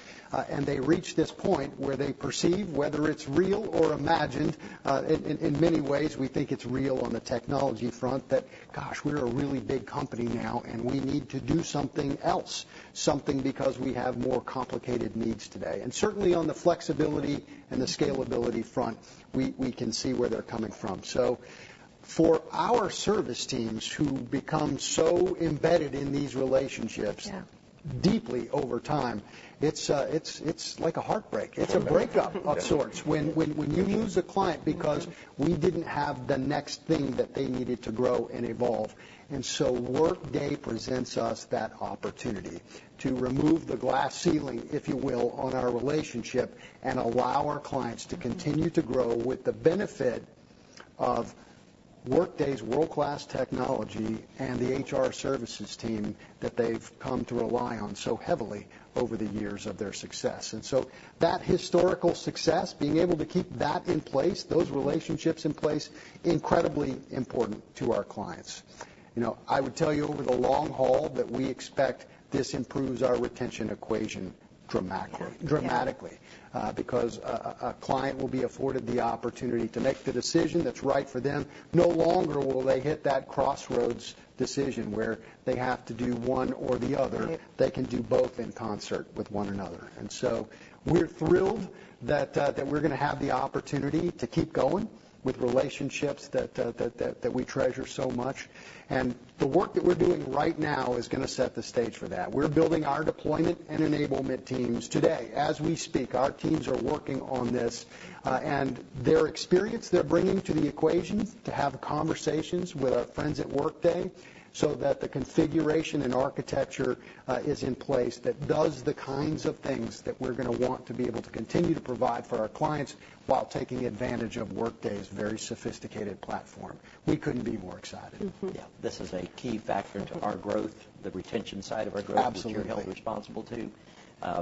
and they reach this point where they perceive, whether it's real or imagined, in many ways, we think it's real on the technology front, that, gosh, we're a really big company now, and we need to do something else, something because we have more complicated needs today. Certainly on the flexibility and the scalability front, we can see where they're coming from. For our service teams, who become so embedded in these relationships- Yeah. Deeply over time, it's like a heartbreak. Yeah. It's a breakup of sorts, when you lose a client- Mm-hmm ...because we didn't have the next thing that they needed to grow and evolve. And so Workday presents us that opportunity, to remove the glass ceiling, if you will, on our relationship, and allow our clients to continue to grow with the benefit of Workday's world-class technology and the HR services team that they've come to rely on so heavily over the years of their success. And so that historical success, being able to keep that in place, those relationships in place, incredibly important to our clients. You know, I would tell you, over the long haul, that we expect this improves our retention equation dramatically. Yeah. Dramatically. Because a client will be afforded the opportunity to make the decision that's right for them. No longer will they hit that crossroads decision, where they have to do one or the other. Yeah. They can do both in concert with one another. And so we're thrilled that we're gonna have the opportunity to keep going with relationships that we treasure so much, and the work that we're doing right now is gonna set the stage for that. We're building our deployment and enablement teams today. As we speak, our teams are working on this, and their experience they're bringing to the equation, to have conversations with our friends at Workday, so that the configuration and architecture is in place that does the kinds of things that we're gonna want to be able to continue to provide for our clients, while taking advantage of Workday's very sophisticated platform. We couldn't be more excited. Mm-hmm. Yeah. This is a key factor to our growth, the retention side of our growth- Absolutely. -which you're held responsible to.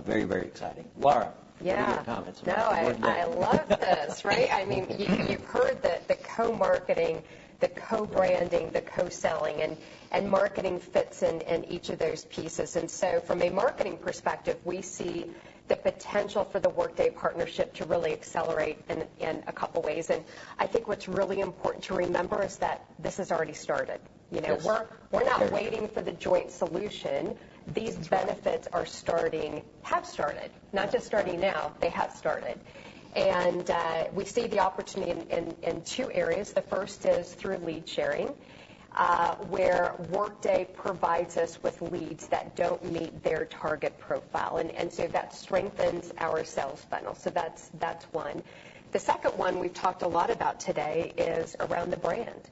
Very, very exciting. Laura- Yeah. Give me your comments about Workday. No, I love this, right? I mean, you've heard that the co-marketing, the co-branding, the co-selling, and marketing fits in each of those pieces. And so from a marketing perspective, we see the potential for the Workday partnership to really accelerate in a couple ways. And I think what's really important to remember is that this has already started, you know? Yes. We're not waiting for the joint solution. That's right. These benefits are starting, have started, not just starting now, they have started. And we see the opportunity in two areas. The first is through lead sharing, where Workday provides us with leads that don't meet their target profile, and so that strengthens our sales funnel. So that's one. The second one we've talked a lot about today is around the brand,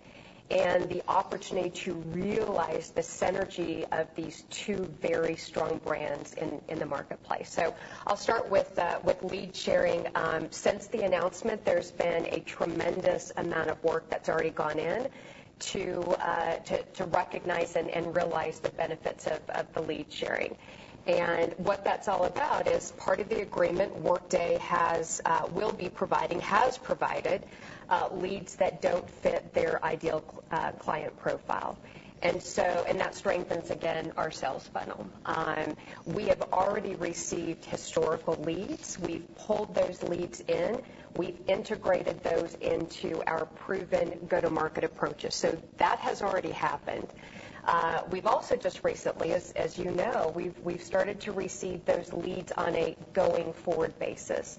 and the opportunity to realize the synergy of these two very strong brands in the marketplace. So I'll start with lead sharing. Since the announcement, there's been a tremendous amount of work that's already gone in to recognize and realize the benefits of the lead sharing. And what that's all about is part of the agreement. Workday has will be providing, has provided leads that don't fit their ideal client profile. And so that strengthens, again, our sales funnel. We have already received historical leads. We've pulled those leads in, we've integrated those into our proven go-to-market approaches. So that has already happened. We've also just recently, as you know, we've started to receive those leads on a going-forward basis.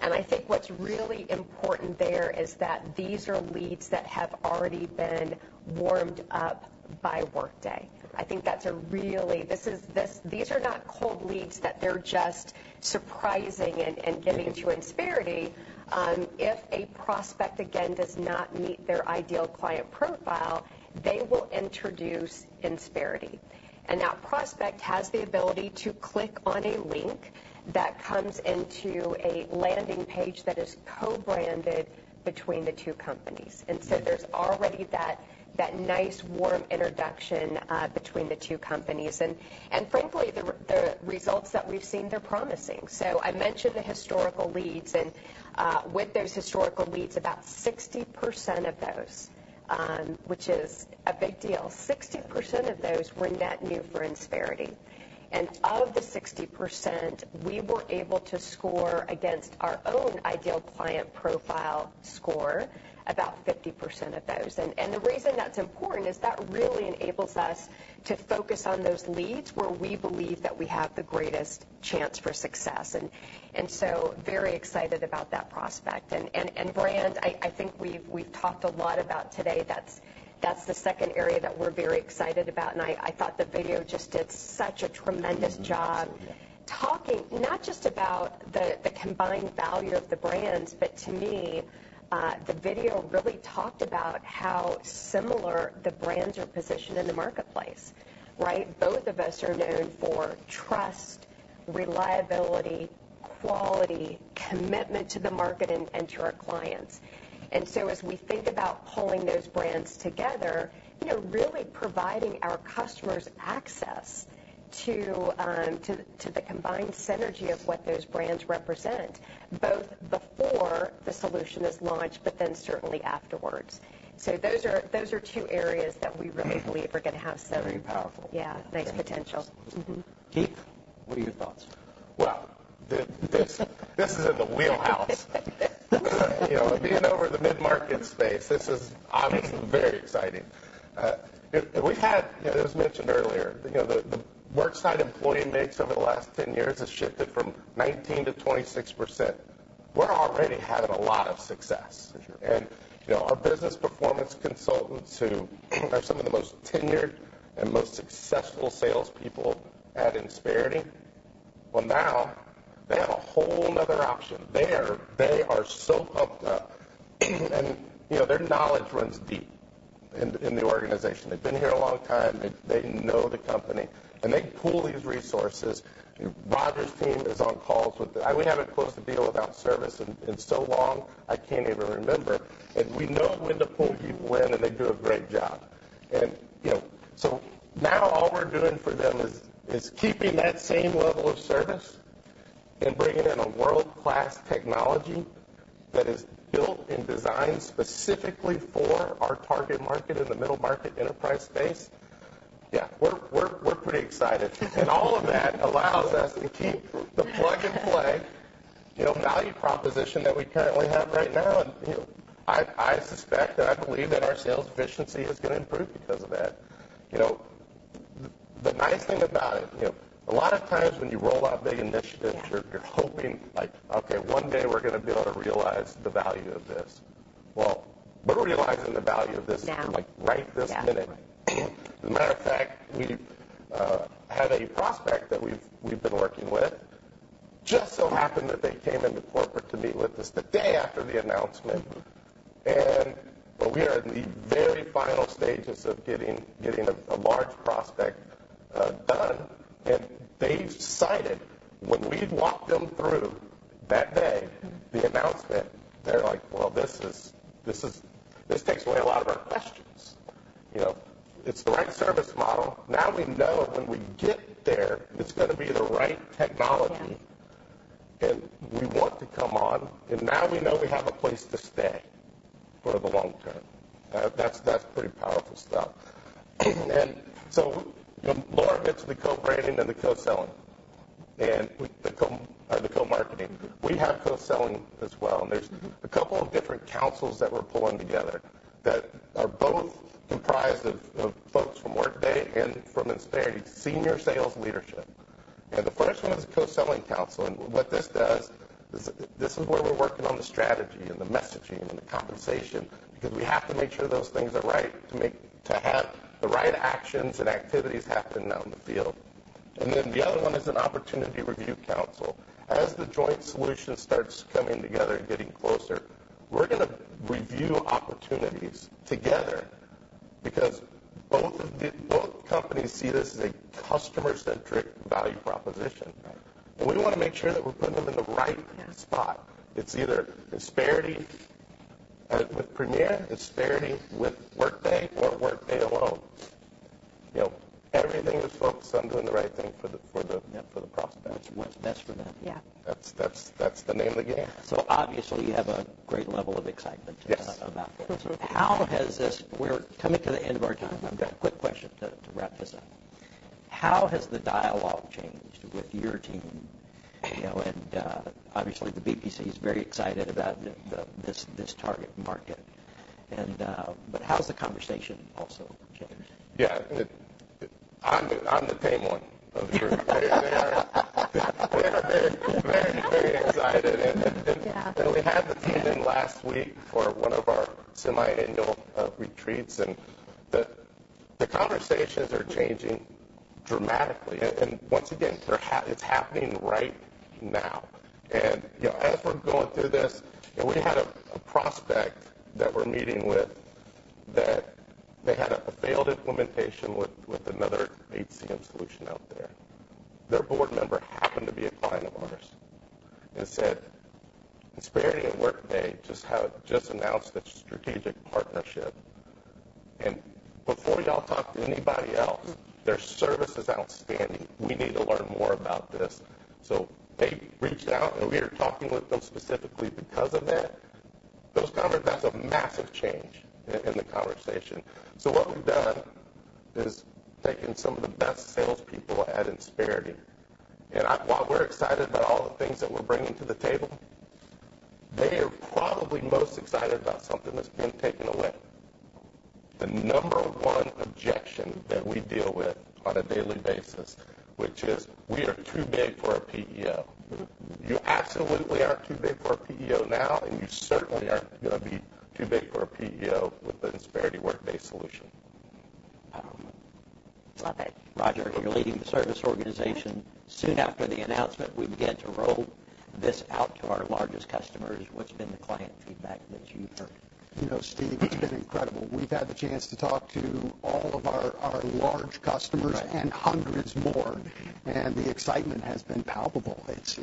And I think what's really important there is that these are leads that have already been warmed up by Workday. I think that's a really, these are not cold leads that they're just surprising and giving to Insperity. If a prospect, again, does not meet their ideal client profile, they will introduce Insperity. That prospect has the ability to click on a link that comes into a landing page that is co-branded between the two companies. And so there's already that nice, warm introduction between the two companies. And frankly, the results that we've seen, they're promising. So I mentioned the historical leads, and with those historical leads, about 60% of those, which is a big deal, 60% of those were net new for Insperity. And out of the 60%, we were able to score against our own ideal client profile score, about 50% of those. And the reason that's important is that really enables us to focus on those leads where we believe that we have the greatest chance for success, and so very excited about that prospect. And brand, I think we've talked a lot about today, that's the second area that we're very excited about. And I thought the video just did such a tremendous job- Mm-hmm. Yeah. Talking not just about the, the combined value of the brands, but to me, the video really talked about how similar the brands are positioned in the marketplace, right? Both of us are known for trust, reliability, quality, commitment to the market and, and to our clients. And so as we think about pulling those brands together, you know, really providing our customers access to, to the combined synergy of what those brands represent, both before the solution is launched, but then certainly afterwards. So those are, those are two areas that we really believe are gonna have some- Very powerful. Yeah, nice potential. Mm-hmm. Keith, what are your thoughts? Well, this is in the wheelhouse. You know, being over in the mid-market space, this is obviously very exciting. We've had... It was mentioned earlier, you know, the worksite employee mix over the last 10 years has shifted from 19% to 26%. We're already having a lot of success. For sure. You know, our business performance consultants, who are some of the most tenured and most successful salespeople at Insperity, well, now they have a whole another option. They are so pumped up, and, you know, their knowledge runs deep in the organization. They've been here a long time, they know the company, and they pool these resources. Roger's team is on calls with the. We haven't closed a deal without service in so long, I can't even remember, and we know when to pull people in, and they do a great job. And, you know, so now all we're doing for them is keeping that same level of service and bringing in a world-class technology that is built and designed specifically for our target market in the middle market enterprise space. Yeah, we're pretty excited. All of that allows us to keep the plug-and-play, you know, value proposition that we currently have right now. You know, I suspect, and I believe that our sales efficiency is gonna improve because of that. You know, the nice thing about it, you know, a lot of times when you roll out big initiatives- Yeah ...you're hoping, like, "Okay, one day we're gonna be able to realize the value of this." Well, we're realizing the value of this- Now like, right this minute. Yeah. As a matter of fact, we had a prospect that we've been working with. Just so happened that they came into corporate to meet with us the day after the announcement, but we are in the very final stages of getting a large prospect done. And they've cited when we've walked them through that day, the announcement, they're like: "Well, this is, this is-- This takes away a lot of our questions. You know, it's the right service model. Now we know when we get there, it's gonna be the right technology- Yeah “and we want to come on, and now we know we have a place to stay for the long term.” That's, that's pretty powerful stuff. And so, you know, Laura mentioned the co-branding and the co-selling, and the co-marketing. We have co-selling as well, and there's a couple of different councils that we're pulling together that are both comprised of folks from Workday and from Insperity, senior sales leadership. And the first one is co-selling council. And what this does is, this is where we're working on the strategy and the messaging and the compensation, because we have to make sure those things are right, to have the right actions and activities happening out in the field. And then, the other one is an opportunity review council. As the joint solution starts coming together and getting closer, we're gonna review opportunities together because both companies see this as a customer-centric value proposition. Right. We want to make sure that we're putting them in the right- Yeah -spot. It's either Insperity with Premier, Insperity with Workday or Workday alone... You know, everything is focused on doing the right thing for the, for the- Yeah, for the prospect. What's best for them? Yeah. That's, that's, that's the name of the game. Obviously, you have a great level of excitement- Yes. About this. Mm-hmm. We're coming to the end of our time. Okay. Quick question to wrap this up: How has the dialogue changed with your team? You know, and obviously, the BPC is very excited about this target market, and but how's the conversation also changed? Yeah, I'm the tame one of the group. They are very, very excited, and- Yeah. We had the team in last week for one of our semiannual retreats, and the conversations are changing dramatically. And once again, they're happening right now. You know, as we're going through this, and we had a prospect that we're meeting with, that they had a failed implementation with another HCM solution out there. Their board member happened to be a client of ours and said, "Insperity and Workday just announced its strategic partnership. And before y'all talk to anybody else, their service is outstanding. We need to learn more about this." So they reached out, and we are talking with them specifically because of that. That's a massive change in the conversation. So what we've done is taken some of the best salespeople at Insperity, and while we're excited about all the things that we're bringing to the table, they are probably most excited about something that's being taken away. The number one objection that we deal with on a daily basis, which is, "We are too big for a PEO. Mm-hmm. You absolutely aren't too big for a PEO now, and you certainly aren't going to be too big for a PEO with the Insperity Workday solution. Wow! Love it. Roger, you're leading the service organization. Soon after the announcement, we began to roll this out to our largest customers. What's been the client feedback that you've heard? You know, Steve, it's been incredible. We've had the chance to talk to all of our large customers- Right. -and hundreds more, and the excitement has been palpable. It's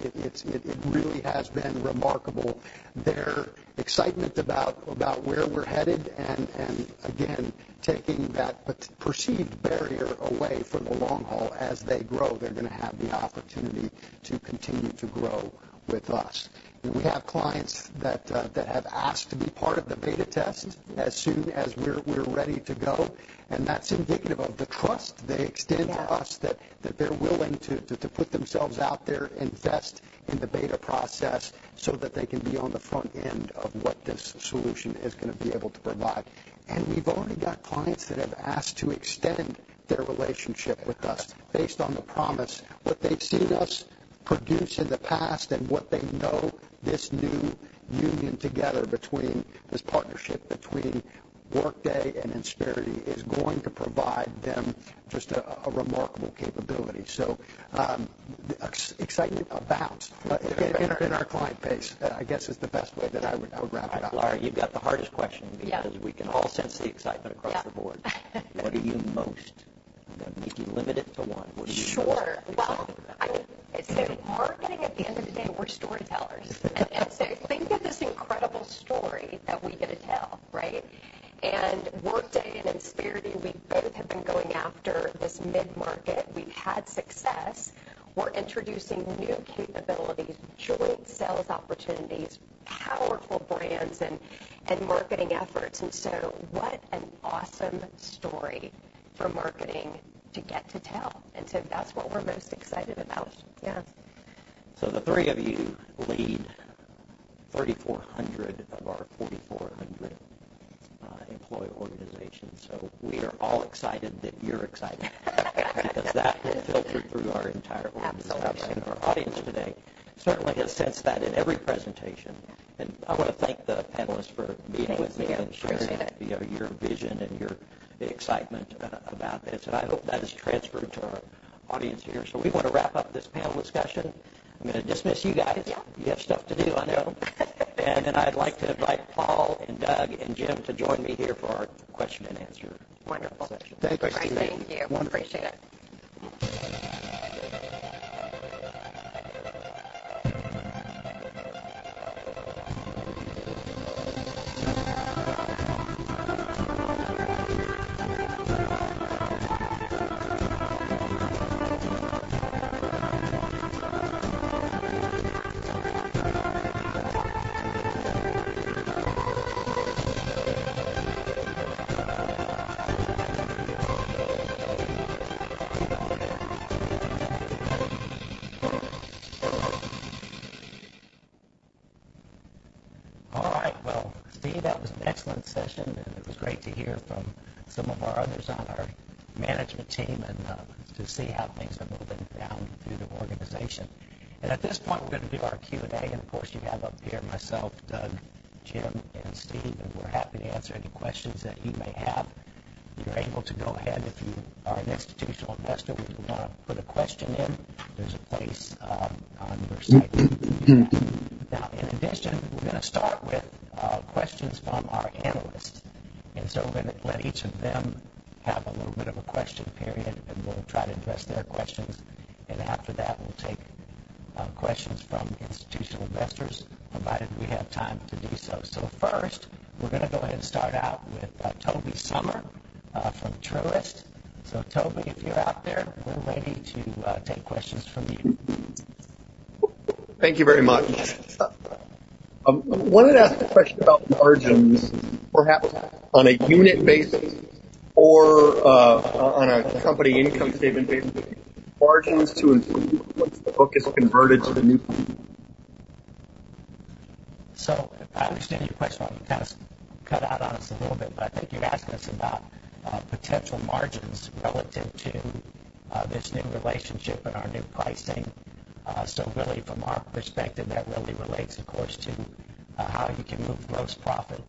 really been remarkable, their excitement about where we're headed and again, taking that perceived barrier away for the long haul. As they grow, they're going to have the opportunity to continue to grow with us. We have clients that have asked to be part of the beta test as soon as we're ready to go, and that's indicative of the trust they extend to us- Yeah. that they're willing to put themselves out there, invest in the beta process, so that they can be on the front end of what this solution is going to be able to provide. And we've already got clients that have asked to extend their relationship with us based on the promise, what they've seen us produce in the past and what they know this new union together between this partnership between Workday and Insperity is going to provide them just a remarkable capability. So, excitement abounds. Right. in our client base, I guess, is the best way that I would wrap it up. All right, Laura, you've got the hardest question- Yeah. Because we can all sense the excitement across the board. Yeah. What are you most... If you limit it to one, what are you- Sure! most excited about? Well, I think, so marketing, at the end of the day, we're storytellers. And, and so think of this incredible story that we get to tell, right? And Workday and Insperity, we both have been going after this mid-market. We've had success. We're introducing new capabilities, joint sales opportunities, powerful brands, and, and marketing efforts. And so what an awesome story for marketing to get to tell, and so that's what we're most excited about. Yes. So the three of you lead 3,400 of our 4,400 employee organizations. So we are all excited that you're excited. Because that will filter through our entire organization. Absolutely. Our audience today certainly has sensed that in every presentation. I want to thank the panelists for being with me- Thanks, Steve. Appreciate it. Sharing, you know, your vision and your excitement about this, and I hope that has transferred to our audience here. So we want to wrap up this panel discussion. I'm going to dismiss you guys. Yeah. You have stuff to do, I know. And then, I'd like to invite Paul and Doug and Jim to join me here for our question and answer- Wonderful. Session. Thank you, Steve. Thank you. Wonderful. Appreciate it. All right. Well, Steve, that was an excellent session, and it was great to hear from some of our others on our management team and to see how things are moving down through the organization. And at this point, we're going to do our Q&A, and of course, you have up here myself, Doug, Jim, and Steve, and we're happy to answer any questions that you may have. You're able to go ahead. If you are an institutional investor, and you want to put a question in, there's a place on your site you can do that. Now, in addition, we're going to start with questions from our analysts, and so we're going to let each of them have a little bit of a question period, and we'll try to address their questions. And after that, we'll take...... Questions from institutional investors, provided we have time to do so. So first, we're gonna go ahead and start out with Tobey Sommer from Truist. So Tobey, if you're out there, we're ready to take questions from you. Thank you very much. I wanted to ask a question about margins, perhaps on a unit basis or, on a company income statement basis, margins to improve once the book is converted to the new? So if I understand your question, you kind of cut out on us a little bit, but I think you're asking us about potential margins relative to this new relationship and our new pricing. So really, from our perspective, that really relates, of course, to how you can move gross profit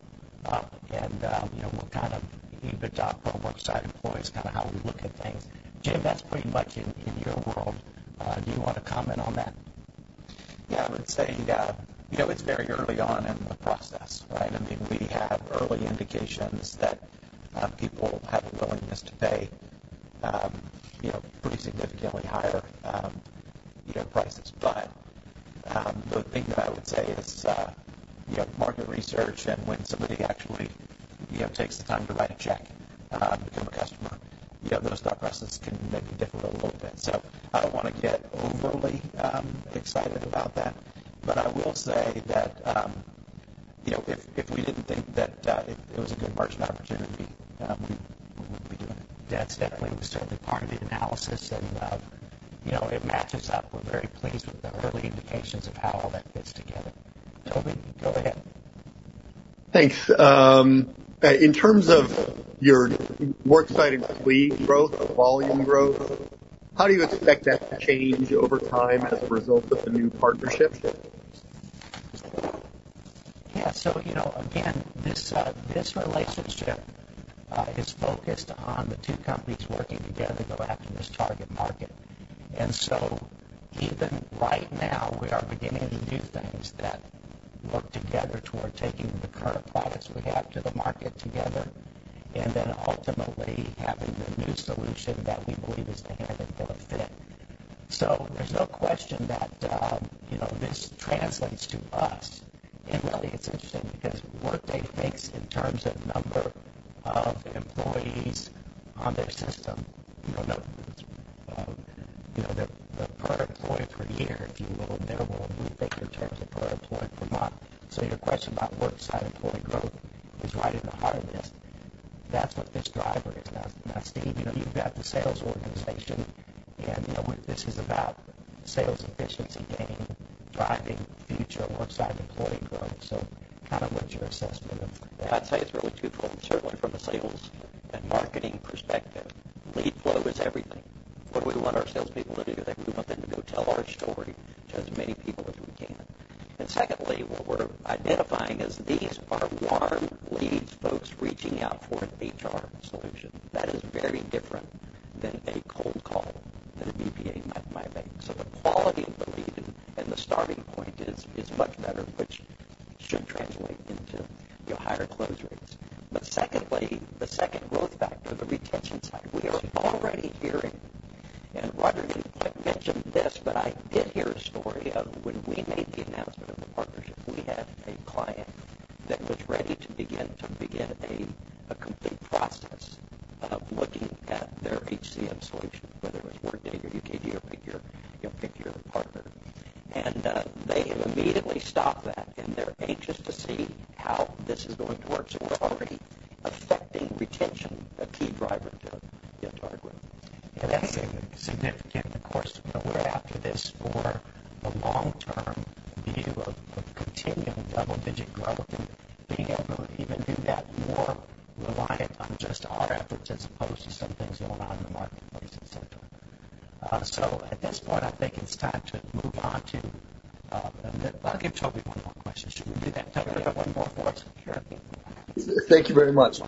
up. And you know, we're kind of EBITDA per worksite employee is kind of how we look at things. Jim, that's pretty much in, in your world. Do you want to comment on that? Yeah, I would say, you know, it's very early on in the process, right? I mean, we have early indications that, people have a willingness to pay, you know, pretty significantly higher, you know, prices. But, the thing that I would say is, you know, market research and when somebody actually, you know, takes the time to write a check, and become a customer, you know, those dot prices can maybe differ a little bit. So I don't want to get overly, excited about that, but I will say that, you know, if, if we didn't think that, it, it was a good margin opportunity, we wouldn't be doing it. That's definitely certainly part of the analysis and, you know, it matches up. We're very pleased with the early indications of how all that fits together. Tobey, go ahead. Thanks. In terms of your worksite employee growth, volume growth, how do you expect that to change over time as a result of the new partnership? Yeah, so, you know, again, this relationship is focused on the two companies working together to go after this target market. And so even right now, we are beginning to do things that work together toward taking the current products we have to the market together, and then ultimately having the new solution that we believe is a hand in glove fit. So there's no question that, you know, this translates to us. And really, it's interesting because Workday thinks in terms of number of employees on their system, you know, you know, the per employee per year, if you will, and they will think in terms of per employee per month. So your question about worksite employee growth is right in the heart of this. That's what this driver is. Now, now, Steve, you know, you've got the sales organization, and, you know, this is about sales efficiency gain, driving future worksite employee growth. So kind of what's your assessment of that? I'd say it's really twofold, certainly from a sales and marketing perspective, lead flow is everything. What do we want our salespeople to do? We want them to go tell our story to as many people as we can. Secondly, what we're identifying is these are warm leads, folks reaching out for an HR solution. That is very different than a cold call that a BPA might make. So the quality of the lead and the starting point is much better, which should translate into, you know, higher close rates. But secondly, the second growth factor, the retention side, we are already hearing, and Roger, you mentioned this, but I did hear a story of when we made the announcement of the partnership, we had a client that was ready to begin a complete process of looking at their HCM solution, whether it was Workday or UKG or pick your, you know, pick your partner. And they have immediately stopped that, and they're anxious to see how this is going to work. So we're already affecting retention, a key driver to the target group. That's significant. Of course, we're after this for the long term view of continuing double-digit growth and being able to even do that more reliant on just our efforts as opposed to some things going on in the marketplace, et cetera. So at this point, I think it's time to move on to. I'll give Tobey one more question. Should we do that, Tobey? One more for us? Sure. Thank you very much.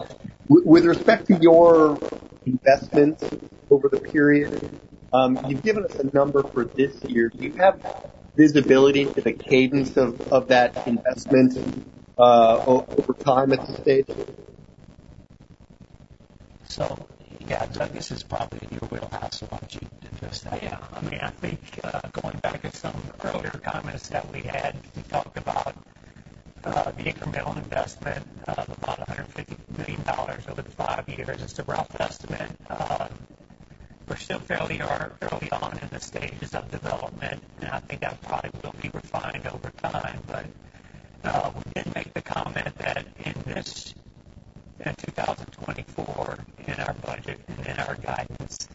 With respect to your investments over the period, you've given us a number for this year. Do you have visibility to the cadence of that investment, over time at this stage? So, yeah, Doug, this is probably your wheelhouse, so why don't you address that? Yeah, I mean, I think, going back to some earlier comments that we had, we talked about the incremental investment of about $150 million over the five years. It's a rough estimate. We're still fairly early on in the stages of development, and I think that probably will be refined over time. But we did make the comment that in this, in 2024, in our budget and in our guidance,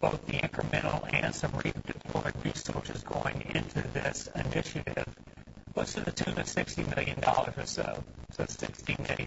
both the incremental and some redeployed resources going into this initiative was to the tune of $60 million or so. So $60 million,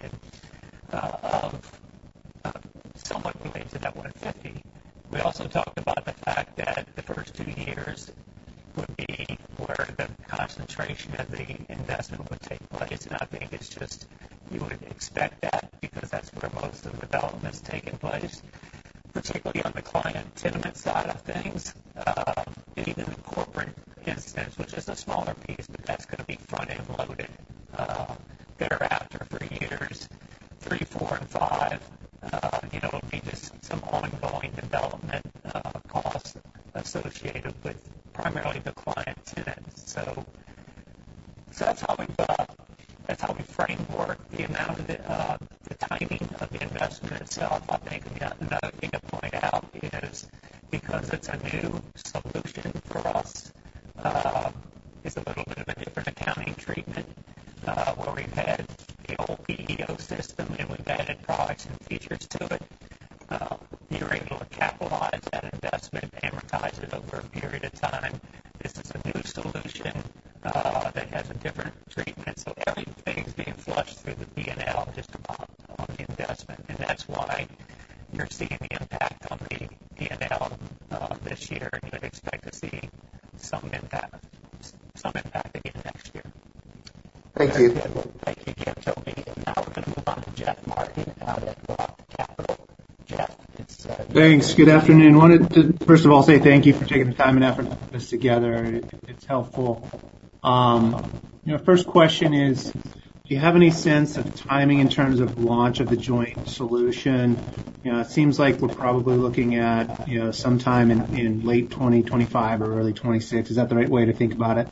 Thanks. Good afternoon. Wanted to, first of all, say thank you for taking the time and effort to put this together. It's helpful. You know, first question is, do you have any sense of timing in terms of launch of the joint solution? You know, it seems like we're probably looking at, you know, sometime in, in late 2025 or early 2026. Is that the right way to think about it?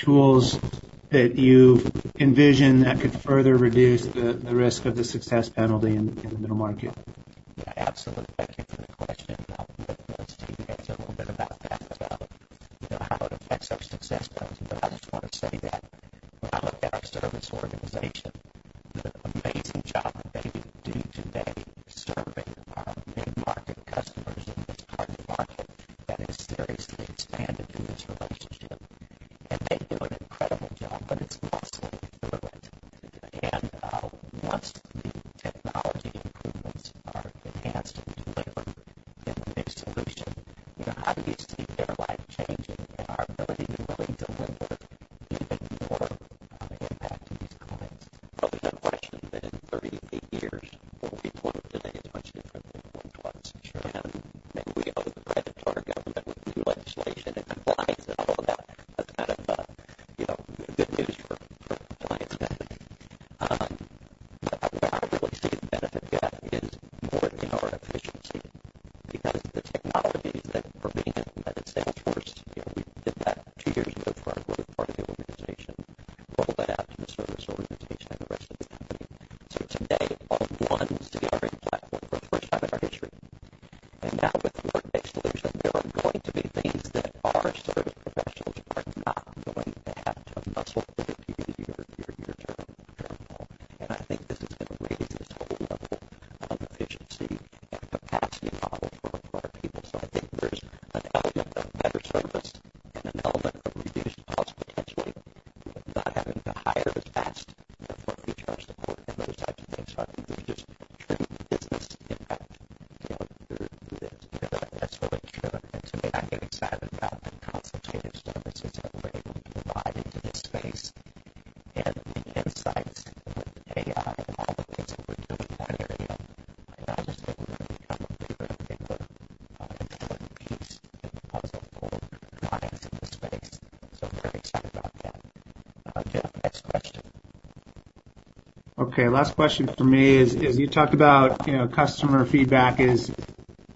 tools that you envision that could further reduce the risk of the Success Penalty in the middle market?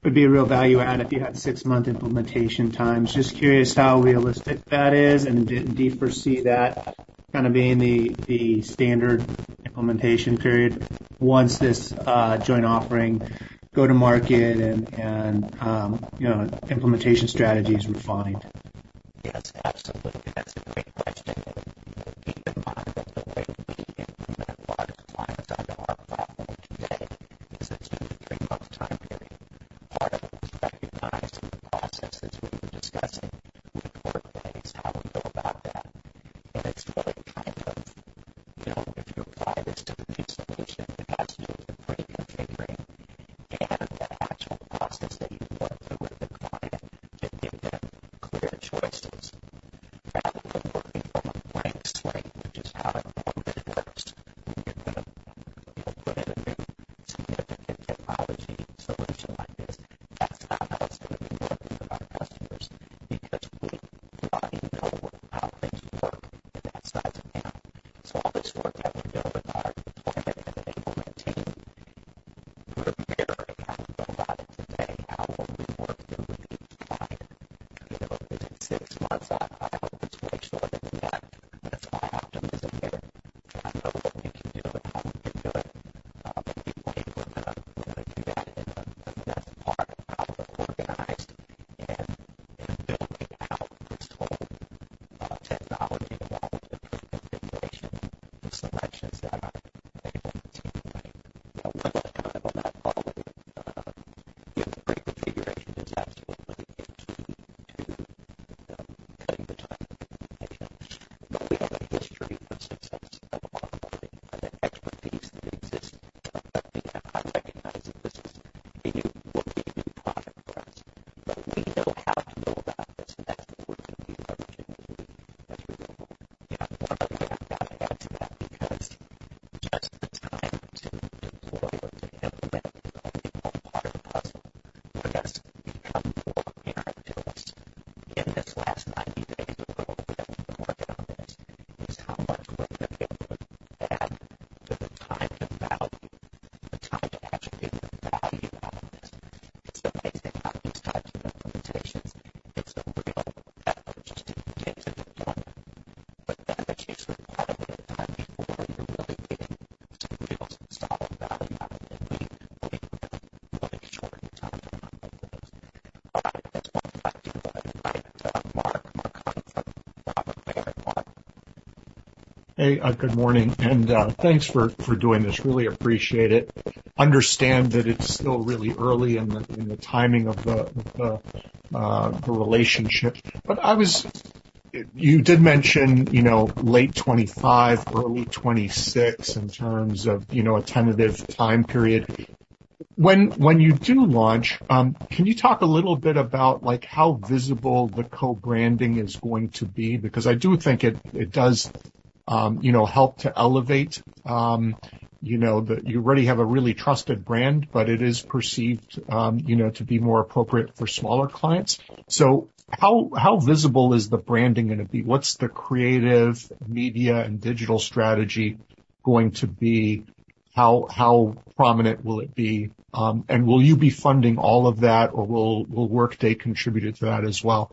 would be a real value add if you had 6-month implementation times. Just curious how realistic that is, and do you foresee that kind of being the standard implementation period once this joint offering go to market and, you know, implementation strategy is refined? you know, help to elevate, you know, that you already have a really trusted brand, but it is perceived, you know, to be more appropriate for smaller clients. So how visible is the branding going to be? What's the creative media and digital strategy going to be? How prominent will it be? Will you be funding all of that, or will Workday contribute to that as well?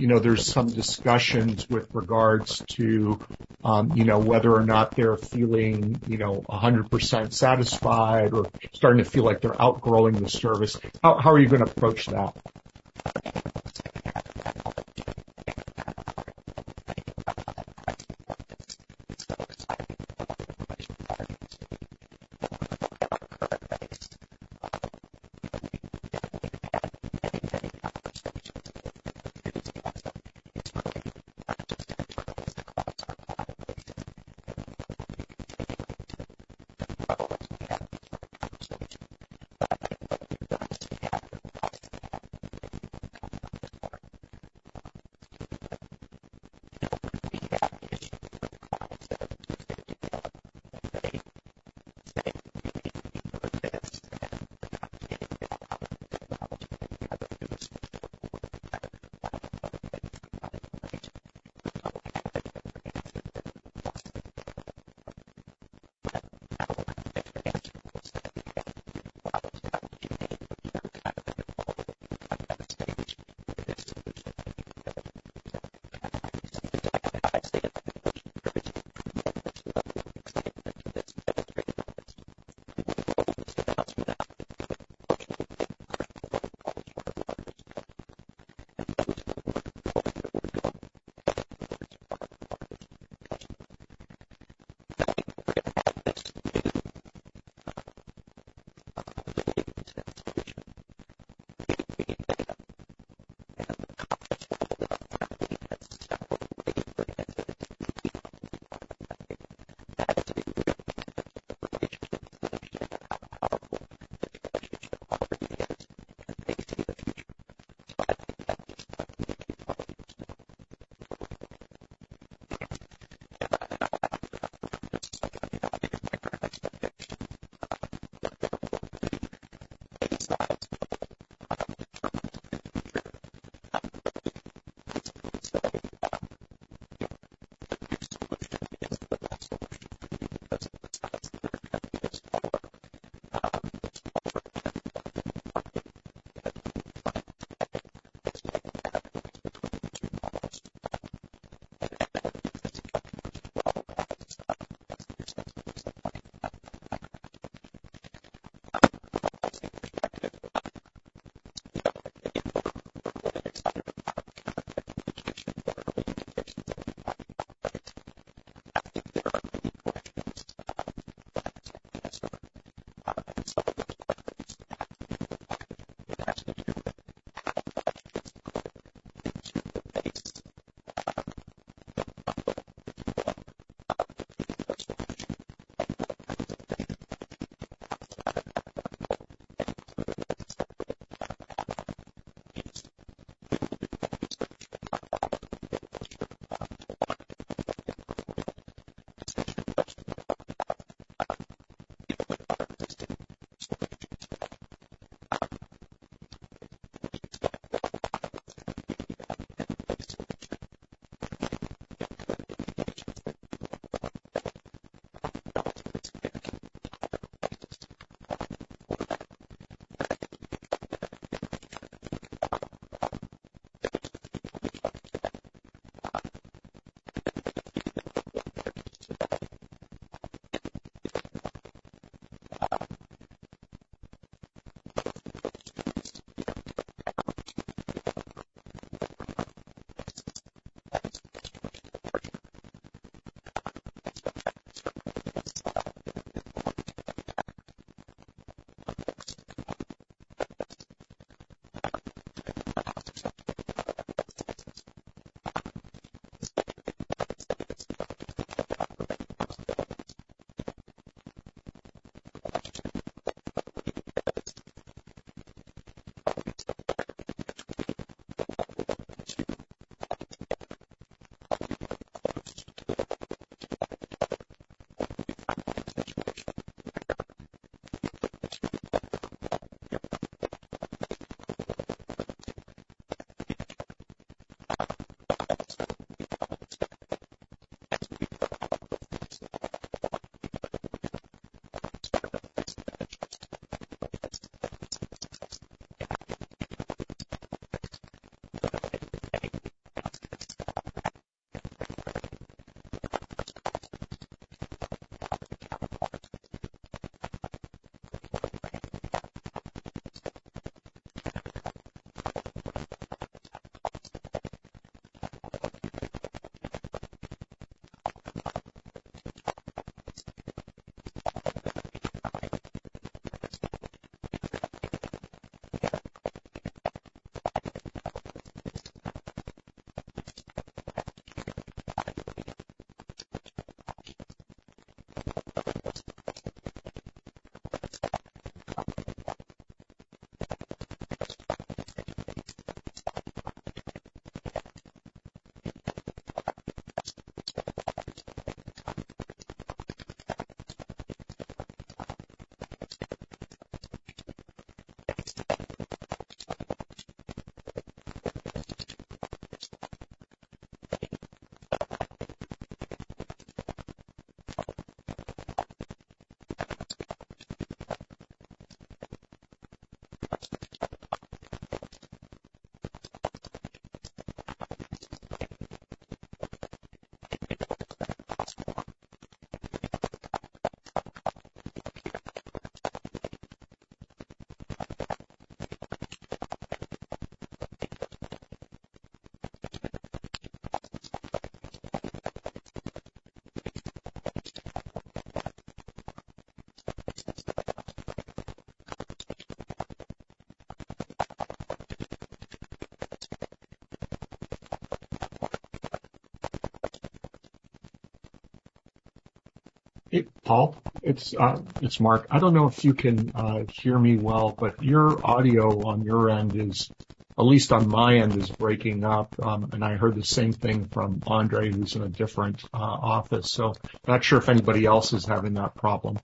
you know, there's some discussions with regards to, you know, whether or not they're feeling, you know, 100% satisfied or starting to feel like they're outgrowing the service? How are you going to approach that? ...... Hey, Paul, it's Mark. I don't know if you can hear me well, but your audio on your end is, at least on my end, breaking up. And I heard the same thing from Andrew, who's in a different office, so not sure if anybody else is having that problem.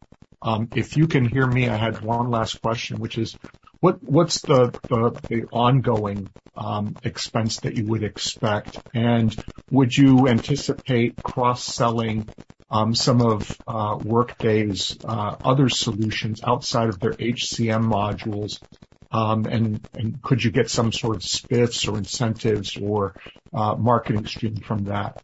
If you can hear me, I had one last question, which is: what's the ongoing expense that you would expect? And would you anticipate cross-selling some of Workday's other solutions outside of their HCM modules? And could you get some sort of spiffs or incentives or marketing stream from that?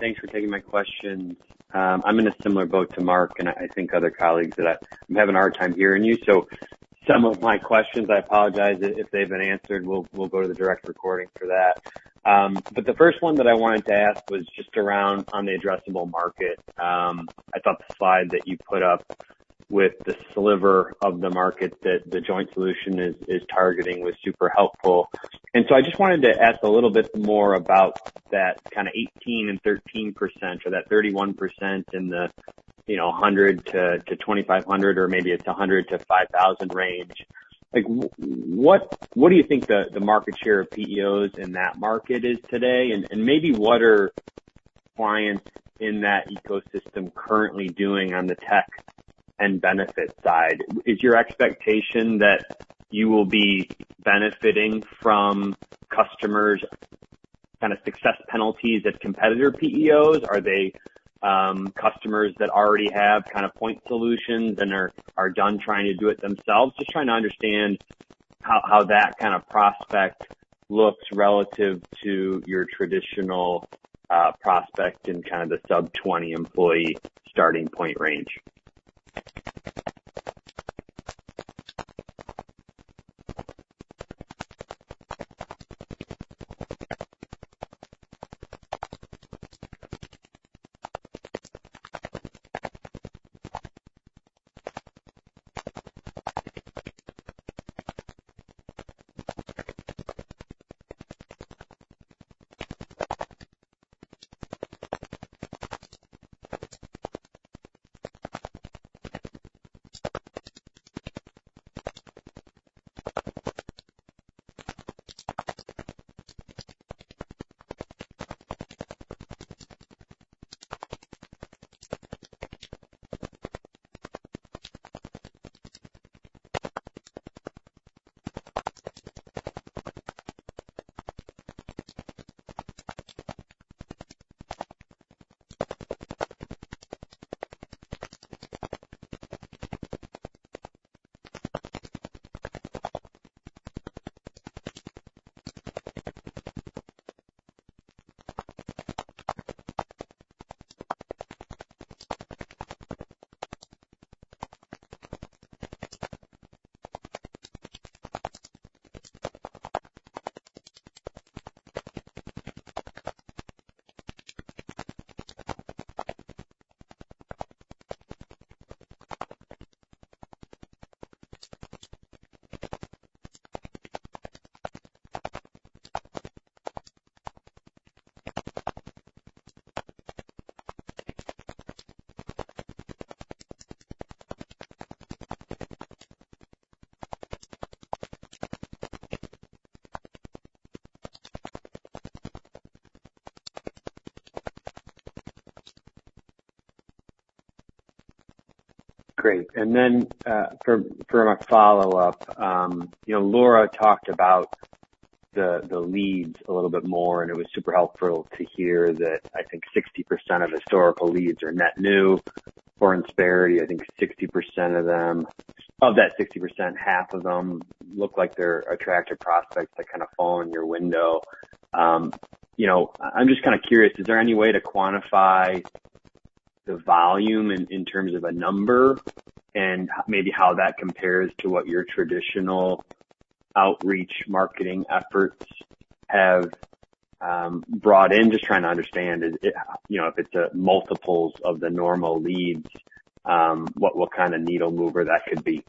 Hi, everyone. Thanks for taking my questions. I'm in a similar boat to Mark, and I'm having a hard time hearing you. So some of my questions, I apologize if they've been answered, we'll go to the direct recording for that. But the first one that I wanted to ask was just around on the addressable market. I thought the slide that you put up with the sliver of the market that the joint solution is targeting was super helpful. And so I just wanted to ask a little bit more about that kind of 18% and 13%, or that 31% in the, you know, 100-2,500, or maybe it's a 100-5,000 range. Like, what do you think the market share of PEOs in that market is today? And maybe what are clients in that ecosystem currently doing on the tech and benefit side? Is your expectation that you will be benefiting from customers' kind of success penalties of competitor PEOs? Are they customers that already have kind of point solutions and are done trying to do it themselves? Just trying to understand how that kind of prospect looks relative to your traditional prospect in kind of the sub-20 employee starting point range. Great. And then, for my follow-up, you know, Laura talked about the leads a little bit more, and it was super helpful to hear that I think 60% of historical leads are net new. For Insperity, I think 60% of them... Of that 60%, half of them look like they're attractive prospects that kind of fall in your window. You know, I'm just kind of curious, is there any way to quantify the volume in, in terms of a number, and maybe how that compares to what your traditional outreach marketing efforts have, brought in? Just trying to understand, you know, if it's a multiples of the normal leads, what, what kind of needle mover that could be.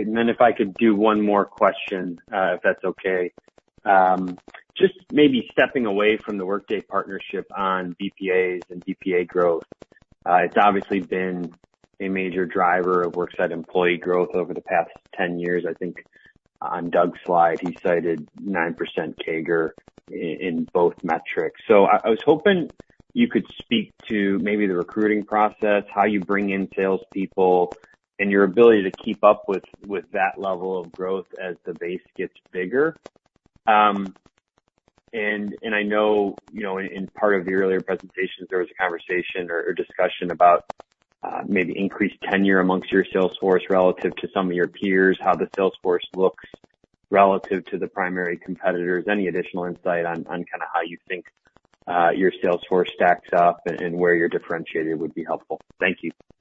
Great. And then if I could do one more question, if that's okay. Just maybe stepping away from the Workday partnership on BPAs and BPA growth. It's obviously been a major driver of Worksite Employee growth over the past 10 years. I think on Doug's slide, he cited 9% CAGR in, in both metrics. So I was hoping you could speak to maybe the recruiting process, how you bring in salespeople, and your ability to keep up with that level of growth as the base gets bigger. And I know, you know, in part of the earlier presentations, there was a conversation or a discussion about maybe increased tenure amongst your sales force relative to some of your peers, how the sales force looks relative to the primary competitors. Any additional insight on kind of how you think your sales force stacks up and where you're differentiated would be helpful. Thank you.